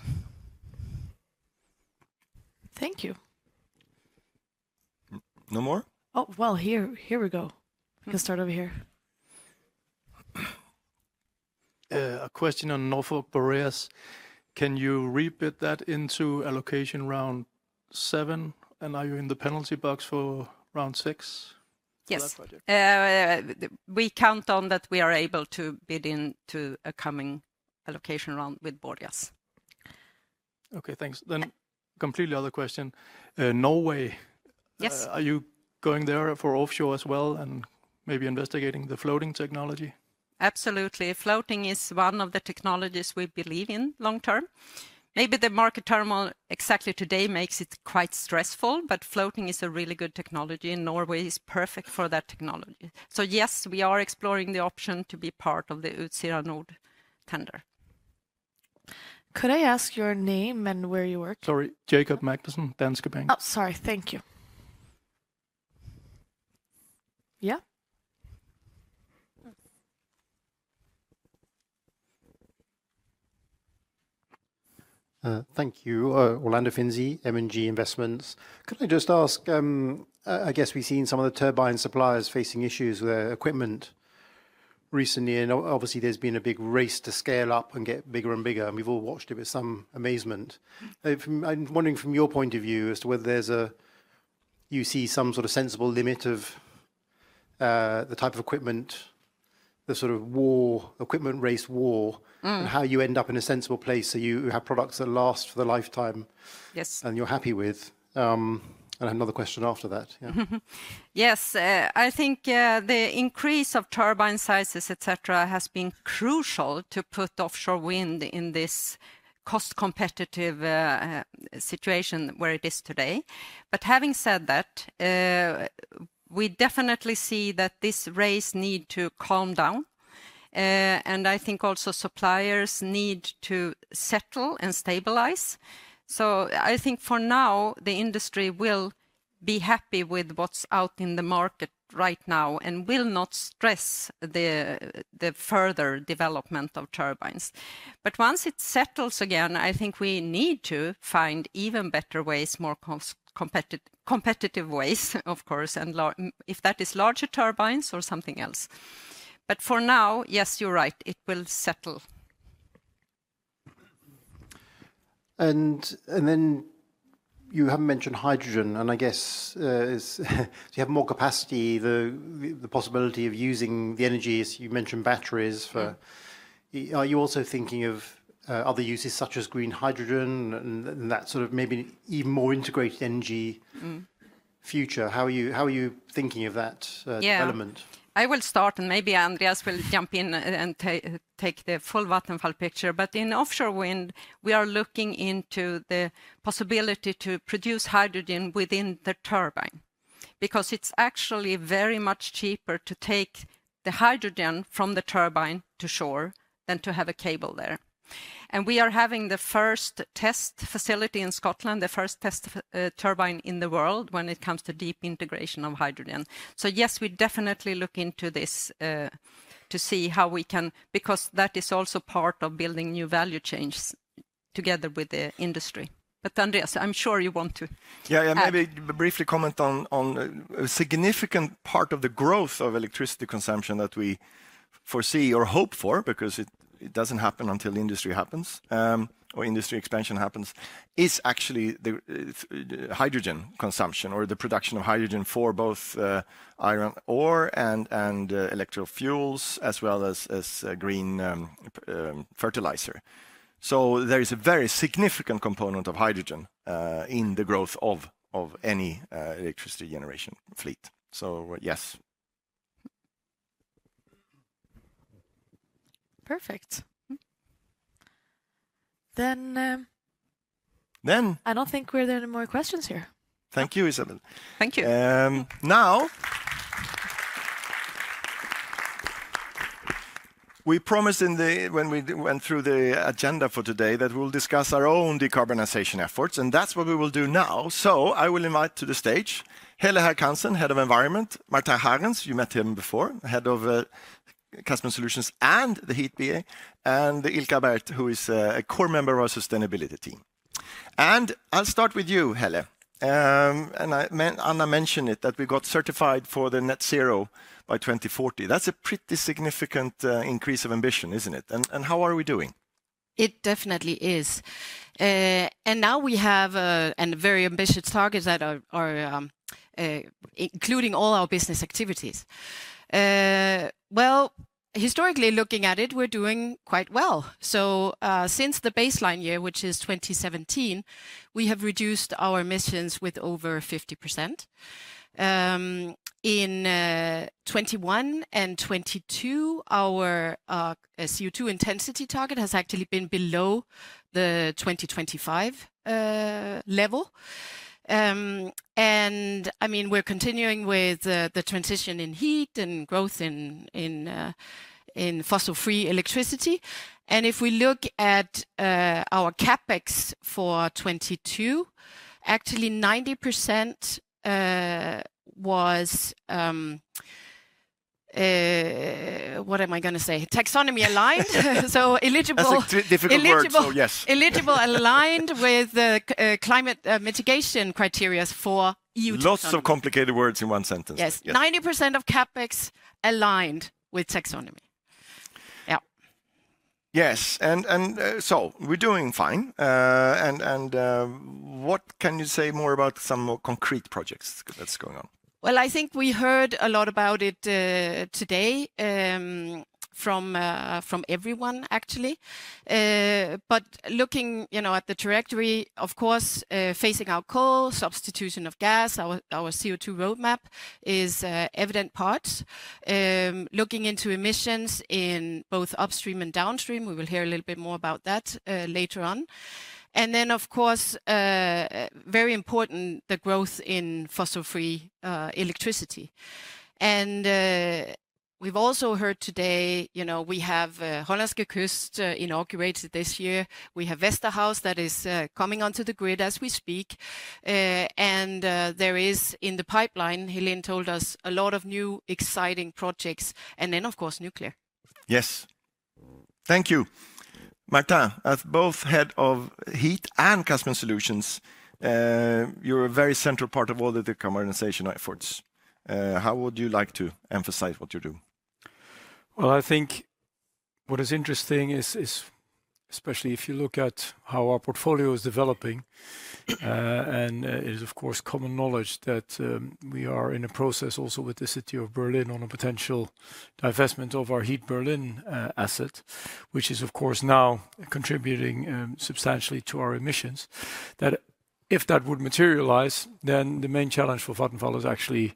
Thank you. No more? Oh, well, here we go. We can start over here. A question on Norfolk Boreas. Can you re-bid that into allocation round seven, and are you in the penalty box for round six? Yes. That idea. We count on that we are able to bid in to a coming allocation round with Boreas. Okay, thanks. Then completely other question. Norway- Yes.... are you going there for offshore as well, and maybe investigating the floating technology? Absolutely. Floating is one of the technologies we believe in long term. Maybe the market terminal exactly today makes it quite stressful, but floating is a really good technology, and Norway is perfect for that technology. So yes, we are exploring the option to be part of the Utsira Nord tender. Could I ask your name and where you work? Sorry, Jakob Magnussen, Danske Bank. Oh, sorry. Thank you. Yeah? Thank you. Orlando Finzi, M&G Investments. Could I just ask, I guess we've seen some of the turbine suppliers facing issues with their equipment recently, and obviously, there's been a big race to scale up and get bigger and bigger, and we've all watched it with some amazement. From... I'm wondering from your point of view as to whether there's a... you see some sort of sensible limit of the type of equipment, the sort of war, equipment race war- Mm. -and how you end up in a sensible place, so you have products that last for the lifetime? Yes. You're happy with. And I have another question after that. Yeah. Yes, I think, the increase of turbine sizes, et cetera, has been crucial to put offshore wind in this cost competitive situation where it is today. But having said that, we definitely see that this race need to calm down. And I think also suppliers need to settle and stabilize. So I think for now, the industry will be happy with what's out in the market right now, and will not stress the further development of turbines. But once it settles again, I think we need to find even better ways, more competitive ways, of course, and lower if that is larger turbines or something else. But for now, yes, you're right, it will settle. Then you have mentioned hydrogen, and I guess, so you have more capacity, the possibility of using the energy, as you mentioned, batteries for- Mm. Are you also thinking of other uses, such as green hydrogen and that sort of maybe even more integrated energy- Mm... future? How are you, how are you thinking of that, development? Yeah. I will start, and maybe Andreas will jump in and take the full Vattenfall picture. But in offshore wind, we are looking into the possibility to produce hydrogen within the turbine, because it's actually very much cheaper to take the hydrogen from the turbine to shore than to have a cable there. And we are having the first test facility in Scotland, the first test turbine in the world, when it comes to deep integration of hydrogen. So yes, we definitely look into this to see how we can... Because that is also part of building new value chains together with the industry. But Andreas, I'm sure you want to- Yeah, yeah. Add. Maybe briefly comment on a significant part of the growth of electricity consumption that we foresee or hope for, because it doesn't happen until the industry happens, or industry expansion happens, is actually the hydrogen consumption or the production of hydrogen for both iron ore and electro fuels, as well as green fertilizer. So there is a very significant component of hydrogen in the growth of any electricity generation fleet. So yes. Perfect. Then, Then- I don't think we have any more questions here. Thank you, Isabelle. Thank you. Now, we promised in the when we went through the agenda for today, that we'll discuss our own decarbonization efforts, and that's what we will do now. So I will invite to the stage, Helle Herkildsen, Head of Environment; Martijn Hagens, you met him before, Head of Customer Solutions and the Heat BA; and Ilka Brecht, who is a core member of our sustainability team. And I'll start with you, Helle. And I mean, Anna mentioned it, that we got certified for the net zero by 2040. That's a pretty significant increase of ambition, isn't it? And how are we doing? It definitely is. And now we have very ambitious targets that are including all our business activities. Well, historically, looking at it, we're doing quite well. So, since the baseline year, which is 2017, we have reduced our emissions with over 50%. In 2021 and 2022, our CO2 intensity target has actually been below the 2025 level. And I mean, we're continuing with the transition in heat and growth in fossil-free electricity. And if we look at our CapEx for 2022, actually 90% was... What am I gonna say? Taxonomy aligned. So eligible- That's a difficult word.... eligible- So yes. Eligible, aligned with the climate mitigation criteria for EU- Lots of complicated words in one sentence. Yes. Yeah. 90% of CapEx aligned with taxonomy. Yeah. Yes, and so we're doing fine. And what can you say more about some more concrete projects that's going on? Well, I think we heard a lot about it today from everyone, actually. But looking, you know, at the trajectory, of course, phasing out coal, substitution of gas, our CO2 roadmap is an evident part. Looking into emissions in both upstream and downstream, we will hear a little bit more about that later on. And then, of course, very important, the growth in fossil-free electricity. And we've also heard today, you know, we have Horns Rev 3 inaugurated this year. We have Vesterhav that is coming onto the grid as we speak. And there is in the pipeline, Helene told us, a lot of new, exciting projects, and then, of course, nuclear. Yes. Thank you. Martin, as both Head of Heat and Customer Solutions, you're a very central part of all the decarbonization efforts. How would you like to emphasize what you do?... Well, I think what is interesting is especially if you look at how our portfolio is developing, and it is, of course, common knowledge that we are in a process also with the city of Berlin on a potential divestment of our Heat Berlin asset, which is, of course, now contributing substantially to our emissions. That if that would materialize, then the main challenge for Vattenfall is actually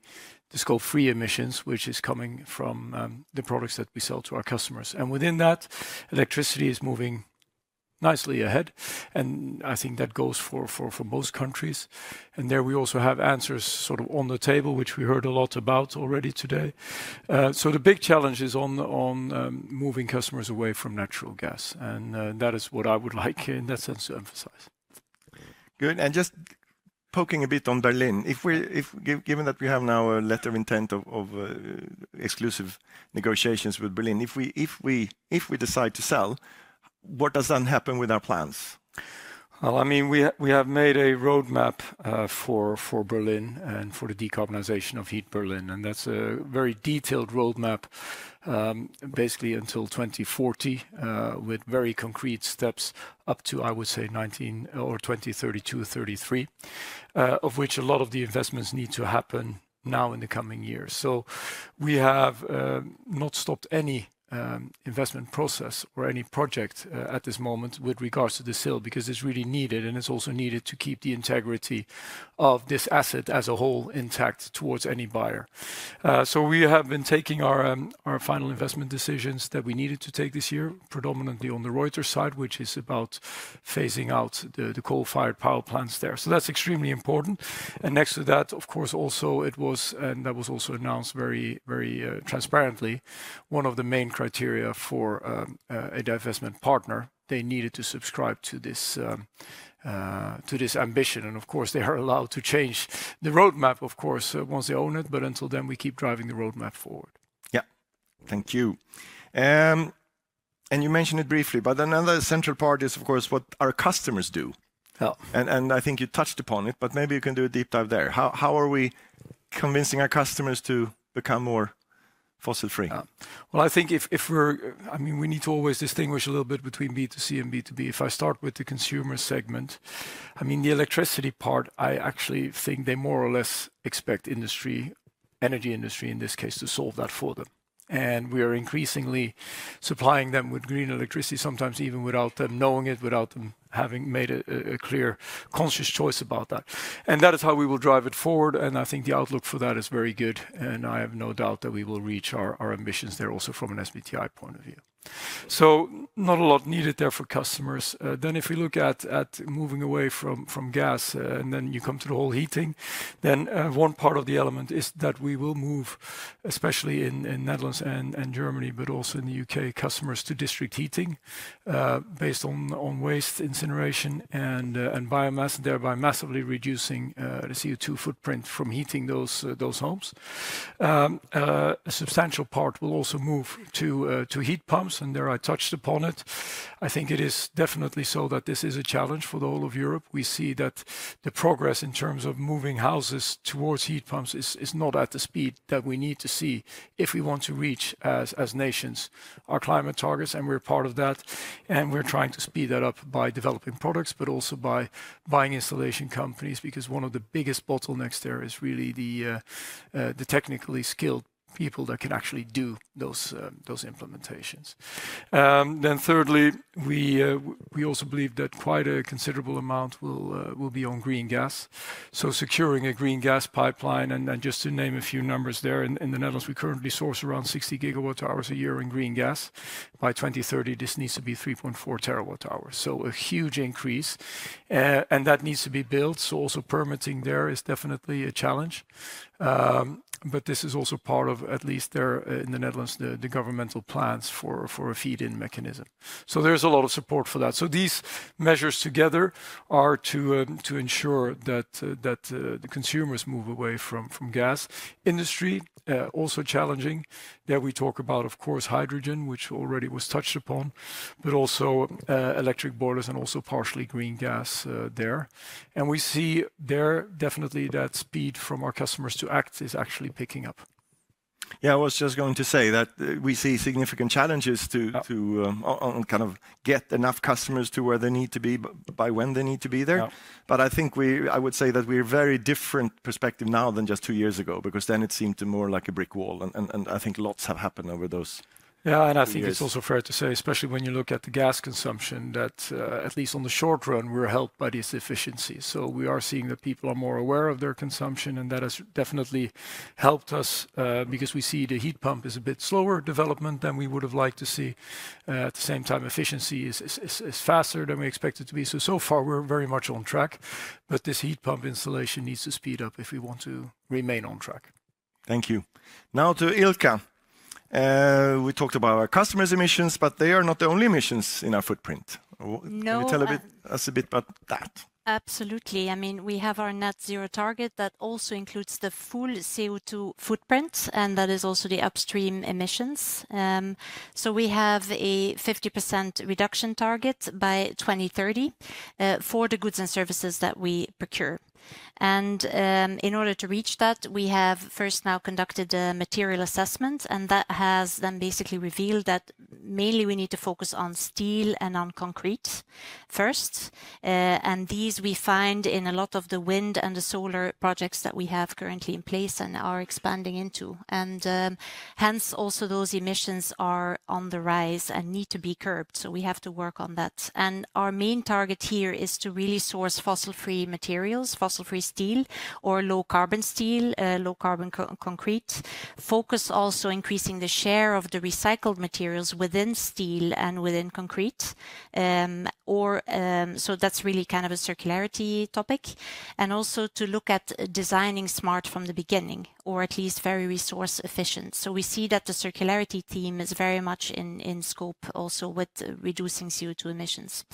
the Scope 3 emissions, which is coming from the products that we sell to our customers. And within that, electricity is moving nicely ahead, and I think that goes for most countries. And there, we also have answers sort of on the table, which we heard a lot about already today. So the big challenge is on moving customers away from natural gas, and that is what I would like in that sense to emphasize. Good. And just poking a bit on Berlin, given that we have now a letter of intent of exclusive negotiations with Berlin, if we decide to sell, what does then happen with our plans? Well, I mean, we have made a roadmap for Berlin and for the decarbonization of Heat Berlin, and that's a very detailed roadmap, basically until 2040, with very concrete steps up to, I would say, 19 or 2032, 2033, of which a lot of the investments need to happen now in the coming years. So we have not stopped any investment process or any project at this moment with regards to the sale, because it's really needed, and it's also needed to keep the integrity of this asset as a whole intact towards any buyer. So we have been taking our final investment decisions that we needed to take this year, predominantly on the Reuter side, which is about phasing out the coal-fired power plants there. So that's extremely important. And next to that, of course, also it was and that was also announced very, very transparently, one of the main criteria for a divestment partner. They needed to subscribe to this to this ambition, and of course, they are allowed to change the roadmap, of course, once they own it, but until then, we keep driving the roadmap forward. Yeah. Thank you. You mentioned it briefly, but another central part is, of course, what our customers do. Yeah. And I think you touched upon it, but maybe you can do a deep dive there. How are we convincing our customers to become more fossil-free? Yeah. Well, I think if we're... I mean, we need to always distinguish a little bit between B2C and B2B. If I start with the consumer segment, I mean, the electricity part, I actually think they more or less expect industry, energy industry, in this case, to solve that for them. And we are increasingly supplying them with green electricity, sometimes even without them knowing it, without them having made a clear, conscious choice about that. And that is how we will drive it forward, and I think the outlook for that is very good, and I have no doubt that we will reach our ambitions there, also from an SBTi I point of view. So not a lot needed there for customers. Then if we look at moving away from gas, and then you come to the whole heating, then one part of the element is that we will move, especially in Netherlands and Germany, but also in the U.K, customers to district heating, based on waste incineration and biomass, thereby massively reducing the CO2 footprint from heating those homes. A substantial part will also move to heat pumps, and there I touched upon it. I think it is definitely so that this is a challenge for the whole of Europe. We see that the progress in terms of moving houses towards heat pumps is not at the speed that we need to see if we want to reach, as nations, our climate targets, and we're part of that. And we're trying to speed that up by developing products, but also by buying installation companies, because one of the biggest bottlenecks there is really the technically skilled people that can actually do those implementations. Then thirdly, we also believe that quite a considerable amount will be on green gas. So securing a green gas pipeline, and then just to name a few numbers there, in the Netherlands, we currently source around 60 GWh a year in green gas. By 2030, this needs to be 3.4 TWh. So a huge increase, and that needs to be built, so also permitting there is definitely a challenge. But this is also part of, at least there in the Netherlands, the governmental plans for a feed-in mechanism. There's a lot of support for that. These measures together are to ensure that the consumers move away from gas. Industry also challenging. There, we talk about, of course, hydrogen, which already was touched upon, but also electric boilers and also partially green gas there. And we see there, definitely that speed from our customers to act is actually picking up. Yeah, I was just going to say that, we see significant challenges to- Yeah... to kind of get enough customers to where they need to be, by when they need to be there. Yeah. But I think I would say that we are very different perspective now than just two years ago, because then it seemed more like a brick wall, and I think lots have happened over those- Yeah, and I think- years... it's also fair to say, especially when you look at the gas consumption, that, at least on the short run, we're helped by these efficiencies. So we are seeing that people are more aware of their consumption, and that has definitely helped us, because we see the heat pump is a bit slower development than we would have liked to see. At the same time, efficiency is faster than we expect it to be. So far, we're very much on track, but this heat pump installation needs to speed up if we want to remain on track. Thank you. Now to Ilka. We talked about our customers' emissions, but they are not the only emissions in our footprint. No, uh- Can you tell us a bit about that? Absolutely. I mean, we have our Net zero target that also includes the full CO2 footprint, and that is also the upstream emissions. So we have a 50% reduction target by 2030, for the goods and services that we procure. And, in order to reach that, we have first now conducted a material assessment, and that has then basically revealed that mainly we need to focus on steel and on concrete first. And these we find in a lot of the wind and the solar projects that we have currently in place and are expanding into. And, hence, also those emissions are on the rise and need to be curbed, so we have to work on that. And our main target here is to really source fossil-free materials, fossil-free steel or low-carbon steel, low-carbon concrete. Focus also increasing the share of the recycled materials within steel and within concrete. Or, so that's really kind of a circularity topic. And also to look at designing smart from the beginning, or at least very resource efficient. So we see that the circularity theme is very much in scope, also with reducing CO2 emissions.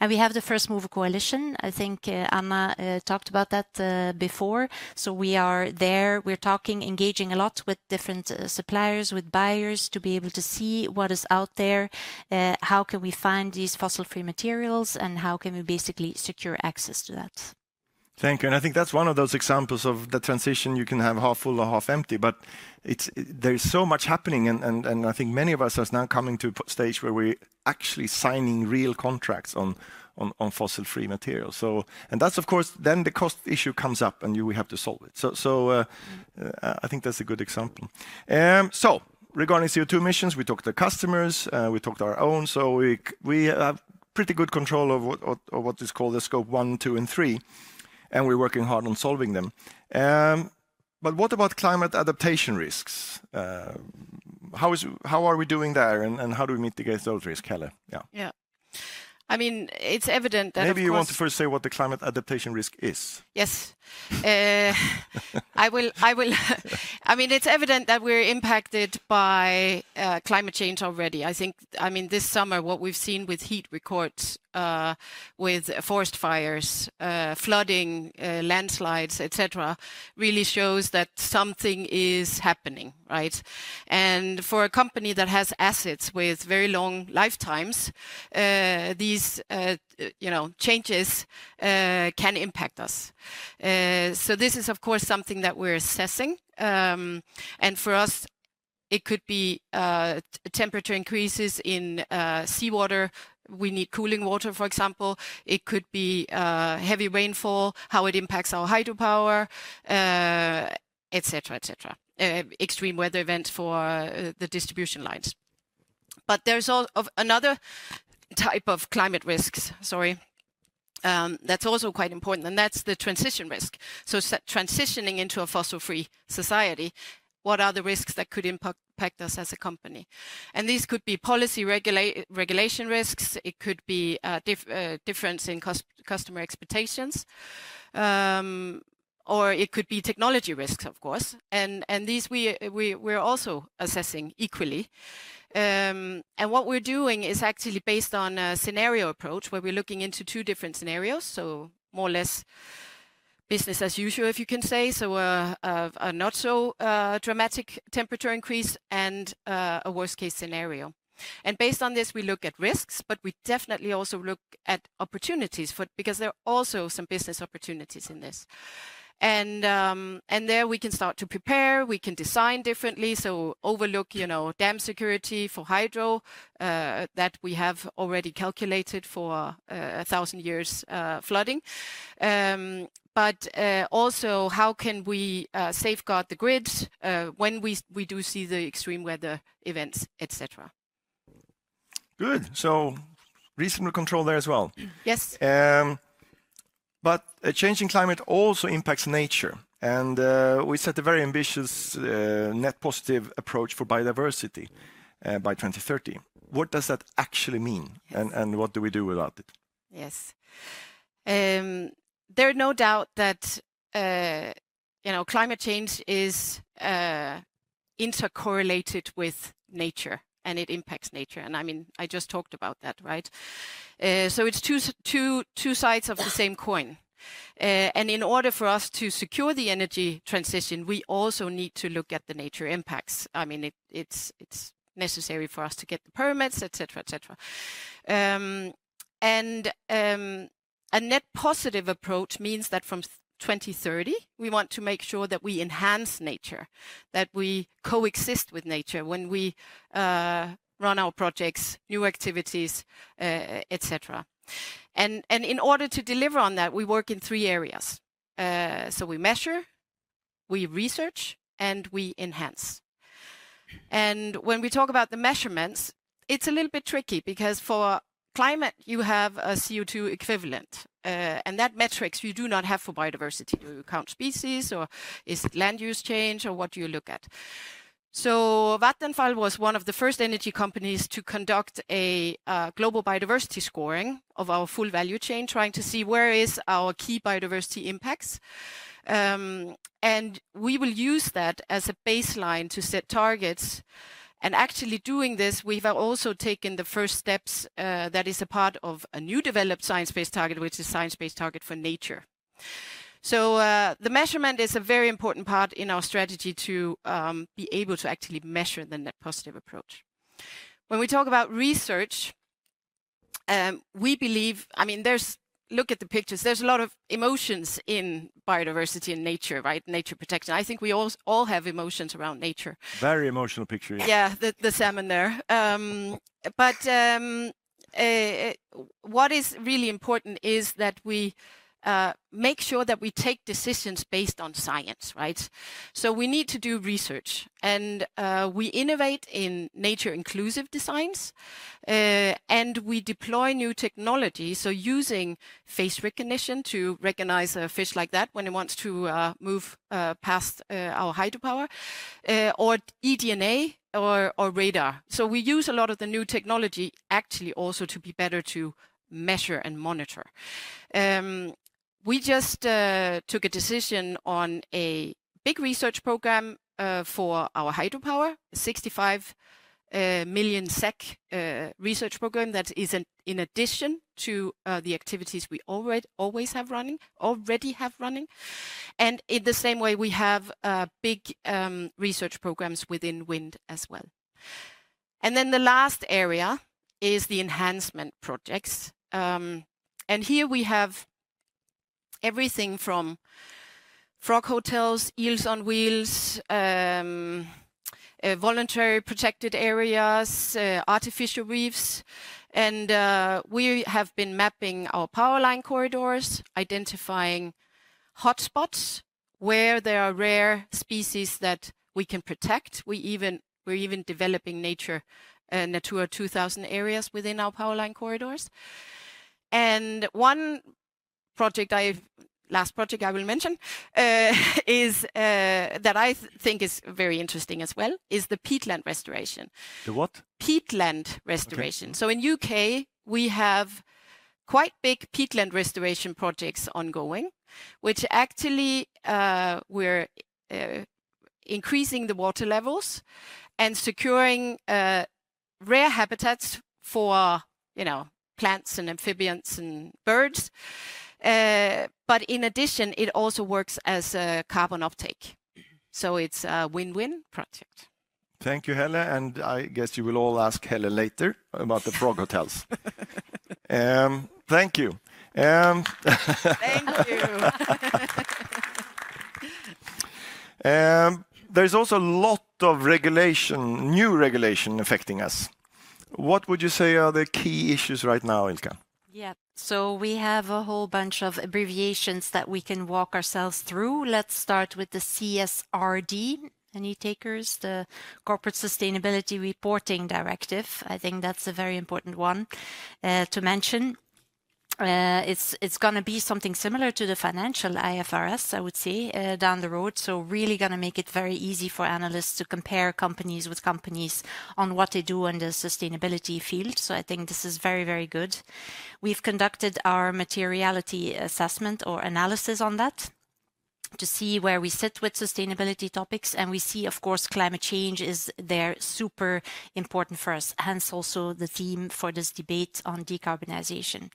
And we have the First Movers Coalition. I think Anna talked about that before. So we are there. We're talking, engaging a lot with different suppliers, with buyers, to be able to see what is out there. How can we find these fossil-free materials, and how can we basically secure access to that? Thank you. I think that's one of those examples of the transition you can have half full or half empty, but it's... There is so much happening, and I think many of us are now coming to a stage where we're actually signing real contracts on fossil-free materials. And that's, of course, then the cost issue comes up, and we have to solve it. So I think that's a good example. So regarding CO2 emissions, we talked to the customers, we talked to our own. So we have pretty good control of what is called the Scope one, two, and three, and we're working hard on solving them. But what about climate adaptation risks? How are we doing there, and how do we mitigate those risks, Helle? Yeah. Yeah. I mean, it's evident that, of course- Maybe you want to first say what the climate adaptation risk is. Yes. I will. I mean, it's evident that we're impacted by climate change already. I think. I mean, this summer, what we've seen with heat records, with forest fires, flooding, landslides, et cetera, really shows that something is happening, right? For a company that has assets with very long lifetimes, these, you know, changes can impact us. So this is, of course, something that we're assessing. For us, it could be temperature increases in seawater. We need cooling water, for example. It could be heavy rainfall, how it impacts our hydropower, et cetera, et cetera. Extreme weather events for the distribution lines. But there's also another type of climate risks, sorry, that's also quite important, and that's the transition risk. So transitioning into a fossil-free society, what are the risks that could impact us as a company? And these could be policy regulation risks, it could be a difference in customer expectations, or it could be technology risks, of course. And these we're also assessing equally. And what we're doing is actually based on a scenario approach, where we're looking into two different scenarios. So more or less business as usual, if you can say so, a not so dramatic temperature increase and a worst-case scenario. And based on this, we look at risks, but we definitely also look at opportunities for... because there are also some business opportunities in this. There we can start to prepare, we can design differently, so overlook, you know, dam security for hydro that we have already calculated for 1,000 years flooding. But also, how can we safeguard the grids when we do see the extreme weather events, et cetera? Good. So reasonable control there as well. Yes. A changing climate also impacts nature, and we set a very ambitious net positive approach for biodiversity by 2030. What does that actually mean? Yes. What do we do about it? Yes. There are no doubt that, you know, climate change is intercorrelated with nature, and it impacts nature, and, I mean, I just talked about that, right? So it's two, two sides of the same coin. And in order for us to secure the energy transition, we also need to look at the nature impacts. I mean, it's necessary for us to get the permits, et cetera, et cetera. And a net positive approach means that from 2030, we want to make sure that we enhance nature, that we coexist with nature when we run our projects, new activities, et cetera. And in order to deliver on that, we work in three areas. So we measure, we research, and we enhance. And when we talk about the measurements, it's a little bit tricky because for climate, you have a CO2 equivalent, and that metrics you do not have for biodiversity. Do you count species, or is it land use change, or what do you look at? So Vattenfall was one of the first energy companies to conduct a global biodiversity scoring of our full value chain, trying to see where is our key biodiversity impacts. And we will use that as a baseline to set targets. And actually doing this, we've also taken the first steps, that is a part of a new developed science-based target, which is science-based target for nature. So, the measurement is a very important part in our strategy to be able to actually measure the net positive approach. When we talk about research, look at the pictures. There's a lot of emotions in biodiversity and nature, right? Nature protection. I think we all have emotions around nature. Very emotional picture, yes. Yeah, the salmon there. But what is really important is that we make sure that we take decisions based on science, right? So we need to do research, and we innovate in nature-inclusive designs, and we deploy new technology, so using face recognition to recognize a fish like that when it wants to move past our hydropower, or eDNA or radar. So we use a lot of the new technology actually also to be better to measure and monitor. We just took a decision on a big research program for our hydropower, 65 million SEK research program that is in addition to the activities we already have running. And in the same way, we have big research programs within wind as well. Then the last area is the enhancement projects. Here we have everything from frog hotels, eels on wheels, voluntary protected areas, artificial reefs. We have been mapping our power line corridors, identifying hotspots where there are rare species that we can protect. We're even developing nature, Natura 2000 areas within our power line corridors. One project, the last project I will mention, is that I think is very interesting as well, is the peatland restoration. The what? Peatland restoration. Okay. So in U.K., we have quite big peatland restoration projects ongoing, which actually, we're increasing the water levels and securing rare habitats for, you know, plants and amphibians and birds. But in addition, it also works as a carbon uptake. Mm-hmm. It's a win-win project. Thank you, Helle, and I guess you will all ask Helle later about the frog hotels. Thank you. Thank you. There's also a lot of regulation, new regulation affecting us. What would you say are the key issues right now, Ilka? Yeah. So we have a whole bunch of abbreviations that we can walk ourselves through. Let's start with the CSRD. Any takers? The Corporate Sustainability Reporting Directive. I think that's a very important one to mention. It's gonna be something similar to the financial IFRS, I would say, down the road. So really gonna make it very easy for analysts to compare companies with companies on what they do in the sustainability field. So I think this is very, very good. We've conducted our materiality assessment or analysis on that, to see where we sit with sustainability topics, and we see, of course, climate change is there, super important for us, hence also the theme for this debate on decarbonization.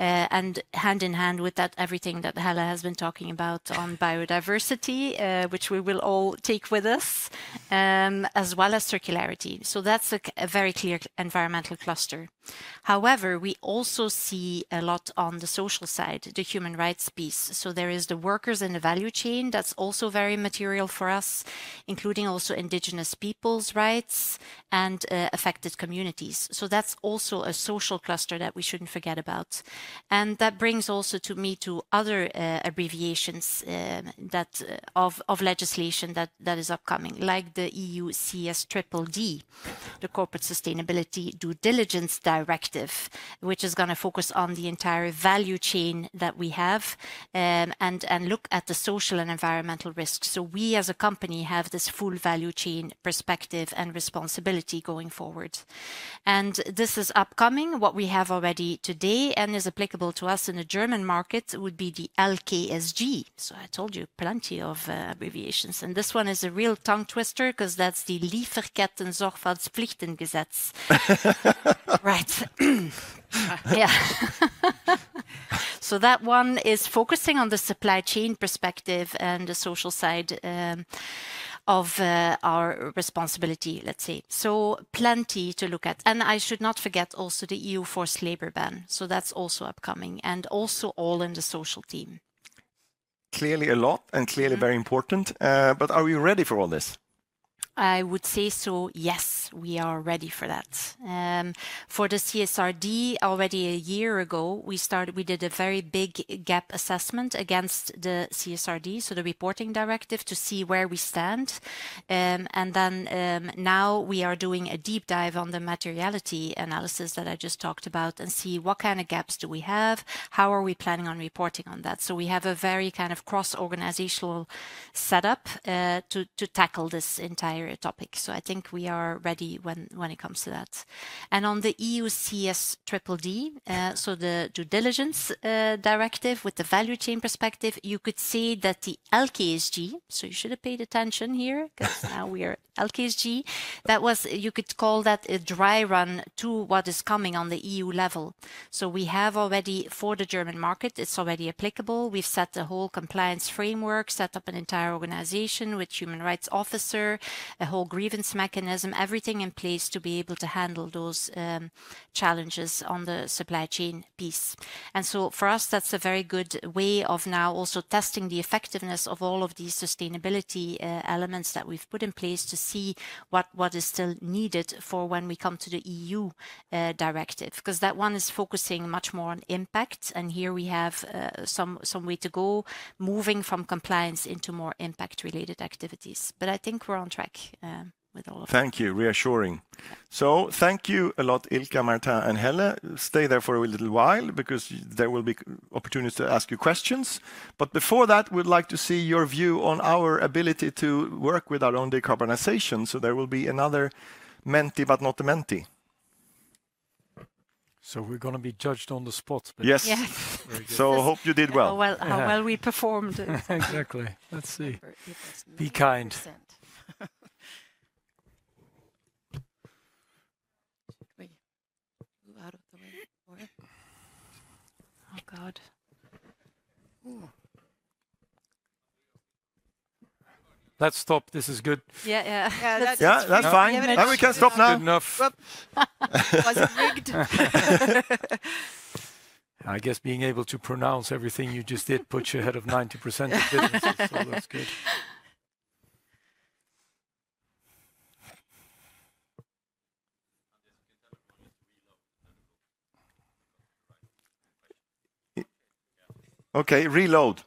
And hand in hand with that, everything that Helle has been talking about on biodiversity, which we will all take with us, as well as circularity. So that's a very clear environmental cluster. However, we also see a lot on the social side, the human rights piece. So there is the workers in the value chain, that's also very material for us, including also indigenous peoples' rights and affected communities. So that's also a social cluster that we shouldn't forget about. And that brings also to me to other abbreviations of legislation that is upcoming, like the EU CSDDD, the Corporate Sustainability Due Diligence Directive, which is gonna focus on the entire value chain that we have, and look at the social and environmental risks. So we, as a company, have this full value chain perspective and responsibility going forward. And this is upcoming. What we have already today, and is applicable to us in the German market, would be the LKSG. So I told you, plenty of abbreviations, and this one is a real tongue twister 'cause that's the Lieferkettensorgfaltspflichtengesetz. Right. Yeah. So that one is focusing on the supply chain perspective and the social side of our responsibility, let's say. So plenty to look at. And I should not forget also the EU forced labor ban, so that's also upcoming, and also all in the social theme. Clearly a lot, and clearly- Mm... very important. But are we ready for all this? I would say so, yes, we are ready for that. For the CSRD, already a year ago, we did a very big gap assessment against the CSRD, so the reporting directive, to see where we stand. And then, now we are doing a deep dive on the materiality analysis that I just talked about, and see what kind of gaps do we have? How are we planning on reporting on that? So we have a very kind of cross-organizational setup, to tackle this entire topic. So I think we are ready when it comes to that. And on the EU CSDDD, so the Due Diligence, Directive with the value chain perspective, you could say that the LKSG, so you should have paid attention here, 'cause now we are LKSG. That was, you could call that a dry run to what is coming on the EU level. So we have already, for the German market, it's already applicable. We've set the whole compliance framework, set up an entire organization with human rights officer, a whole grievance mechanism, everything in place to be able to handle those challenges on the supply chain piece. And so for us, that's a very good way of now also testing the effectiveness of all of these sustainability elements that we've put in place to see what is still needed for when we come to the EU directive. 'Cause that one is focusing much more on impact, and here we have some way to go, moving from compliance into more impact-related activities. But I think we're on track with all of that. Thank you. Reassuring. So thank you a lot, Ilka, Martijn, and Helle. Stay there for a little while because there will be opportunities to ask you questions. But before that, we'd like to see your view on our ability to work with our own decarbonization, so there will be another menti, but not menti. We're gonna be judged on the spot, please? Yes. Yes. So, hope you did well. How well, how well we performed. Exactly. Let's see. Yeah. Be kind. Should we out of the way more? Oh, God! Oh. Let's stop. This is good. Yeah, yeah. Yeah, that's- Yeah, that's fine. Now we can stop now. Good enough. Stop. It was rigged. I guess being able to pronounce everything you just did, put you ahead of 90% of businesses, so that's good. Okay, reload.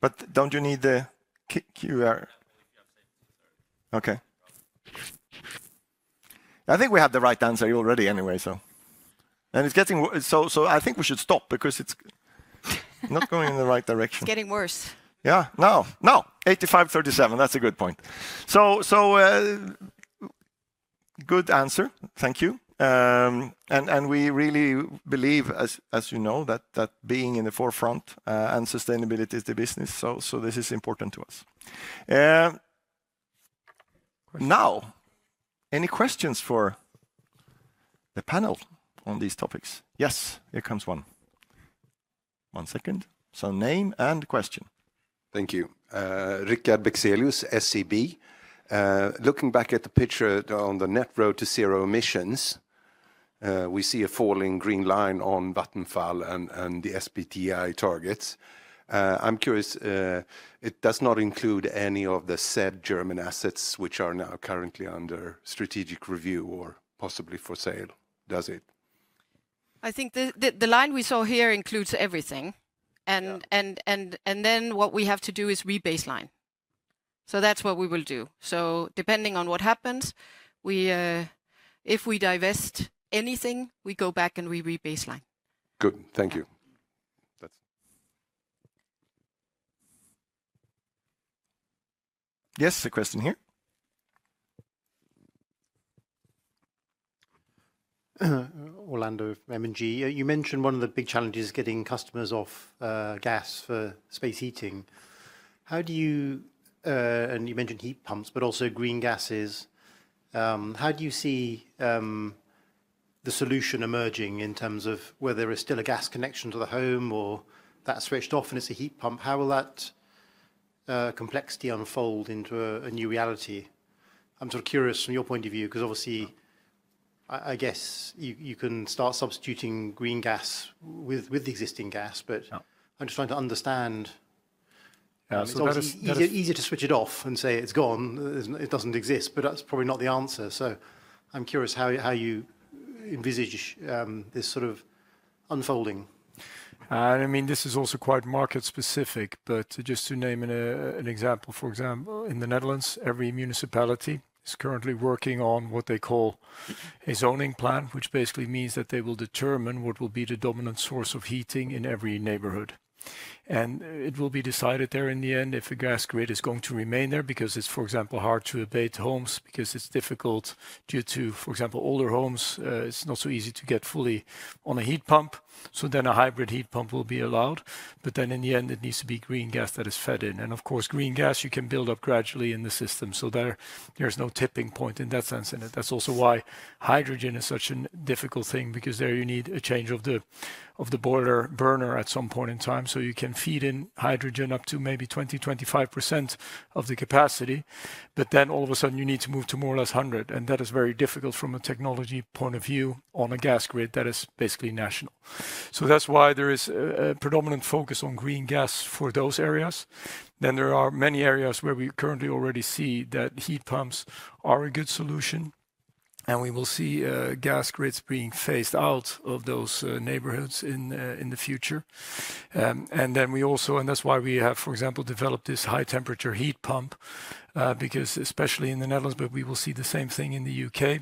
But don't you need the QR? Okay. I think we have the right answer already anyway, so... And it's getting so, so I think we should stop because it's not going in the right direction. It's getting worse. Yeah. No, no, 85, 37. That's a good point. So, so, good answer. Thank you. And, and we really believe, as, as you know, that, that being in the forefront, and sustainability is the business, so, so this is important to us. Question... Now, any questions for the panel on these topics? Yes, here comes one. One second. So name and question. Thank you. Richard Bexelius, SEB. Looking back at the picture on the net road to zero emissions, we see a falling green line on Vattenfall and the SBTi targets. I'm curious, it does not include any of the said German assets, which are now currently under strategic review or possibly for sale, does it? I think the line we saw here includes everything. Yeah. And then what we have to do is rebaseline. So that's what we will do. So depending on what happens, we, if we divest anything, we go back and we rebaseline. Good. Thank you. That's... Yes, a question here. Orlando, M&G. You mentioned one of the big challenges is getting customers off gas for space heating. You mentioned heat pumps, but also green gases. How do you see the solution emerging in terms of whether there is still a gas connection to the home or that's switched off and it's a heat pump? How will that complexity unfold into a new reality? I'm sort of curious from your point of view, because obviously, I guess you can start substituting green gas with the existing gas, but- Yeah... I'm just trying to understand. Yeah, so that is- It's obviously easier to switch it off and say it's gone, it doesn't exist, but that's probably not the answer. So I'm curious how you envisage this sort of unfolding. I mean, this is also quite market specific, but just to name an example, for example, in the Netherlands, every municipality is currently working on what they call a zoning plan, which basically means that they will determine what will be the dominant source of heating in every neighborhood. And it will be decided there in the end, if a gas grid is going to remain there, because it's, for example, hard to abate homes because it's difficult due to, for example, older homes, it's not so easy to get fully on a heat pump, so then a hybrid heat pump will be allowed. But then in the end, it needs to be green gas that is fed in. Of course, green gas you can build up gradually in the system, so there, there's no tipping point in that sense, and that's also why hydrogen is such a difficult thing, because there you need a change of the boiler burner at some point in time, so you can feed in hydrogen up to maybe 20-25% of the capacity, but then all of a sudden, you need to move to more or less 100%, and that is very difficult from a technology point of view on a gas grid that is basically national. So that's why there is a predominant focus on green gas for those areas. Then there are many areas where we currently already see that heat pumps are a good solution, and we will see gas grids being phased out of those neighborhoods in the future. And that's why we have, for example, developed this high temperature heat pump, because especially in the Netherlands, but we will see the same thing in the U.K,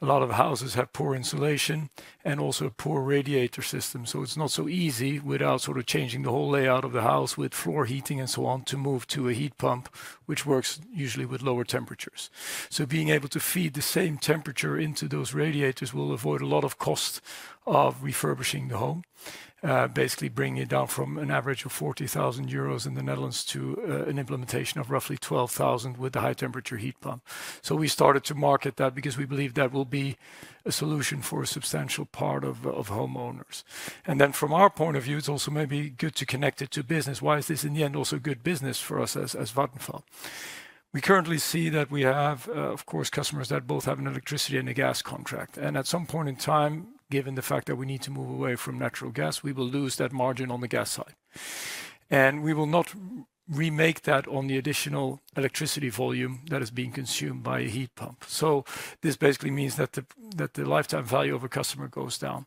a lot of houses have poor insulation and also poor radiator systems, so it's not so easy without sort of changing the whole layout of the house with floor heating and so on, to move to a heat pump, which works usually with lower temperatures. So being able to feed the same temperature into those radiators will avoid a lot of cost of refurbishing the home, basically bringing it down from an average of 40,000 euros in the Netherlands to an implementation of roughly 12,000 with the high temperature heat pump. So we started to market that because we believe that will be a solution for a substantial part of homeowners. And then from our point of view, it's also maybe good to connect it to business. Why is this, in the end, also good business for us as, as Vattenfall? We currently see that we have, of course, customers that both have an electricity and a gas contract. And at some point in time, given the fact that we need to move away from natural gas, we will lose that margin on the gas side. And we will not re-make that on the additional electricity volume that is being consumed by a heat pump. So this basically means that the, that the lifetime value of a customer goes down.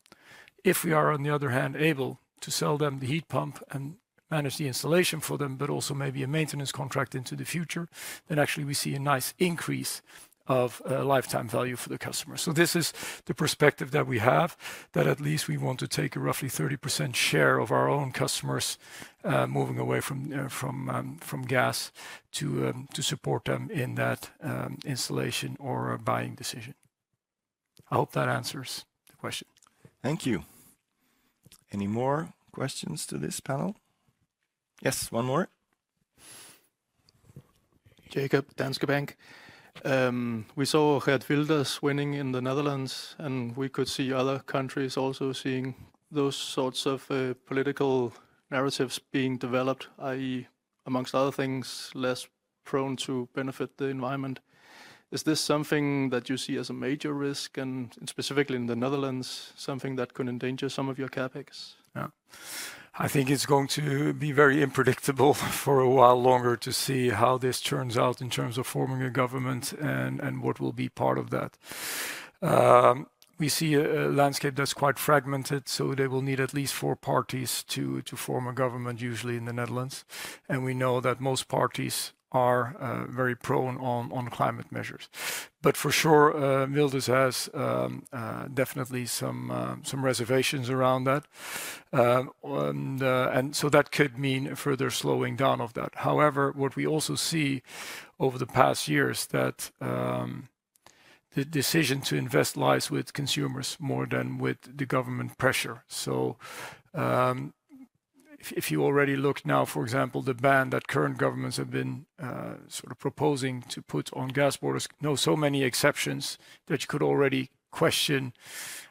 If we are, on the other hand, able to sell them the heat pump and manage the installation for them, but also maybe a maintenance contract into the future, then actually we see a nice increase of lifetime value for the customer. So this is the perspective that we have, that at least we want to take a roughly 30% share of our own customers moving away from gas to support them in that installation or a buying decision. I hope that answers the question. Thank you. Any more questions to this panel? Yes, one more. Jakob, Danske Bank. We saw Geert Wilders winning in the Netherlands, and we could see other countries also seeing those sorts of political narratives being developed, i.e., amongst other things, less prone to benefit the environment. Is this something that you see as a major risk and, and specifically in the Netherlands, something that could endanger some of your CapEx? Yeah. I think it's going to be very unpredictable for a while longer to see how this turns out in terms of forming a government and what will be part of that. We see a landscape that's quite fragmented, so they will need at least four parties to form a government, usually, in the Netherlands. And we know that most parties are very prone on climate measures. But for sure, Wilders has definitely some reservations around that. And so that could mean a further slowing down of that. However, what we also see over the past years, that the decision to invest lies with consumers more than with the government pressure. So, if you already look now, for example, the ban that current governments have been sort of proposing to put on gas boilers. Now so many exceptions that you could already question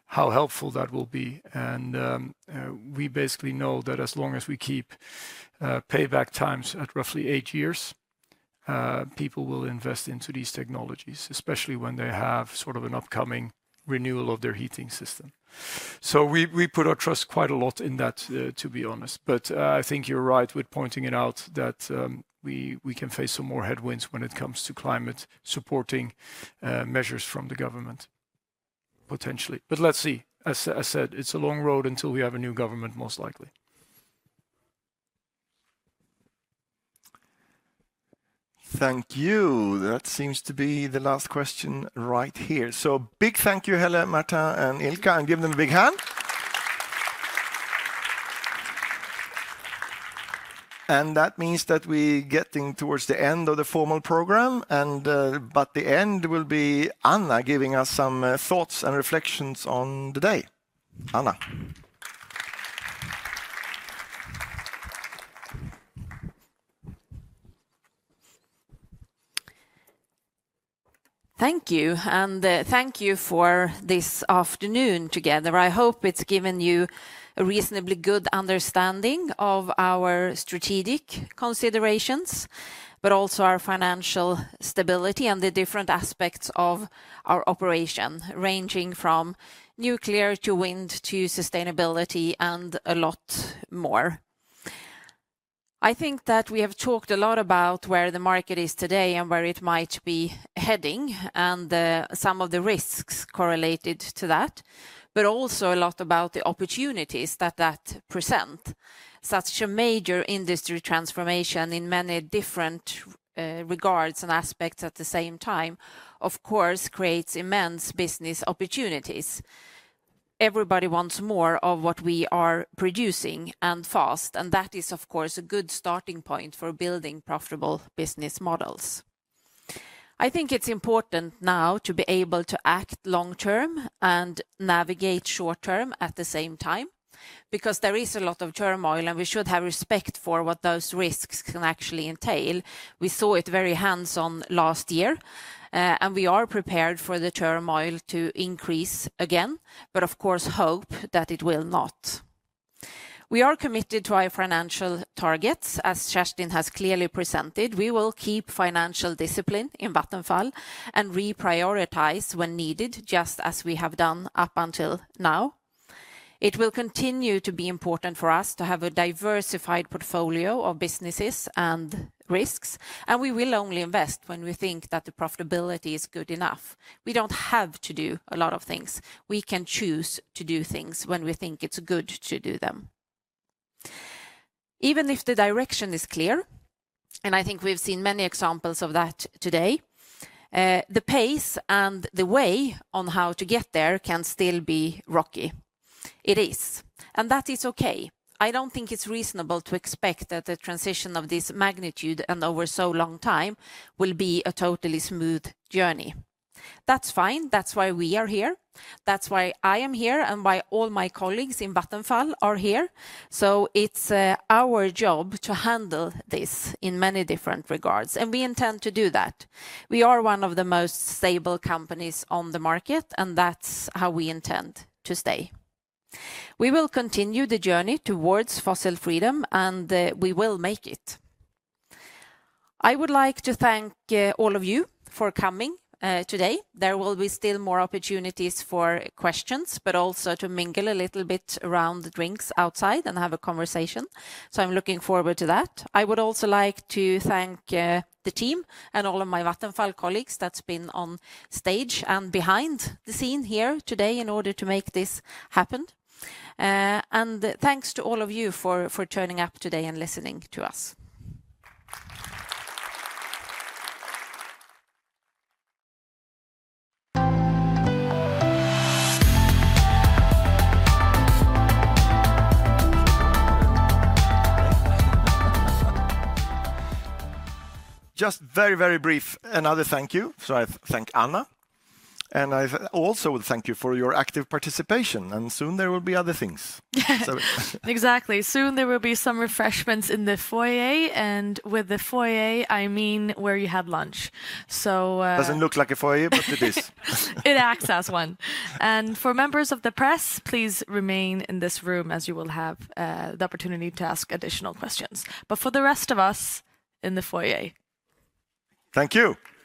how helpful that will be. And we basically know that as long as we keep payback times at roughly eight years, people will invest into these technologies, especially when they have sort of an upcoming renewal of their heating system. So we put our trust quite a lot in that, to be honest. But I think you're right with pointing it out that we can face some more headwinds when it comes to climate-supporting measures from the government, potentially. But let's see. As I said, it's a long road until we have a new government, most likely. Thank you. That seems to be the last question right here. So big thank you, Helle, Marta, and, and give them a big hand. And that means that we're getting towards the end of the formal program, and, but the end will be Anna giving us some thoughts and reflections on the day. Anna. Thank you, and thank you for this afternoon together. I hope it's given you a reasonably good understanding of our strategic considerations, but also our financial stability and the different aspects of our operation, ranging from nuclear to wind, to sustainability, and a lot more. I think that we have talked a lot about where the market is today and where it might be heading, and some of the risks correlated to that, but also a lot about the opportunities that, that present. Such a major industry transformation in many different regards and aspects at the same time, of course, creates immense business opportunities. Everybody wants more of what we are producing, and fast, and that is, of course, a good starting point for building profitable business models. I think it's important now to be able to act long term and navigate short term at the same time, because there is a lot of turmoil, and we should have respect for what those risks can actually entail. We saw it very hands-on last year, and we are prepared for the turmoil to increase again, but of course, hope that it will not. We are committed to our financial targets. As Kerstin has clearly presented, we will keep financial discipline in Vattenfall and reprioritize when needed, just as we have done up until now. It will continue to be important for us to have a diversified portfolio of businesses and risks, and we will only invest when we think that the profitability is good enough. We don't have to do a lot of things. We can choose to do things when we think it's good to do them. Even if the direction is clear, and I think we've seen many examples of that today, the pace and the way on how to get there can still be rocky. It is, and that is okay. I don't think it's reasonable to expect that a transition of this magnitude and over so long time will be a totally smooth journey. That's fine. That's why we are here. That's why I am here and why all my colleagues in Vattenfall are here. So it's our job to handle this in many different regards, and we intend to do that. We are one of the most stable companies on the market, and that's how we intend to stay. We will continue the journey towards fossil freedom, and we will make it. I would like to thank all of you for coming today. There will be still more opportunities for questions, but also to mingle a little bit around the drinks outside and have a conversation, so I'm looking forward to that. I would also like to thank the team and all of my Vattenfall colleagues that's been on stage and behind the scene here today in order to make this happen. And thanks to all of you for turning up today and listening to us. Just very, very brief, another thank you. I thank Anna, and I also would thank you for your active participation, and soon there will be other things. Exactly. Soon there will be some refreshments in the foyer, and with the foyer, I mean where you had lunch. So, Doesn't look like a foyer, but it is. It acts as one. For members of the press, please remain in this room, as you will have the opportunity to ask additional questions.. ut for the rest of us, in the foyer. Thank you.